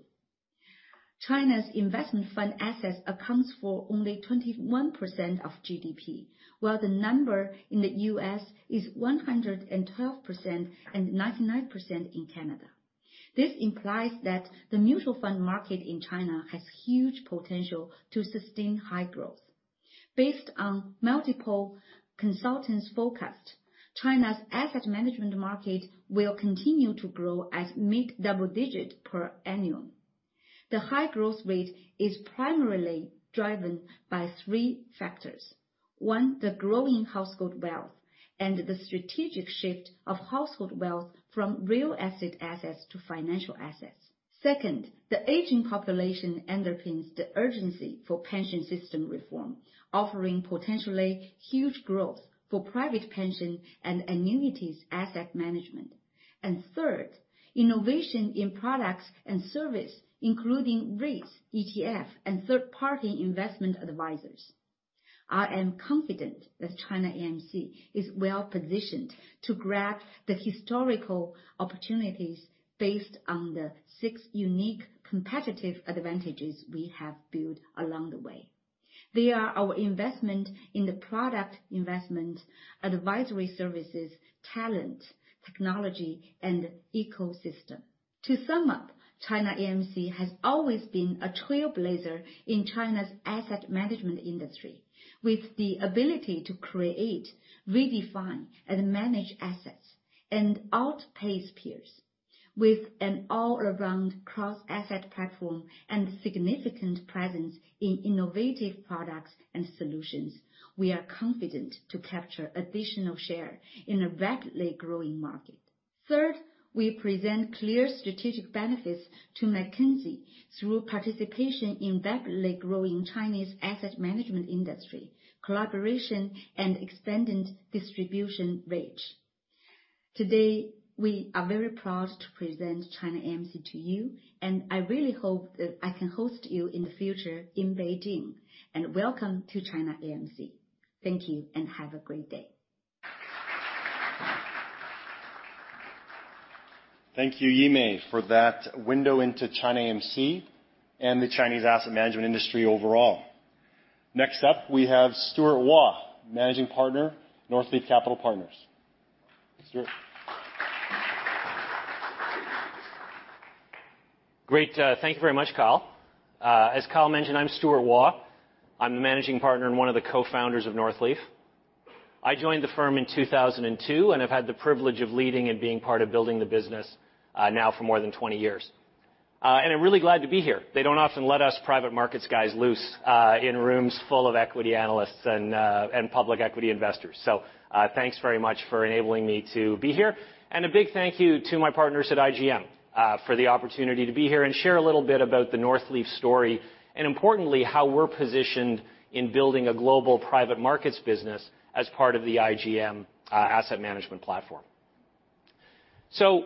China's investment fund assets account for only 21% of GDP, while the number in the U.S. is 112%, and 99% in Canada. This implies that the mutual fund market in China has huge potential to sustain high growth. Based on multiple consultants' forecast, China's asset management market will continue to grow at mid-double digit per annum. The high growth rate is primarily driven by three factors. One, the growing household wealth and the strategic shift of household wealth from real asset assets to financial assets. Second, the aging population underpins the urgency for pension system reform, offering potentially huge growth for private pension and annuities asset management. And third, innovation in products and service, including REITs, ETF, and third-party investment advisors. I am confident that ChinaAMC is well-positioned to grab the historical opportunities based on the six unique competitive advantages we have built along the way. They are our investment in the product investment, advisory services, talent, technology, and ecosystem. To sum up, ChinaAMC has always been a trailblazer in China's asset management industry, with the ability to create, redefine, and manage assets and outpace peers. With an all-around cross-asset platform and significant presence in innovative products and solutions, we are confident to capture additional share in a rapidly growing market. Third, we present clear strategic benefits to Mackenzie through participation in rapidly growing Chinese asset management industry, collaboration, and expanded distribution reach. Today, we are very proud to present ChinaAMC to you, and I really hope that I can host you in the future in Beijing. Welcome to ChinaAMC. Thank you, and have a great day. Thank you, Yimei, for that window into ChinaAMC and the Chinese asset management industry overall. Next up, we have Stuart Waugh, Managing Partner, Northleaf Capital Partners. Stuart?... Great, thank you very much, Kyle. As Kyle mentioned, I'm Stuart Waugh. I'm the managing partner and one of the co-founders of Northleaf. I joined the firm in 2002, and I've had the privilege of leading and being part of building the business, now for more than 20 years. I'm really glad to be here. They don't often let us private markets guys loose in rooms full of equity analysts and public equity investors. So, thanks very much for enabling me to be here. A big thank you to my partners at IGM, for the opportunity to be here and share a little bit about the Northleaf story, and importantly, how we're positioned in building a global private markets business as part of the IGM asset management platform. So,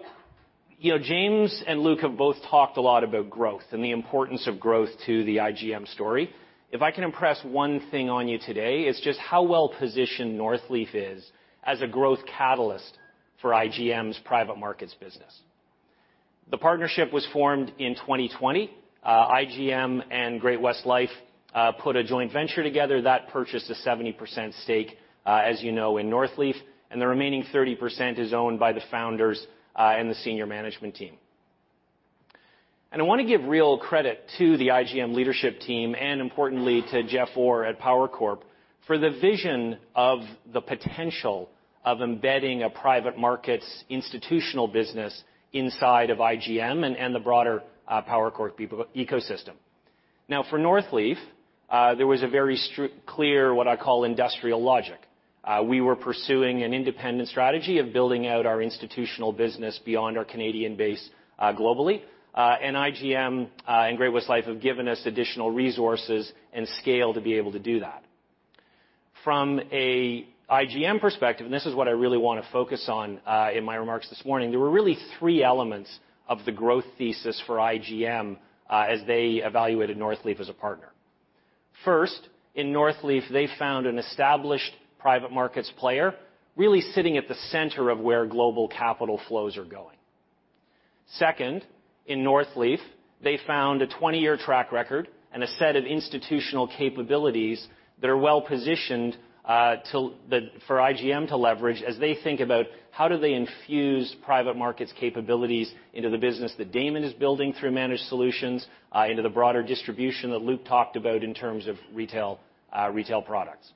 you know, James and Luke have both talked a lot about growth and the importance of growth to the IGM story. If I can impress one thing on you today, it's just how well-positioned Northleaf is as a growth catalyst for IGM's private markets business. The partnership was formed in 2020. IGM and Great-West Life put a joint venture together that purchased a 70% stake, as you know, in Northleaf, and the remaining 30% is owned by the founders and the senior management team. I want to give real credit to the IGM leadership team, and importantly, to Jeff Orr at Power Corp, for the vision of the potential of embedding a private markets institutional business inside of IGM and the broader Power Corp people ecosystem. Now, for Northleaf, there was a very clear, what I call industrial logic. We were pursuing an independent strategy of building out our institutional business beyond our Canadian base, globally. And IGM and Great-West Life have given us additional resources and scale to be able to do that. From a IGM perspective, and this is what I really want to focus on, in my remarks this morning, there were really three elements of the growth thesis for IGM, as they evaluated Northleaf as a partner. First, in Northleaf, they found an established private markets player really sitting at the center of where global capital flows are going. Second, in Northleaf, they found a 20-year track record and a set of institutional capabilities that are well positioned, to... That, for IGM to leverage as they think about how do they infuse private markets capabilities into the business that Damon is building through managed solutions, into the broader distribution that Luke talked about in terms of retail, retail products.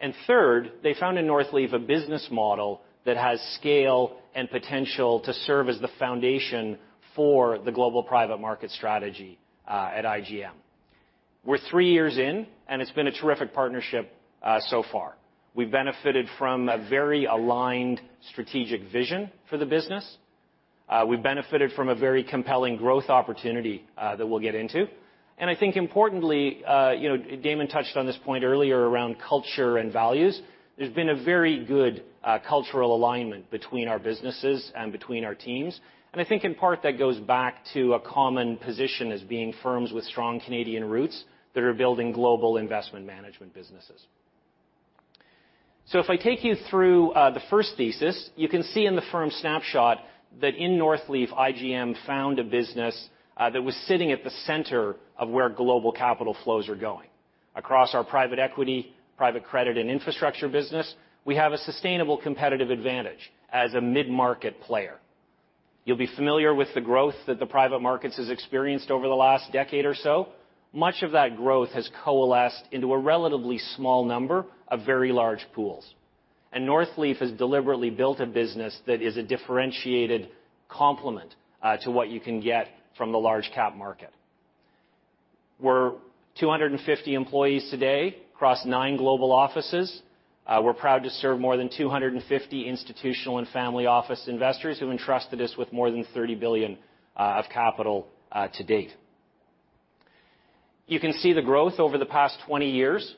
And third, they found in Northleaf a business model that has scale and potential to serve as the foundation for the global private market strategy, at IGM. We're three years in, and it's been a terrific partnership, so far. We've benefited from a very aligned strategic vision for the business. We've benefited from a very compelling growth opportunity, that we'll get into. And I think importantly, you know, Damon touched on this point earlier around culture and values. There's been a very good, cultural alignment between our businesses and between our teams, and I think in part that goes back to a common position as being firms with strong Canadian roots that are building global investment management businesses. So if I take you through, the first thesis, you can see in the firm snapshot that in Northleaf, IGM found a business, that was sitting at the center of where global capital flows are going. Across our private equity, private credit, and infrastructure business, we have a sustainable competitive advantage as a mid-market player. You'll be familiar with the growth that the private markets has experienced over the last decade or so. Much of that growth has coalesced into a relatively small number of very large pools. Northleaf has deliberately built a business that is a differentiated complement to what you can get from the large cap market. We're 250 employees today across nine global offices. We're proud to serve more than 250 institutional and family office investors who entrusted us with more than $30 billion of capital to date. You can see the growth over the past 20 years.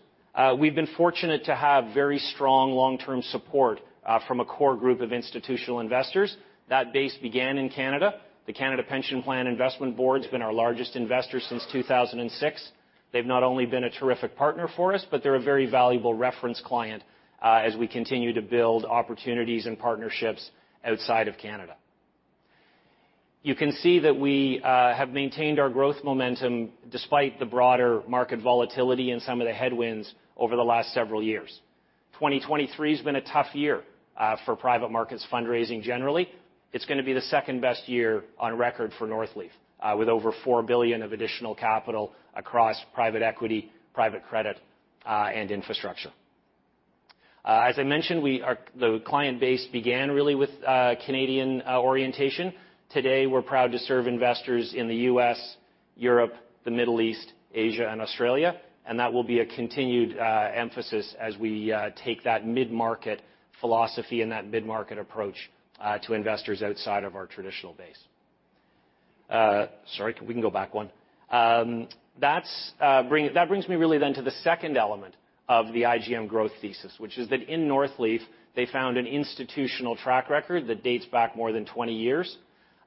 We've been fortunate to have very strong long-term support from a core group of institutional investors. That base began in Canada. The Canada Pension Plan Investment Board's been our largest investor since 2006. They've not only been a terrific partner for us, but they're a very valuable reference client as we continue to build opportunities and partnerships outside of Canada. You can see that we have maintained our growth momentum despite the broader market volatility and some of the headwinds over the last several years. 2023 has been a tough year for private markets fundraising generally. It's going to be the second-best year on record for Northleaf with over 4 billion of additional capital across private equity, private credit and infrastructure. As I mentioned, the client base began really with Canadian orientation. Today, we're proud to serve investors in the U.S., Europe, the Middle East, Asia, and Australia, and that will be a continued emphasis as we take that mid-market philosophy and that mid-market approach to investors outside of our traditional base. Sorry, can we go back one? That's bring... That brings me really then to the second element of the IGM growth thesis, which is that in Northleaf, they found an institutional track record that dates back more than 20 years,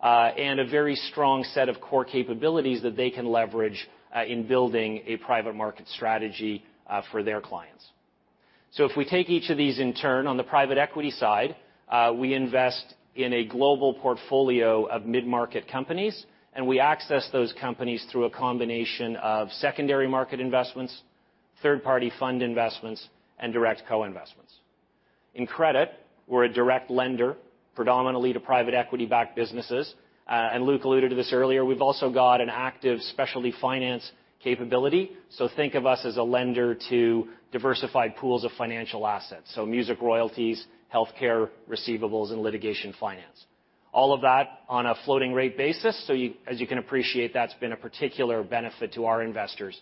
and a very strong set of core capabilities that they can leverage in building a private market strategy for their clients. So if we take each of these in turn, on the private equity side, we invest in a global portfolio of mid-market companies, and we access those companies through a combination of secondary market investments, third-party fund investments, and direct co-investments.... In credit, we're a direct lender, predominantly to private equity-backed businesses. And Luke alluded to this earlier, we've also got an active specialty finance capability. So think of us as a lender to diversified pools of financial assets, so music royalties, healthcare, receivables, and litigation finance. All of that on a floating rate basis, so you—as you can appreciate, that's been a particular benefit to our investors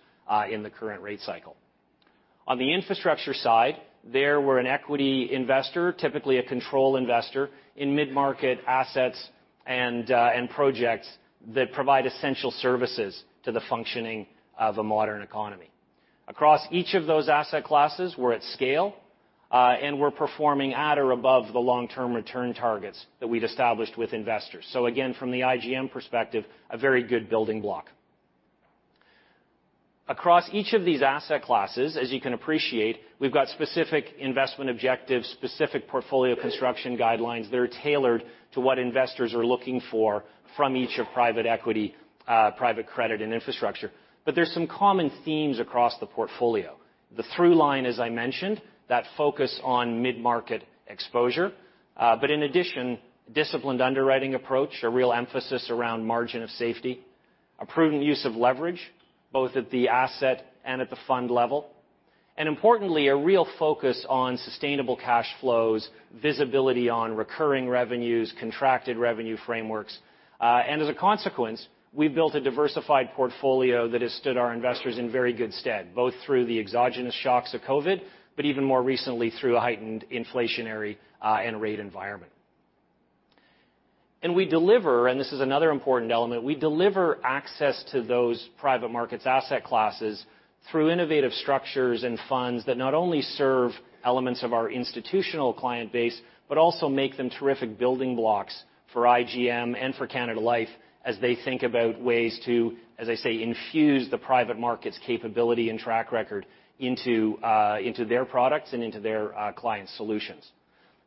in the current rate cycle. On the infrastructure side, there we're an equity investor, typically a control investor in mid-market assets and projects that provide essential services to the functioning of a modern economy. Across each of those asset classes, we're at scale, and we're performing at or above the long-term return targets that we've established with investors. So again, from the IGM perspective, a very good building block. Across each of these asset classes, as you can appreciate, we've got specific investment objectives, specific portfolio construction guidelines that are tailored to what investors are looking for from each of private equity, private credit, and infrastructure. But there's some common themes across the portfolio. The through line, as I mentioned, that focus on mid-market exposure, but in addition, disciplined underwriting approach, a real emphasis around margin of safety, a prudent use of leverage, both at the asset and at the fund level, and importantly, a real focus on sustainable cash flows, visibility on recurring revenues, contracted revenue frameworks. And as a consequence, we've built a diversified portfolio that has stood our investors in very good stead, both through the exogenous shocks of COVID, but even more recently, through a heightened inflationary, and rate environment. We deliver, and this is another important element, we deliver access to those private markets asset classes through innovative structures and funds that not only serve elements of our institutional client base, but also make them terrific building blocks for IGM and for Canada Life as they think about ways to, as I say, infuse the private markets capability and track record into their products and into their client solutions.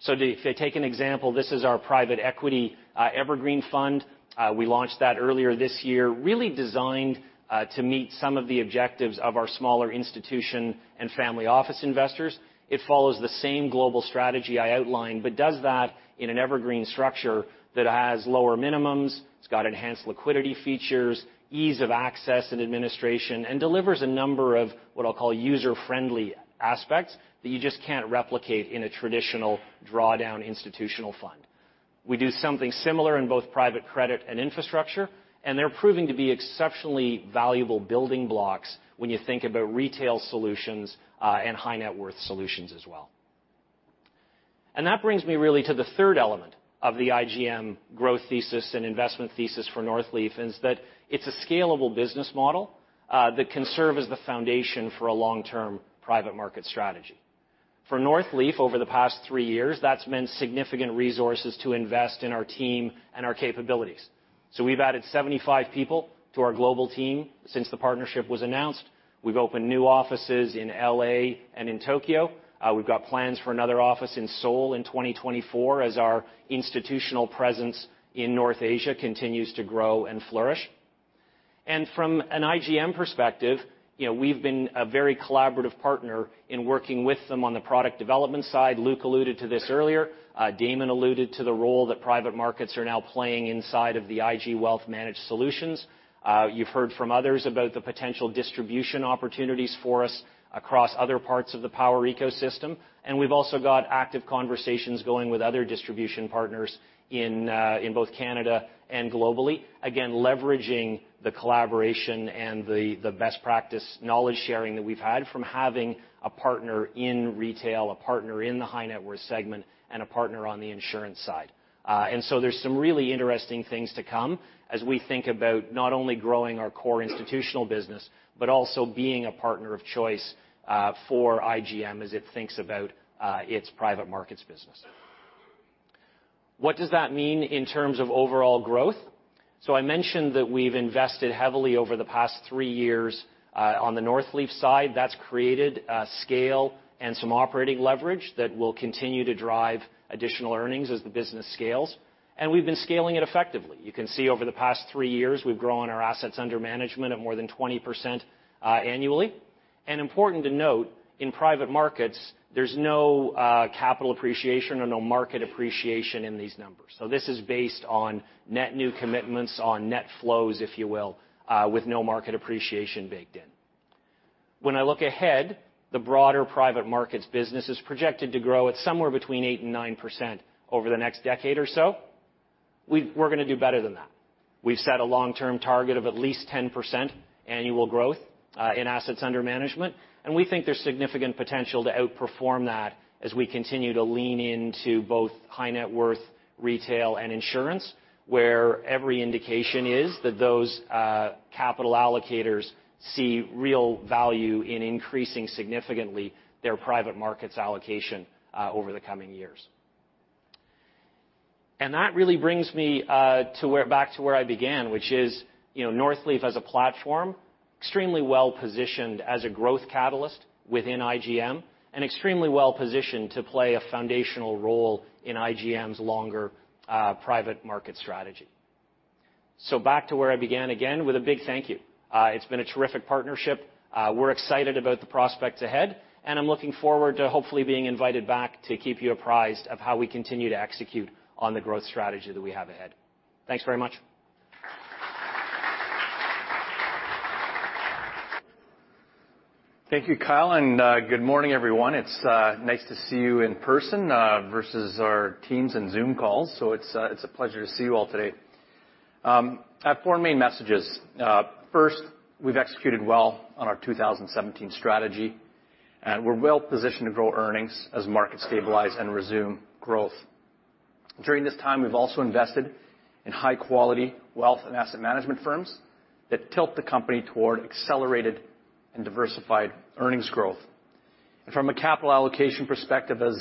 So if they take an example, this is our private equity Evergreen Fund. We launched that earlier this year, really designed to meet some of the objectives of our smaller institution and family office investors. It follows the same global strategy I outlined, but does that in an evergreen structure that has lower minimums. It's got enhanced liquidity features, ease of access and administration, and delivers a number of what I'll call user-friendly aspects that you just can't replicate in a traditional drawdown institutional fund. We do something similar in both private credit and infrastructure, and they're proving to be exceptionally valuable building blocks when you think about retail solutions and high-net-worth solutions as well. That brings me really to the third element of the IGM growth thesis and investment thesis for Northleaf: it's a scalable business model that can serve as the foundation for a long-term private market strategy. For Northleaf, over the past three years, that's meant significant resources to invest in our team and our capabilities. So we've added 75 people to our global team since the partnership was announced. We've opened new offices in L.A. and in Tokyo. We've got plans for another office in Seoul in 2024 as our institutional presence in North Asia continues to grow and flourish. And from an IGM perspective, you know, we've been a very collaborative partner in working with them on the product development side. Luke alluded to this earlier. Damon alluded to the role that private markets are now playing inside of the IG Wealth Management solutions. You've heard from others about the potential distribution opportunities for us across other parts of the Power ecosystem, and we've also got active conversations going with other distribution partners in, in both Canada and globally. Again, leveraging the collaboration and the best practice knowledge sharing that we've had from having a partner in retail, a partner in the high-net-worth segment, and a partner on the insurance side. And so there's some really interesting things to come as we think about not only growing our core institutional business, but also being a partner of choice, for IGM as it thinks about, its private markets business. What does that mean in terms of overall growth? So I mentioned that we've invested heavily over the past three years, on the Northleaf side. That's created a scale and some operating leverage that will continue to drive additional earnings as the business scales, and we've been scaling it effectively. You can see over the past three years, we've grown our assets under management of more than 20%, annually. Important to note, in private markets, there's no capital appreciation or no market appreciation in these numbers. So this is based on net new commitments, on net flows, if you will, with no market appreciation baked in. When I look ahead, the broader private markets business is projected to grow at somewhere between 8%-9% over the next decade or so. We're gonna do better than that. We've set a long-term target of at least 10% annual growth in assets under management, and we think there's significant potential to outperform that as we continue to lean into both high-net-worth, retail, and insurance, where every indication is that those capital allocators see real value in increasing significantly their private markets allocation over the coming years. That really brings me to where back to where I began, which is, you know, Northleaf as a platform, extremely well positioned as a growth catalyst within IGM, and extremely well positioned to play a foundational role in IGM's longer private market strategy. So back to where I began again, with a big thank you. It's been a terrific partnership. We're excited about the prospects ahead, and I'm looking forward to hopefully being invited back to keep you apprised of how we continue to execute on the growth strategy that we have ahead. Thanks very much. Thank you, Kyle, and good morning, everyone. It's nice to see you in person versus our Teams and Zoom calls, so it's a, it's a pleasure to see you all today. I have four main messages. First, we've executed well on our 2017 strategy, and we're well positioned to grow earnings as markets stabilize and resume growth. During this time, we've also invested in high quality wealth and asset management firms that tilt the company toward accelerated and diversified earnings growth. And from a capital allocation perspective, as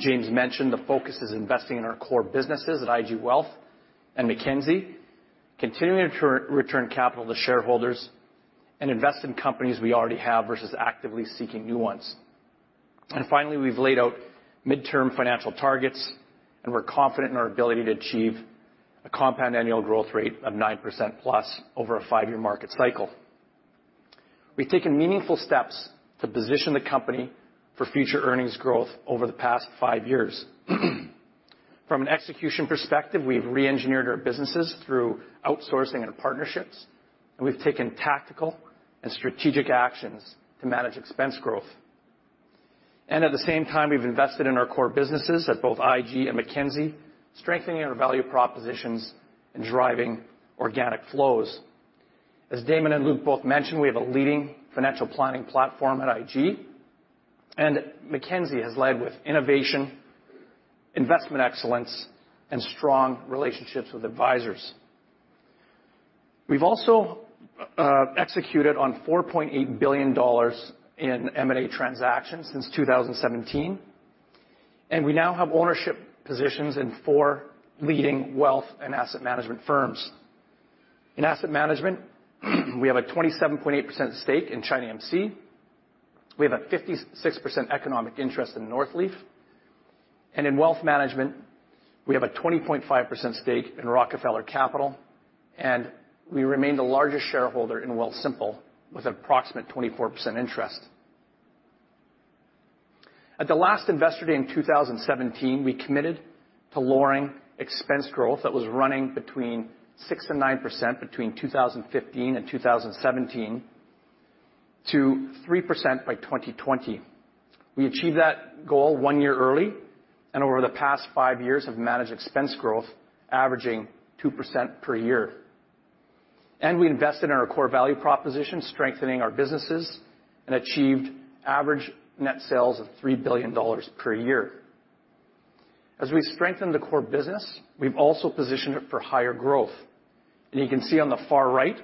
James mentioned, the focus is investing in our core businesses at IG Wealth and Mackenzie, continuing to return capital to shareholders, and invest in companies we already have versus actively seeking new ones. Finally, we've laid out mid-term financial targets, and we're confident in our ability to achieve a compound annual growth rate of 9%+ over a 5-year market cycle. We've taken meaningful steps to position the company for future earnings growth over the past 5 years. From an execution perspective, we've reengineered our businesses through outsourcing and partnerships, and we've taken tactical and strategic actions to manage expense growth. At the same time, we've invested in our core businesses at both IG and Mackenzie, strengthening our value propositions and driving organic flows. As Damon and Luke both mentioned, we have a leading financial planning platform at IG, and Mackenzie has led with innovation, investment excellence, and strong relationships with advisors. We've also executed on 4.8 billion dollars in M&A transactions since 2017, and we now have ownership positions in four leading wealth and asset management firms. In asset management, we have a 27.8% stake in ChinaAMC. We have a 56% economic interest in Northleaf, and in wealth management, we have a 20.5% stake in Rockefeller Capital, and we remain the largest shareholder in Wealthsimple with an approximate 24% interest. At the last Investor Day in 2017, we committed to lowering expense growth that was running between 6%-9% between 2015 and 2017, to 3% by 2020. We achieved that goal one year early, and over the past 5 years, have managed expense growth, averaging 2% per year. We invested in our core value proposition, strengthening our businesses, and achieved average net sales of 3 billion dollars per year. As we strengthen the core business, we've also positioned it for higher growth. You can see on the far right,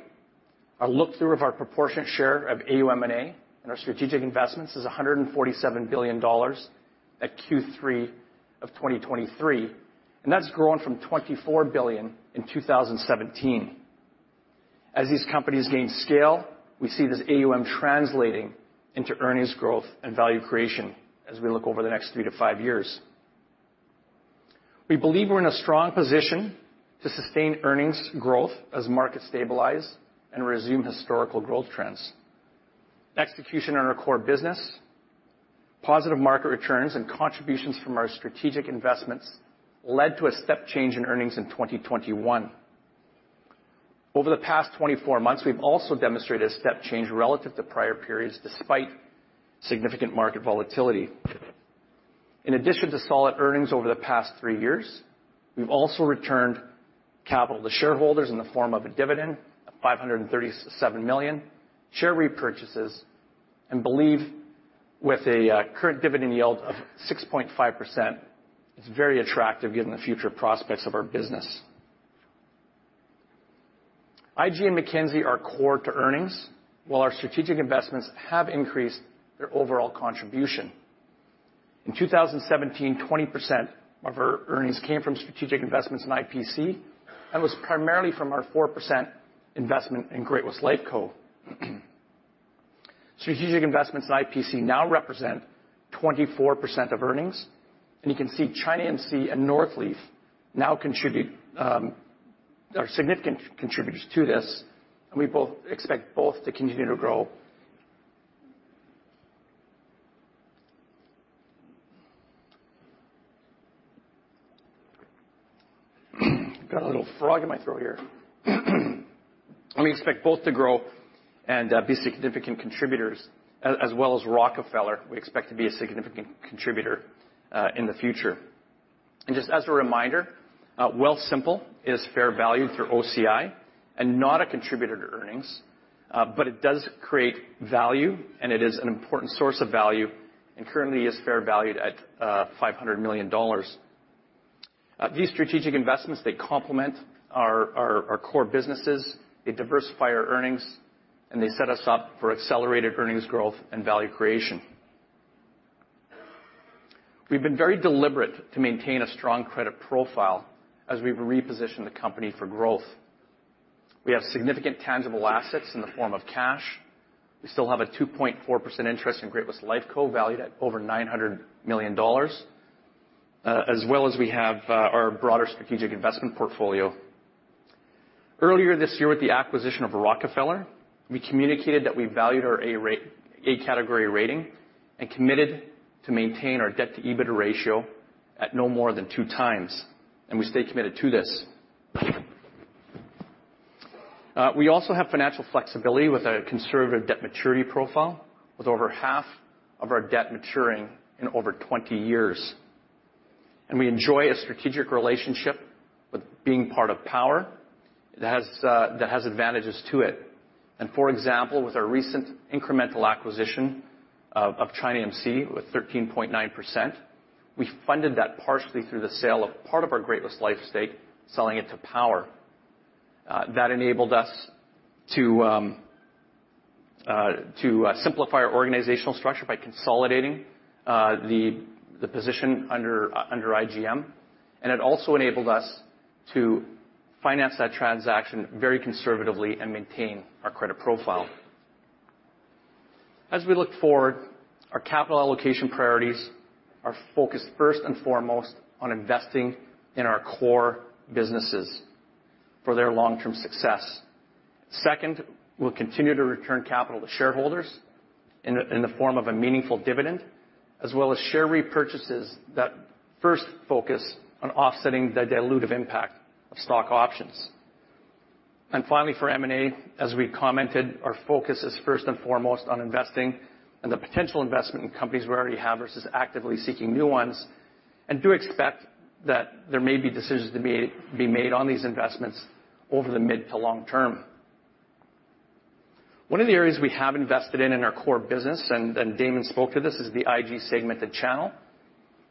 a look-through of our proportionate share of AUM&A, and our strategic investments is 147 billion dollars at Q3 of 2023, and that's grown from 24 billion in 2017. As these companies gain scale, we see this AUM translating into earnings growth and value creation as we look over the next 3-5 years. We believe we're in a strong position to sustain earnings growth as markets stabilize and resume historical growth trends. Execution on our core business, positive market returns, and contributions from our strategic investments led to a step change in earnings in 2021. Over the past 24 months, we've also demonstrated a step change relative to prior periods, despite significant market volatility. In addition to solid earnings over the past 3 years, we've also returned capital to shareholders in the form of a dividend of 537 million, share repurchases, and believe with a current dividend yield of 6.5%, it's very attractive given the future prospects of our business. IG and Mackenzie are core to earnings, while our strategic investments have increased their overall contribution. In 2017, 20% of our earnings came from strategic investments in IPC, and was primarily from our 4% investment in Great-West Lifeco. Strategic investments in IPC now represent 24% of earnings, and you can see ChinaAMC and Northleaf now contribute. are significant contributors to this, and we both expect both to continue to grow. Got a little frog in my throat here. We expect both to grow and be significant contributors, as well as Rockefeller, we expect to be a significant contributor in the future. And just as a reminder, Wealthsimple is fair valued through OCI and not a contributor to earnings, but it does create value, and it is an important source of value, and currently is fair valued at 500 million dollars. These strategic investments, they complement our core businesses, they diversify our earnings, and they set us up for accelerated earnings growth and value creation. We've been very deliberate to maintain a strong credit profile as we've repositioned the company for growth. We have significant tangible assets in the form of cash. We still have a 2.4% interest in Great-West Lifeco., valued at over 900 million dollars.... as well as we have, our broader strategic investment portfolio. Earlier this year, with the acquisition of Rockefeller, we communicated that we valued our A ra- A category rating, and committed to maintain our debt-to-EBITDA ratio at no more than 2x, and we stay committed to this. We also have financial flexibility with a conservative debt maturity profile, with over half of our debt maturing in over 20 years. We enjoy a strategic relationship with being part of Power that has, that has advantages to it. For example, with our recent incremental acquisition of, of ChinaAMC, with 13.9%, we funded that partially through the sale of part of our Great-West Life stake, selling it to Power. That enabled us to simplify our organizational structure by consolidating the position under IGM. And it also enabled us to finance that transaction very conservatively and maintain our credit profile. As we look forward, our capital allocation priorities are focused first and foremost on investing in our core businesses for their long-term success. Second, we'll continue to return capital to shareholders in the form of a meaningful dividend, as well as share repurchases that first focus on offsetting the dilutive impact of stock options. And finally, for M&A, as we commented, our focus is first and foremost on investing and the potential investment in companies we already have versus actively seeking new ones, and do expect that there may be decisions to be made on these investments over the mid to long term. One of the areas we have invested in, in our core business, and, and Damon spoke to this, is the IG segmented channel,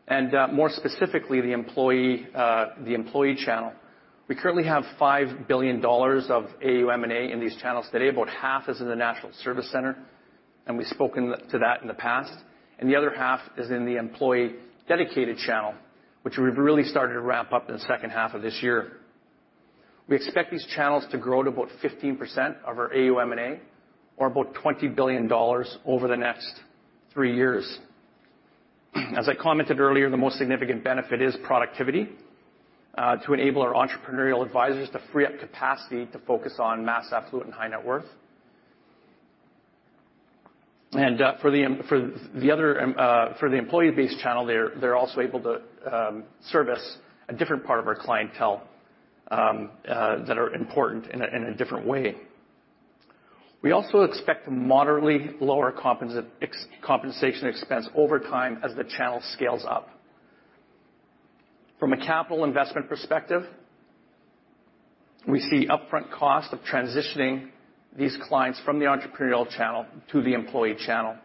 and, more specifically, the employee, the employee channel. We currently have 5 billion dollars of AUM&A in these channels today. About half is in the national service center, and we've spoken to that in the past, and the other half is in the employee dedicated channel, which we've really started to ramp up in the second half of this year. We expect these channels to grow to about 15% of our AUM&A, or about 20 billion dollars over the next three years. As I commented earlier, the most significant benefit is productivity, to enable our entrepreneurial advisors to free up capacity to focus on mass affluent and high-net-worth. For the other, for the employee-based channel, they're also able to service a different part of our clientele that are important in a different way. We also expect moderately lower compensation expense over time as the channel scales up. From a capital investment perspective, we see upfront cost of transitioning these clients from the entrepreneurial channel to the employee channel.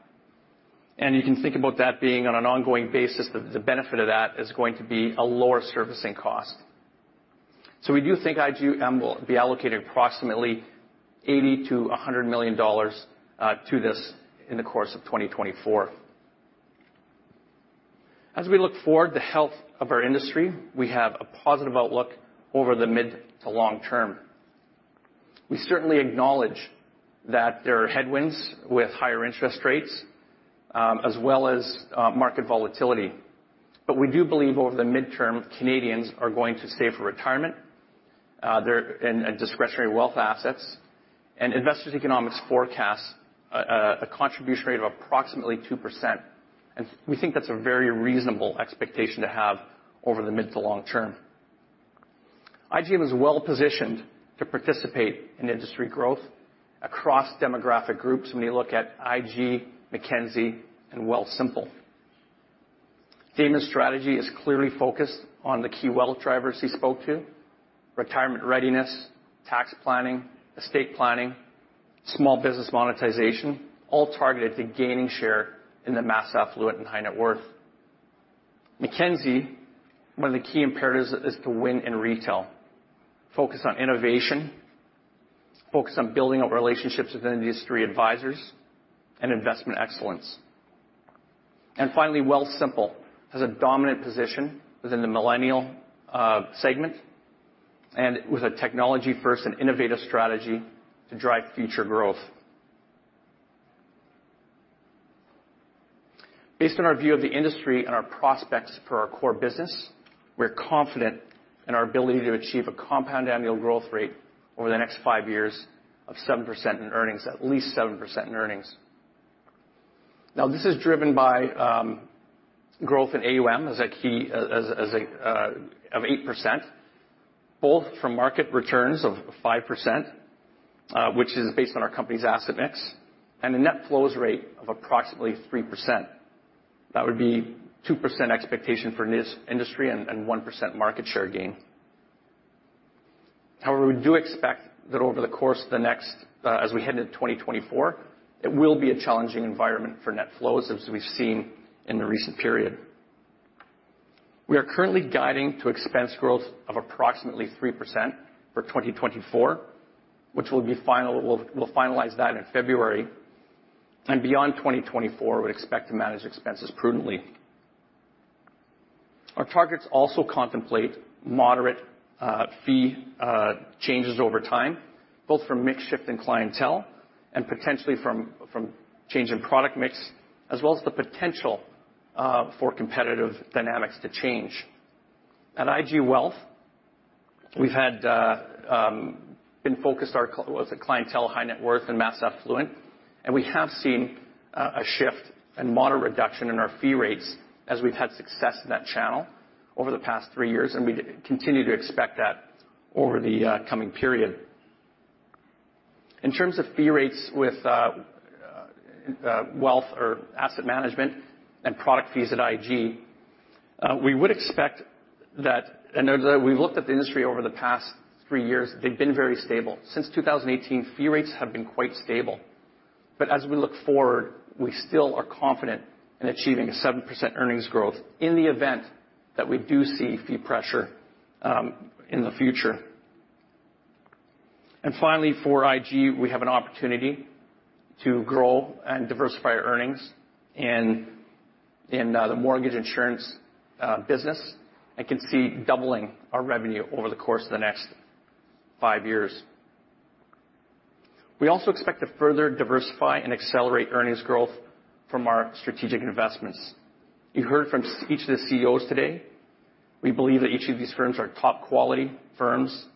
You can think about that being on an ongoing basis, the benefit of that is going to be a lower servicing cost. So we do think IGM will be allocated approximately 80 million-100 million dollars to this in the course of 2024. As we look forward, the health of our industry, we have a positive outlook over the mid to long term. We certainly acknowledge that there are headwinds with higher interest rates, as well as, market volatility. But we do believe over the mid-term, Canadians are going to save for retirement, their and discretionary wealth assets. Investor Economics forecasts a contribution rate of approximately 2%, and we think that's a very reasonable expectation to have over the mid to long term. IGM is well positioned to participate in industry growth across demographic groups when you look at IG, Mackenzie, and Wealthsimple. Damon's strategy is clearly focused on the key wealth drivers he spoke to: retirement readiness, tax planning, estate planning, small business monetization, all targeted to gaining share in the mass affluent and high-net-worth. Mackenzie, one of the key imperatives is to win in retail, focus on innovation, focus on building up relationships within the industry, advisors, and investment excellence. Finally, Wealthsimple has a dominant position within the millennial segment, and with a technology-first and innovative strategy to drive future growth. Based on our view of the industry and our prospects for our core business, we're confident in our ability to achieve a compound annual growth rate over the next 5 years of 7% in earnings, at least 7% in earnings. Now, this is driven by growth in AUM as a key of 8%, both from market returns of 5%, which is based on our company's asset mix, and a net flows rate of approximately 3%. That would be 2% expectation for industry and 1% market share gain. However, we do expect that over the course of the next, as we head into 2024, it will be a challenging environment for net flows, as we've seen in the recent period. We are currently guiding to expense growth of approximately 3% for 2024, which will be final... We'll, we'll finalize that in February, and beyond 2024, we expect to manage expenses prudently. Our targets also contemplate moderate, fee, changes over time.... both from mix shift and clientele, and potentially from, from change in product mix, as well as the potential, for competitive dynamics to change. At IG Wealth, we've been focused with the clientele, high-net-worth and mass affluent, and we have seen a shift and moderate reduction in our fee rates as we've had success in that channel over the past three years, and we continue to expect that over the coming period. In terms of fee rates with wealth or asset management and product fees at IG, we would expect that. Although we've looked at the industry over the past three years, they've been very stable. Since 2018, fee rates have been quite stable. But as we look forward, we still are confident in achieving 7% earnings growth in the event that we do see fee pressure in the future. And finally, for IG, we have an opportunity to grow and diversify our earnings in the mortgage insurance business, and can see doubling our revenue over the course of the next 5 years. We also expect to further diversify and accelerate earnings growth from our strategic investments. You heard from each of the CEOs today. We believe that each of these firms are top-quality firms.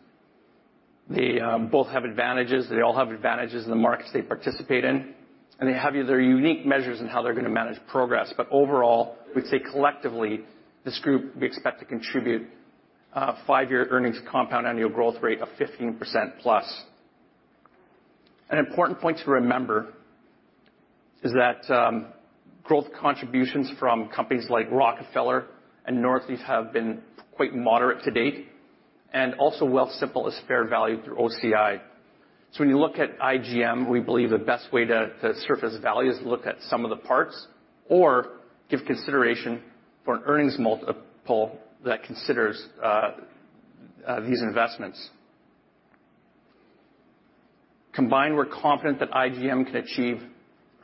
They both have advantages. They all have advantages in the markets they participate in, and they have their unique measures in how they're going to manage progress. But overall, we'd say collectively, this group, we expect to contribute five-year earnings compound annual growth rate of 15%+. An important point to remember is that growth contributions from companies like Rockefeller and Northleaf have been quite moderate to date, and also Wealthsimple is fair valued through OCI. So when you look at IGM, we believe the best way to surface value is to look at some of the parts or give consideration for an earnings multiple that considers these investments. Combined, we're confident that IGM can achieve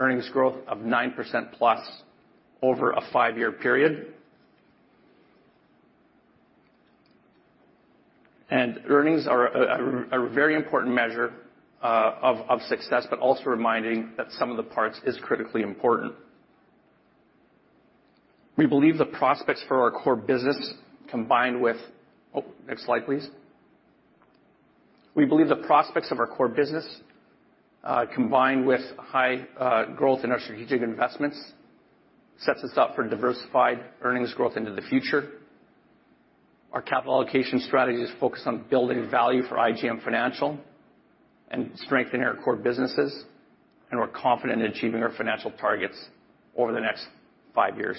earnings growth of 9%+ over a five-year period. And earnings are a very important measure of success but also reminding that some of the parts is critically important. We believe the prospects for our core business, combined with... Oh, next slide, please. We believe the prospects of our core business combined with high growth in our strategic investments sets us up for diversified earnings growth into the future. Our capital allocation strategy is focused on building value for IGM Financial and strengthening our core businesses, and we're confident in achieving our financial targets over the next 5 years.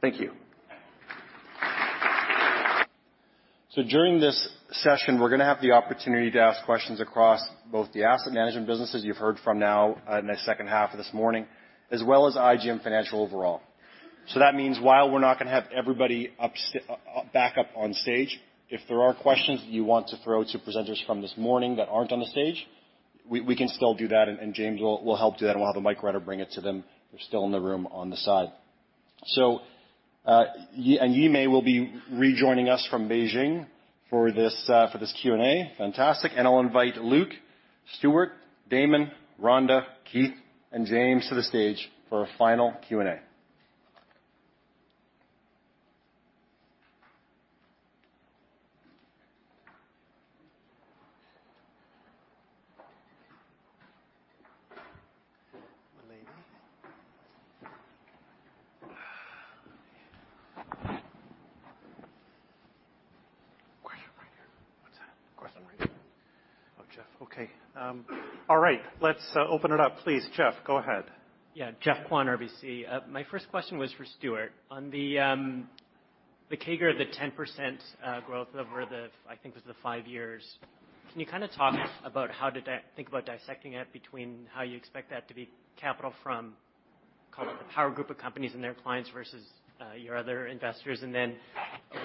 Thank you. So during this session, we're going to have the opportunity to ask questions across both the asset management businesses you've heard from now in the second half of this morning, as well as IGM Financial overall. So that means while we're not going to have everybody back up on stage, if there are questions that you want to throw to presenters from this morning that aren't on the stage, we can still do that, and James will help do that, and we'll have a mic runner bring it to them. They're still in the room on the side. So Yimei will be rejoining us from Beijing for this Q&A. Fantastic. And I'll invite Luke, Stuart, Damon, Rhonda, Keith, and James to the stage for a final Q&A. My lady. Question writer. What's that? Question writer. Oh, Geoff. Okay. All right, let's open it up, please. Geoff, go ahead. Yeah. Geoff Kwan, RBC. My first question was for Stuart. On the CAGR, the 10% growth over the, I think it was the 5 years, can you kind of talk about how to think about dissecting it between how you expect that to be capital from kind of the Power group of companies and their clients versus your other investors? And then,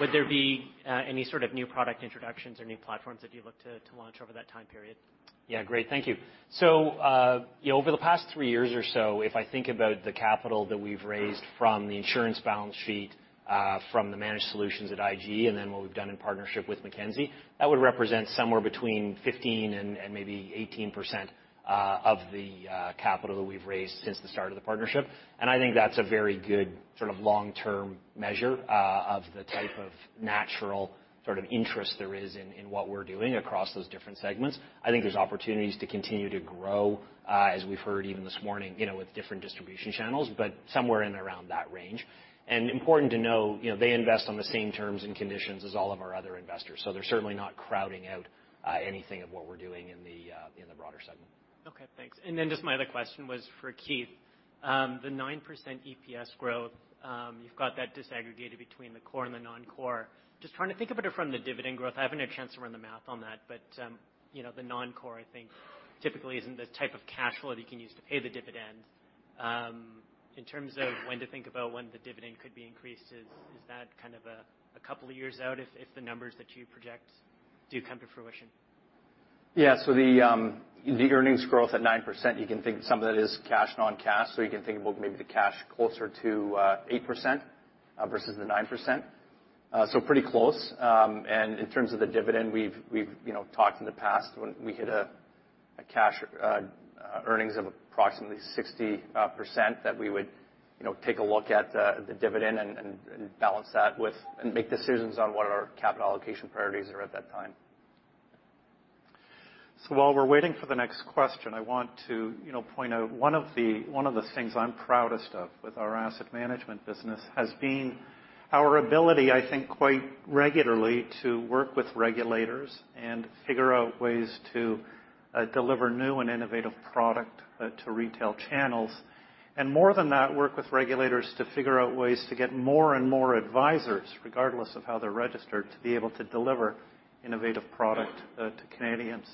would there be any sort of new product introductions or new platforms that you look to to launch over that time period? Yeah, great. Thank you. So, over the past three years or so, if I think about the capital that we've raised from the insurance balance sheet, from the managed solutions at IG, and then what we've done in partnership with Mackenzie, that would represent somewhere between 15% and maybe 18% of the capital that we've raised since the start of the partnership. And I think that's a very good sort of long-term measure of the type of natural sort of interest there is in what we're doing across those different segments. I think there's opportunities to continue to grow, as we've heard even this morning, you know, with different distribution channels, but somewhere in and around that range. Important to know, you know, they invest on the same terms and conditions as all of our other investors, so they're certainly not crowding out anything of what we're doing in the broader segment. Okay, thanks. And then just my other question was for Keith. The 9% EPS growth, you've got that disaggregated between the core and the non-core. Just trying to think about it from the dividend growth. I haven't had a chance to run the math on that, but, you know, the non-core, I think, typically isn't the type of cash flow that you can use to pay the dividend. In terms of when to think about when the dividend could be increased, is that kind of a couple of years out if the numbers that you project do come to fruition? Yeah. So the earnings growth at 9%, you can think some of that is cash, non-cash, so you can think about maybe the cash closer to 8%, versus the 9%. ... so pretty close. And in terms of the dividend, we've, we've, you know, talked in the past when we hit a, a cash earnings of approximately 60%, that we would, you know, take a look at the dividend and, and, and balance that with-- and make decisions on what our capital allocation priorities are at that time. So while we're waiting for the next question, I want to, you know, point out one of the, one of the things I'm proudest of with our asset management business has been our ability, I think, quite regularly, to work with regulators and figure out ways to deliver new and innovative product to retail channels. And more than that, work with regulators to figure out ways to get more and more advisors, regardless of how they're registered, to be able to deliver innovative product to Canadians.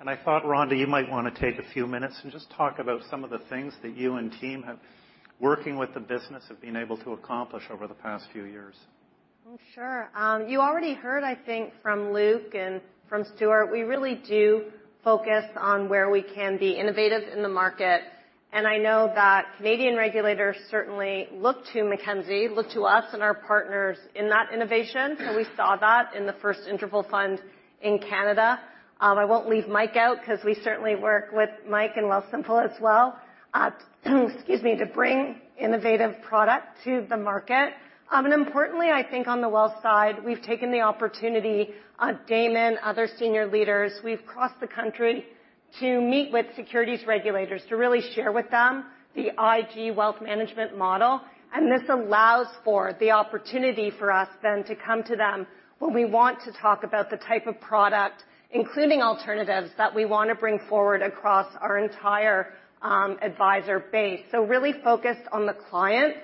And I thought, Rhonda, you might want to take a few minutes and just talk about some of the things that you and team have, working with the business, have been able to accomplish over the past few years. Sure. You already heard, I think, from Luke and from Stuart, we really do focus on where we can be innovative in the market, and I know that Canadian regulators certainly look to Mackenzie, look to us and our partners in that innovation, and we saw that in the first interval fund in Canada. I won't leave Mike out, 'cause we certainly work with Mike and Wealthsimple as well, excuse me, to bring innovative product to the market. Importantly, I think on the wealth side, we've taken the opportunity, Damon, other senior leaders, we've crossed the country to meet with securities regulators to really share with them the IG Wealth Management model. And this allows for the opportunity for us then to come to them when we want to talk about the type of product, including alternatives, that we want to bring forward across our entire advisor base. So really focused on the client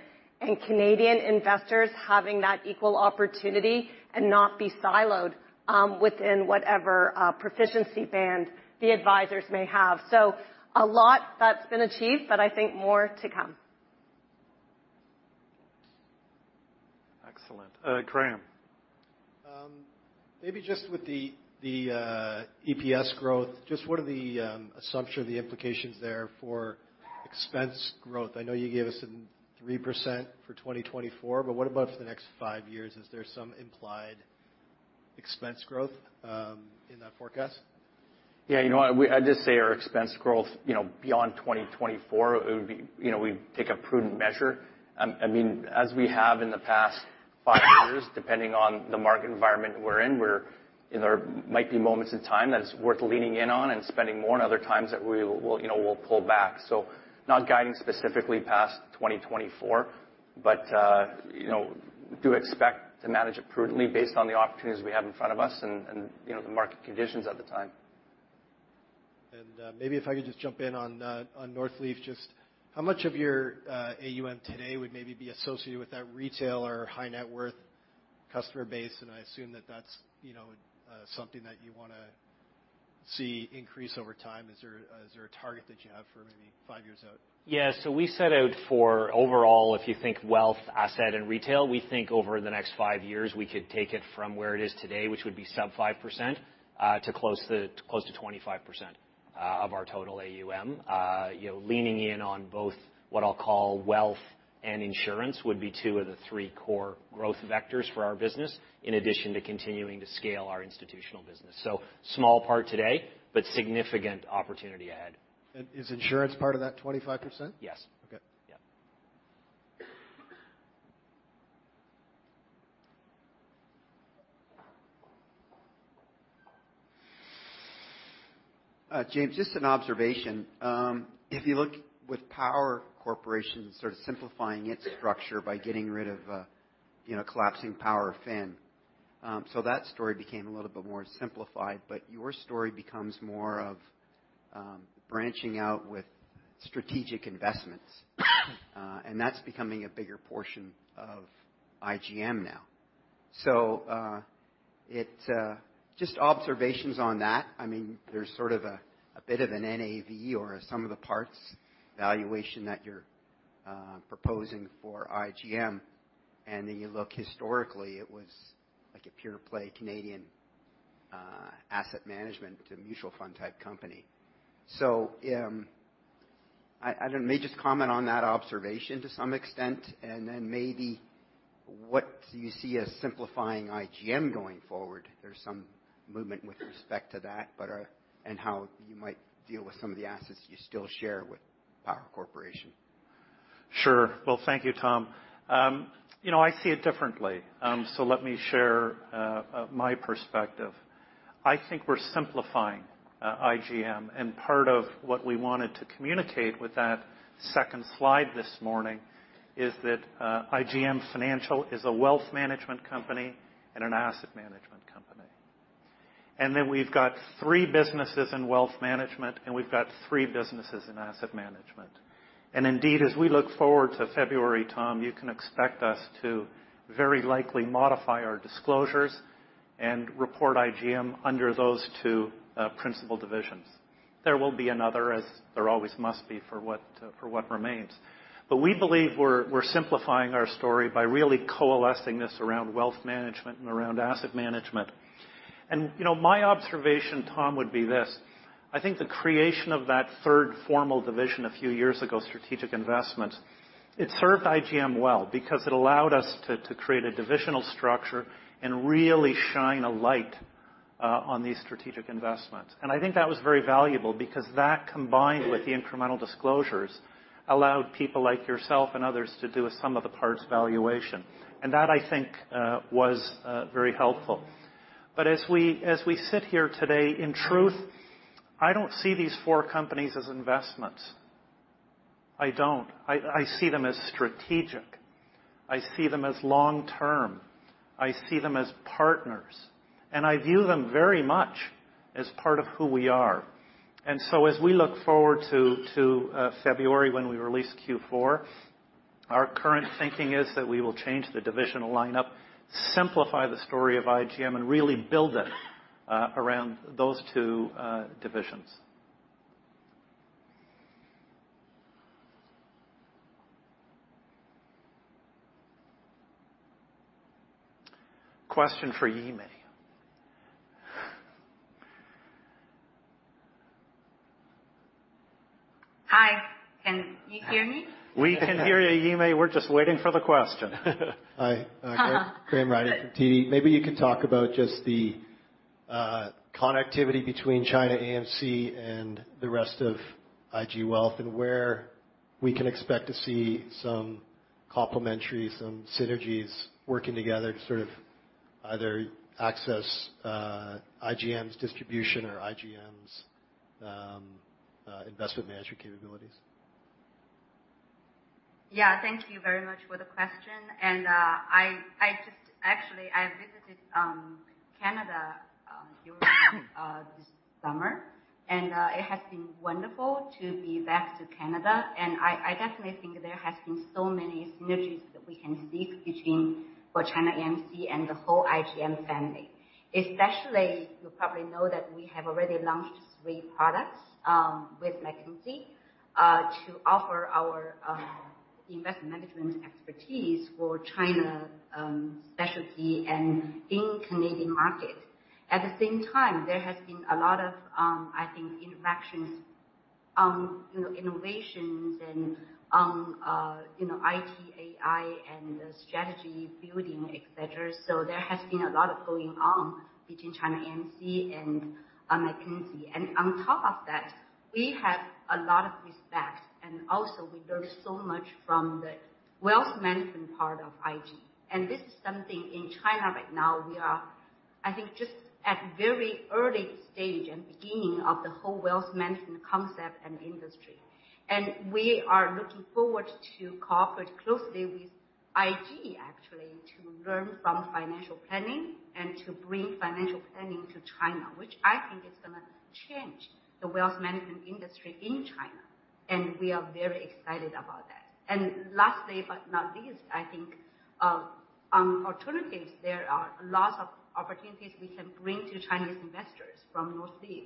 and Canadian investors having that equal opportunity and not be siloed within whatever proficiency band the advisors may have. So a lot that's been achieved, but I think more to come. Excellent. Graham? Maybe just with the EPS growth, just what are the assumption or the implications there for expense growth? I know you gave us some 3% for 2024, but what about for the next 5 years? Is there some implied expense growth in that forecast? Yeah, you know what? I'd just say our expense growth, you know, beyond 2024, it would be... You know, we take a prudent measure. I mean, as we have in the past 5 years, depending on the market environment we're in, we're, you know, there might be moments in time that it's worth leaning in on and spending more, and other times that we will, you know, we'll pull back. So not guiding specifically past 2024, but, you know, do expect to manage it prudently based on the opportunities we have in front of us and, and, you know, the market conditions at the time. Maybe if I could just jump in on Northleaf, just how much of your AUM today would maybe be associated with that retail or high-net-worth customer base? I assume that that's, you know, something that you wanna see increase over time. Is there a target that you have for maybe 5 years out? Yeah, so we set out for overall, if you think wealth, asset, and retail, we think over the next 5 years, we could take it from where it is today, which would be sub 5%, to close to, close to 25%, of our total AUM. You know, leaning in on both, what I'll call wealth and insurance, would be two of the three core growth vectors for our business, in addition to continuing to scale our institutional business. So small part today, but significant opportunity ahead. Is insurance part of that 25%? Yes. Okay. Yeah. James, just an observation. If you look with Power Corporation sort of simplifying its structure by getting rid of, you know, collapsing Power Financial. So that story became a little bit more simplified, but your story becomes more of, branching out with strategic investments, and that's becoming a bigger portion of IGM now. So, it... Just observations on that, I mean, there's sort of a bit of an NAV or a sum of the parts valuation that you're proposing for IGM. And then you look historically, it was like a pure play, Canadian asset management to mutual fund type company. So, I don't-- maybe just comment on that observation to some extent, and then maybe what you see as simplifying IGM going forward. There's some movement with respect to that, but, and how you might deal with some of the assets you still share with Power Corporation. Sure. Well, thank you, Tom. You know, I see it differently, so let me share my perspective. I think we're simplifying IGM, and part of what we wanted to communicate with that second slide this morning is that IGM Financial is a wealth management company and an asset management company. And then we've got three businesses in wealth management, and we've got three businesses in asset management. And indeed, as we look forward to February, Tom, you can expect us to very likely modify our disclosures and report IGM under those two principal divisions. There will be another, as there always must be, for what remains. But we believe we're simplifying our story by really coalescing this around wealth management and around asset management.... And, you know, my observation, Tom, would be this: I think the creation of that third formal division a few years ago, Strategic Investments, it served IGM well because it allowed us to, to create a divisional structure and really shine a light on these strategic investments. And I think that was very valuable because that, combined with the incremental disclosures, allowed people like yourself and others to do a sum of the parts valuation. And that, I think, was very helpful. But as we, as we sit here today, in truth, I don't see these four companies as investments. I don't. I, I see them as strategic. I see them as long term. I see them as partners, and I view them very much as part of who we are. And so as we look forward to February, when we release Q4, our current thinking is that we will change the divisional lineup, simplify the story of IGM, and really build it around those two divisions. Question for Yimei. Hi, can you hear me? We can hear you, Yimei. We're just waiting for the question. Hi. Uh-huh. Graham Ryding from TD. Maybe you can talk about just the connectivity between ChinaAMC and the rest of IG Wealth, and where we can expect to see some complementary, some synergies working together to sort of either access IGM's distribution or IGM's investment management capabilities. Yeah, thank you very much for the question, and, I, I just... Actually, I visited Canada during this summer, and, it has been wonderful to be back to Canada. And I definitely think there has been so many synergies that we can see between both ChinaAMC and the whole IGM family. Especially, you probably know that we have already launched three products with Mackenzie to offer our investment management expertise for China specialty and in Canadian market. At the same time, there has been a lot of, I think, interactions, you know, innovations and, you know, IT, AI, and strategy building, et cetera. So there has been a lot going on between ChinaAMC and Mackenzie. And on top of that, we have a lot of respect, and also we learn so much from the wealth management part of IG. And this is something in China right now, we are, I think, just at very early stage and beginning of the whole wealth management concept and industry. And we are looking forward to cooperate closely with IG, actually, to learn from financial planning and to bring financial planning to China, which I think is gonna change the wealth management industry in China, and we are very excited about that. And lastly, but not least, I think, alternatives, there are a lot of opportunities we can bring to Chinese investors from Northleaf.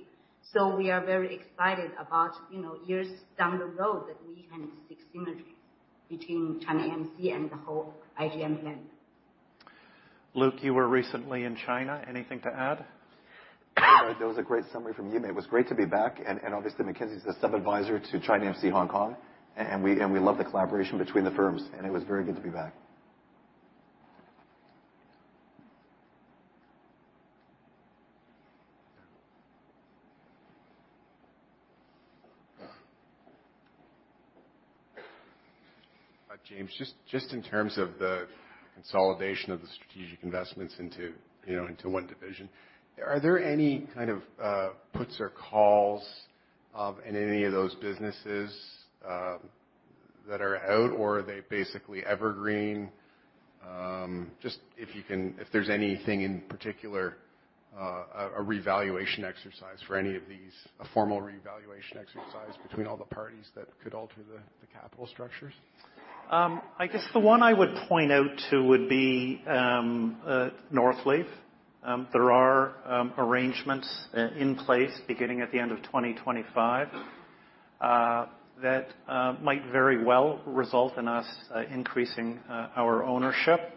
So we are very excited about, you know, years down the road, that we can see synergies between ChinaAMC and the whole IGM family. Luke, you were recently in China. Anything to add? That was a great summary from Yimei. It was great to be back, and obviously, Mackenzie is the sub-advisor to ChinaAMC Hong Kong, and we love the collaboration between the firms, and it was very good to be back. James, just, just in terms of the consolidation of the strategic investments into, you know, into one division, are there any kind of puts or calls in any of those businesses that are out, or are they basically evergreen? Just if you can—if there's anything in particular, a revaluation exercise for any of these, a formal revaluation exercise between all the parties that could alter the capital structures? I guess the one I would point out to would be Northleaf. There are arrangements in place beginning at the end of 2025 that might very well result in us increasing our ownership.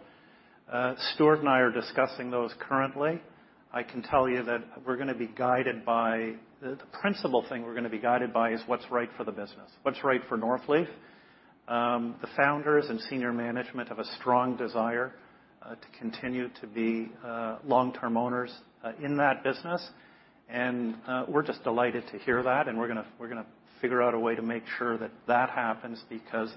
Stuart and I are discussing those currently. I can tell you that we're gonna be guided by... The principal thing we're gonna be guided by is what's right for the business, what's right for Northleaf. The founders and senior management have a strong desire to continue to be long-term owners in that business. And we're just delighted to hear that, and we're gonna figure out a way to make sure that that happens, because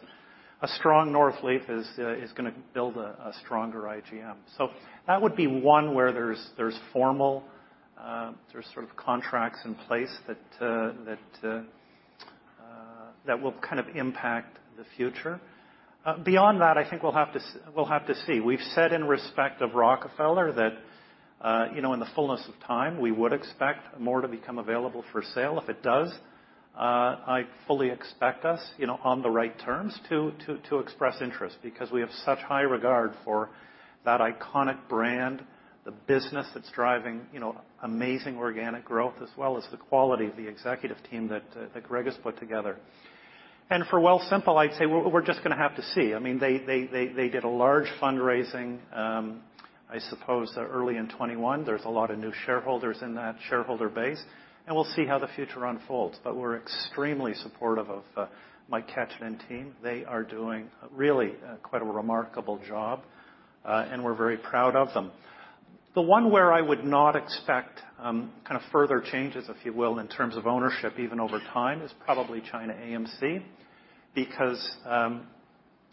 a strong Northleaf is gonna build a stronger IGM. So that would be one where there's formal, there's sort of contracts in place that that will kind of impact the future. Beyond that, I think we'll have to see. We've said in respect of Rockefeller that, you know, in the fullness of time, we would expect more to become available for sale. If it does, I fully expect us, you know, on the right terms, to express interest, because we have such high regard for that iconic brand, the business that's driving, you know, amazing organic growth, as well as the quality of the executive team that Greg has put together. And for Wealthsimple, I'd say we're just gonna have to see. I mean, they did a large fundraising, I suppose, early in 2021. There's a lot of new shareholders in that shareholder base, and we'll see how the future unfolds. But we're extremely supportive of Mike Catchen and team. They are doing really quite a remarkable job, and we're very proud of them. The one where I would not expect kind of further changes, if you will, in terms of ownership, even over time, is probably ChinaAMC. Because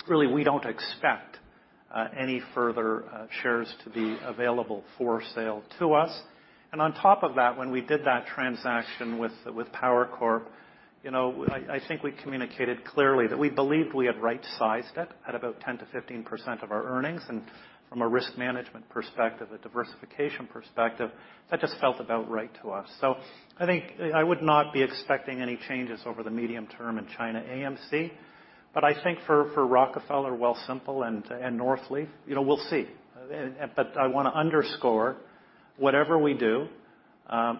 really, we don't expect any further shares to be available for sale to us. And on top of that, when we did that transaction with Power Corp, you know, I think we communicated clearly that we believed we had right-sized it at about 10%-15% of our earnings. And from a risk management perspective, a diversification perspective, that just felt about right to us. So I think I would not be expecting any changes over the medium term in ChinaAMC. But I think for Rockefeller, Wealthsimple, and Northleaf, you know, we'll see. But I wanna underscore, whatever we do,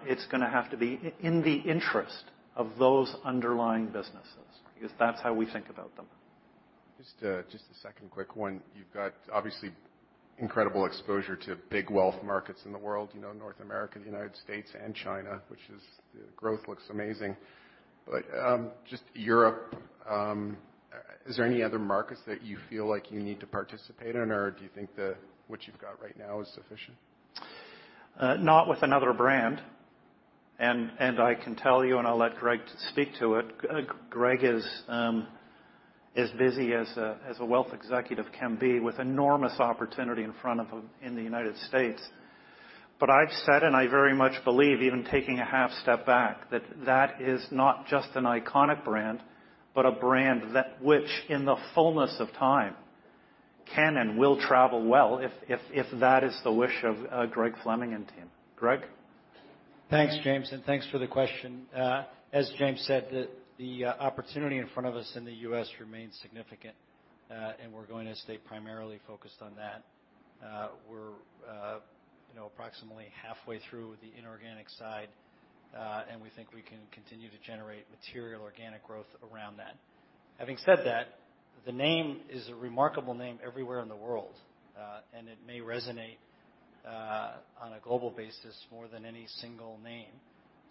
it's gonna have to be in the interest of those underlying businesses, because that's how we think about them. Just a second quick one. You've got obviously incredible exposure to big wealth markets in the world, you know, North America, the United States, and China, which is... The growth looks amazing. But just Europe, is there any other markets that you feel like you need to participate in, or do you think that what you've got right now is sufficient? Not with another brand. And I can tell you, and I'll let Greg speak to it. Greg is as busy as a wealth executive can be, with enormous opportunity in front of him in the United States. But I've said, and I very much believe, even taking a half step back, that that is not just an iconic brand, but a brand that which, in the fullness of time, can and will travel well if that is the wish of Greg Fleming and team. Greg? Thanks, James, and thanks for the question. As James said, the opportunity in front of us in the U.S. remains significant, and we're going to stay primarily focused on that. We're, you know, approximately halfway through the inorganic side, and we think we can continue to generate material organic growth around that. Having said that, the name is a remarkable name everywhere in the world, and it may resonate on a global basis more than any single name.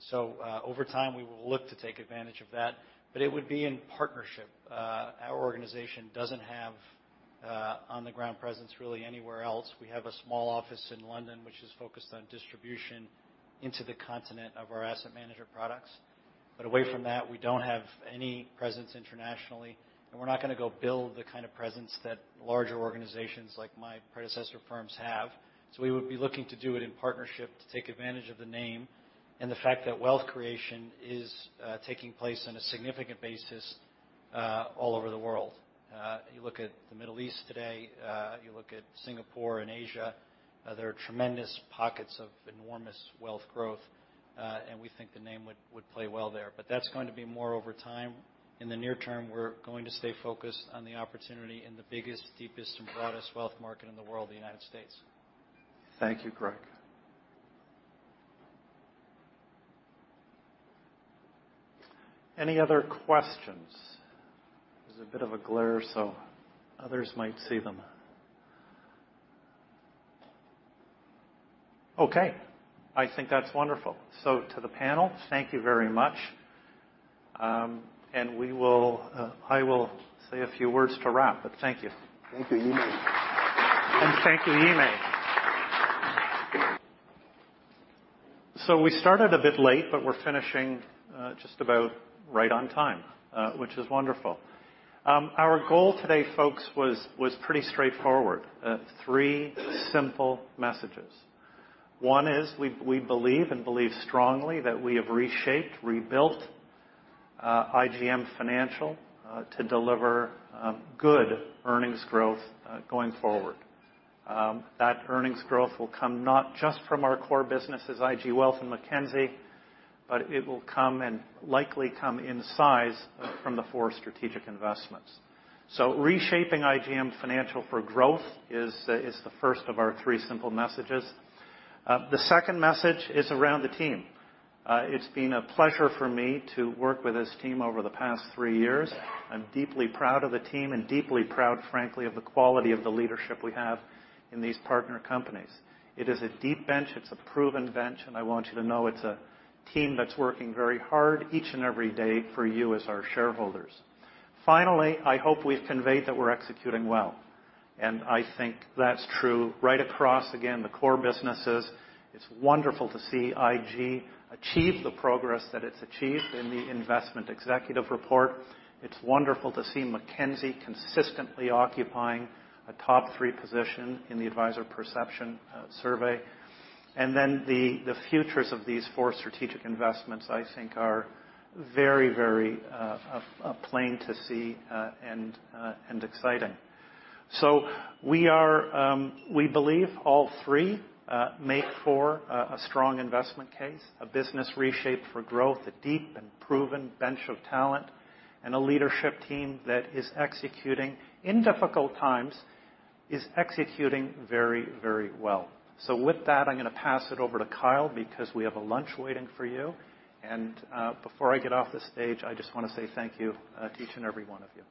So, over time, we will look to take advantage of that, but it would be in partnership. Our organization doesn't have on-the-ground presence really anywhere else. We have a small office in London, which is focused on distribution into the continent of our asset manager products. But away from that, we don't have any presence internationally, and we're not gonna go build the kind of presence that larger organizations, like my predecessor firms, have. So we would be looking to do it in partnership to take advantage of the name and the fact that wealth creation is taking place on a significant basis all over the world. You look at the Middle East today, you look at Singapore and Asia, there are tremendous pockets of enormous wealth growth, and we think the name would, would play well there. But that's going to be more over time. In the near term, we're going to stay focused on the opportunity in the biggest, deepest, and broadest wealth market in the world, the United States. Thank you, Greg. Any other questions? There's a bit of a glare, so others might see them. Okay, I think that's wonderful. So to the panel, thank you very much. And we will, I will say a few words to wrap, but thank you. Thank you, Yimei. Thank you, Yimei. We started a bit late, but we're finishing just about right on time, which is wonderful. Our goal today, folks, was pretty straightforward. Three simple messages. One is, we believe and believe strongly that we have reshaped, rebuilt IGM Financial to deliver good earnings growth going forward. That earnings growth will come not just from our core businesses, IG Wealth and Mackenzie, but it will come and likely come in size from the four strategic investments. Reshaping IGM Financial for growth is the first of our three simple messages. The second message is around the team. It's been a pleasure for me to work with this team over the past three years. I'm deeply proud of the team and deeply proud, frankly, of the quality of the leadership we have in these partner companies. It is a deep bench, it's a proven bench, and I want you to know it's a team that's working very hard each and every day for you as our shareholders. Finally, I hope we've conveyed that we're executing well, and I think that's true right across, again, the core businesses. It's wonderful to see IG achieve the progress that it's achieved in the Investment Executive report. It's wonderful to see Mackenzie consistently occupying a top three position in the Advisor Perception Survey. And then the futures of these four strategic investments, I think, are very, very plain to see, and exciting. We believe all three make for a strong investment case, a business reshaped for growth, a deep and proven bench of talent, and a leadership team that is executing in difficult times, is executing very, very well. With that, I'm gonna pass it over to Kyle because we have a lunch waiting for you. Before I get off the stage, I just want to say thank you to each and every one of you.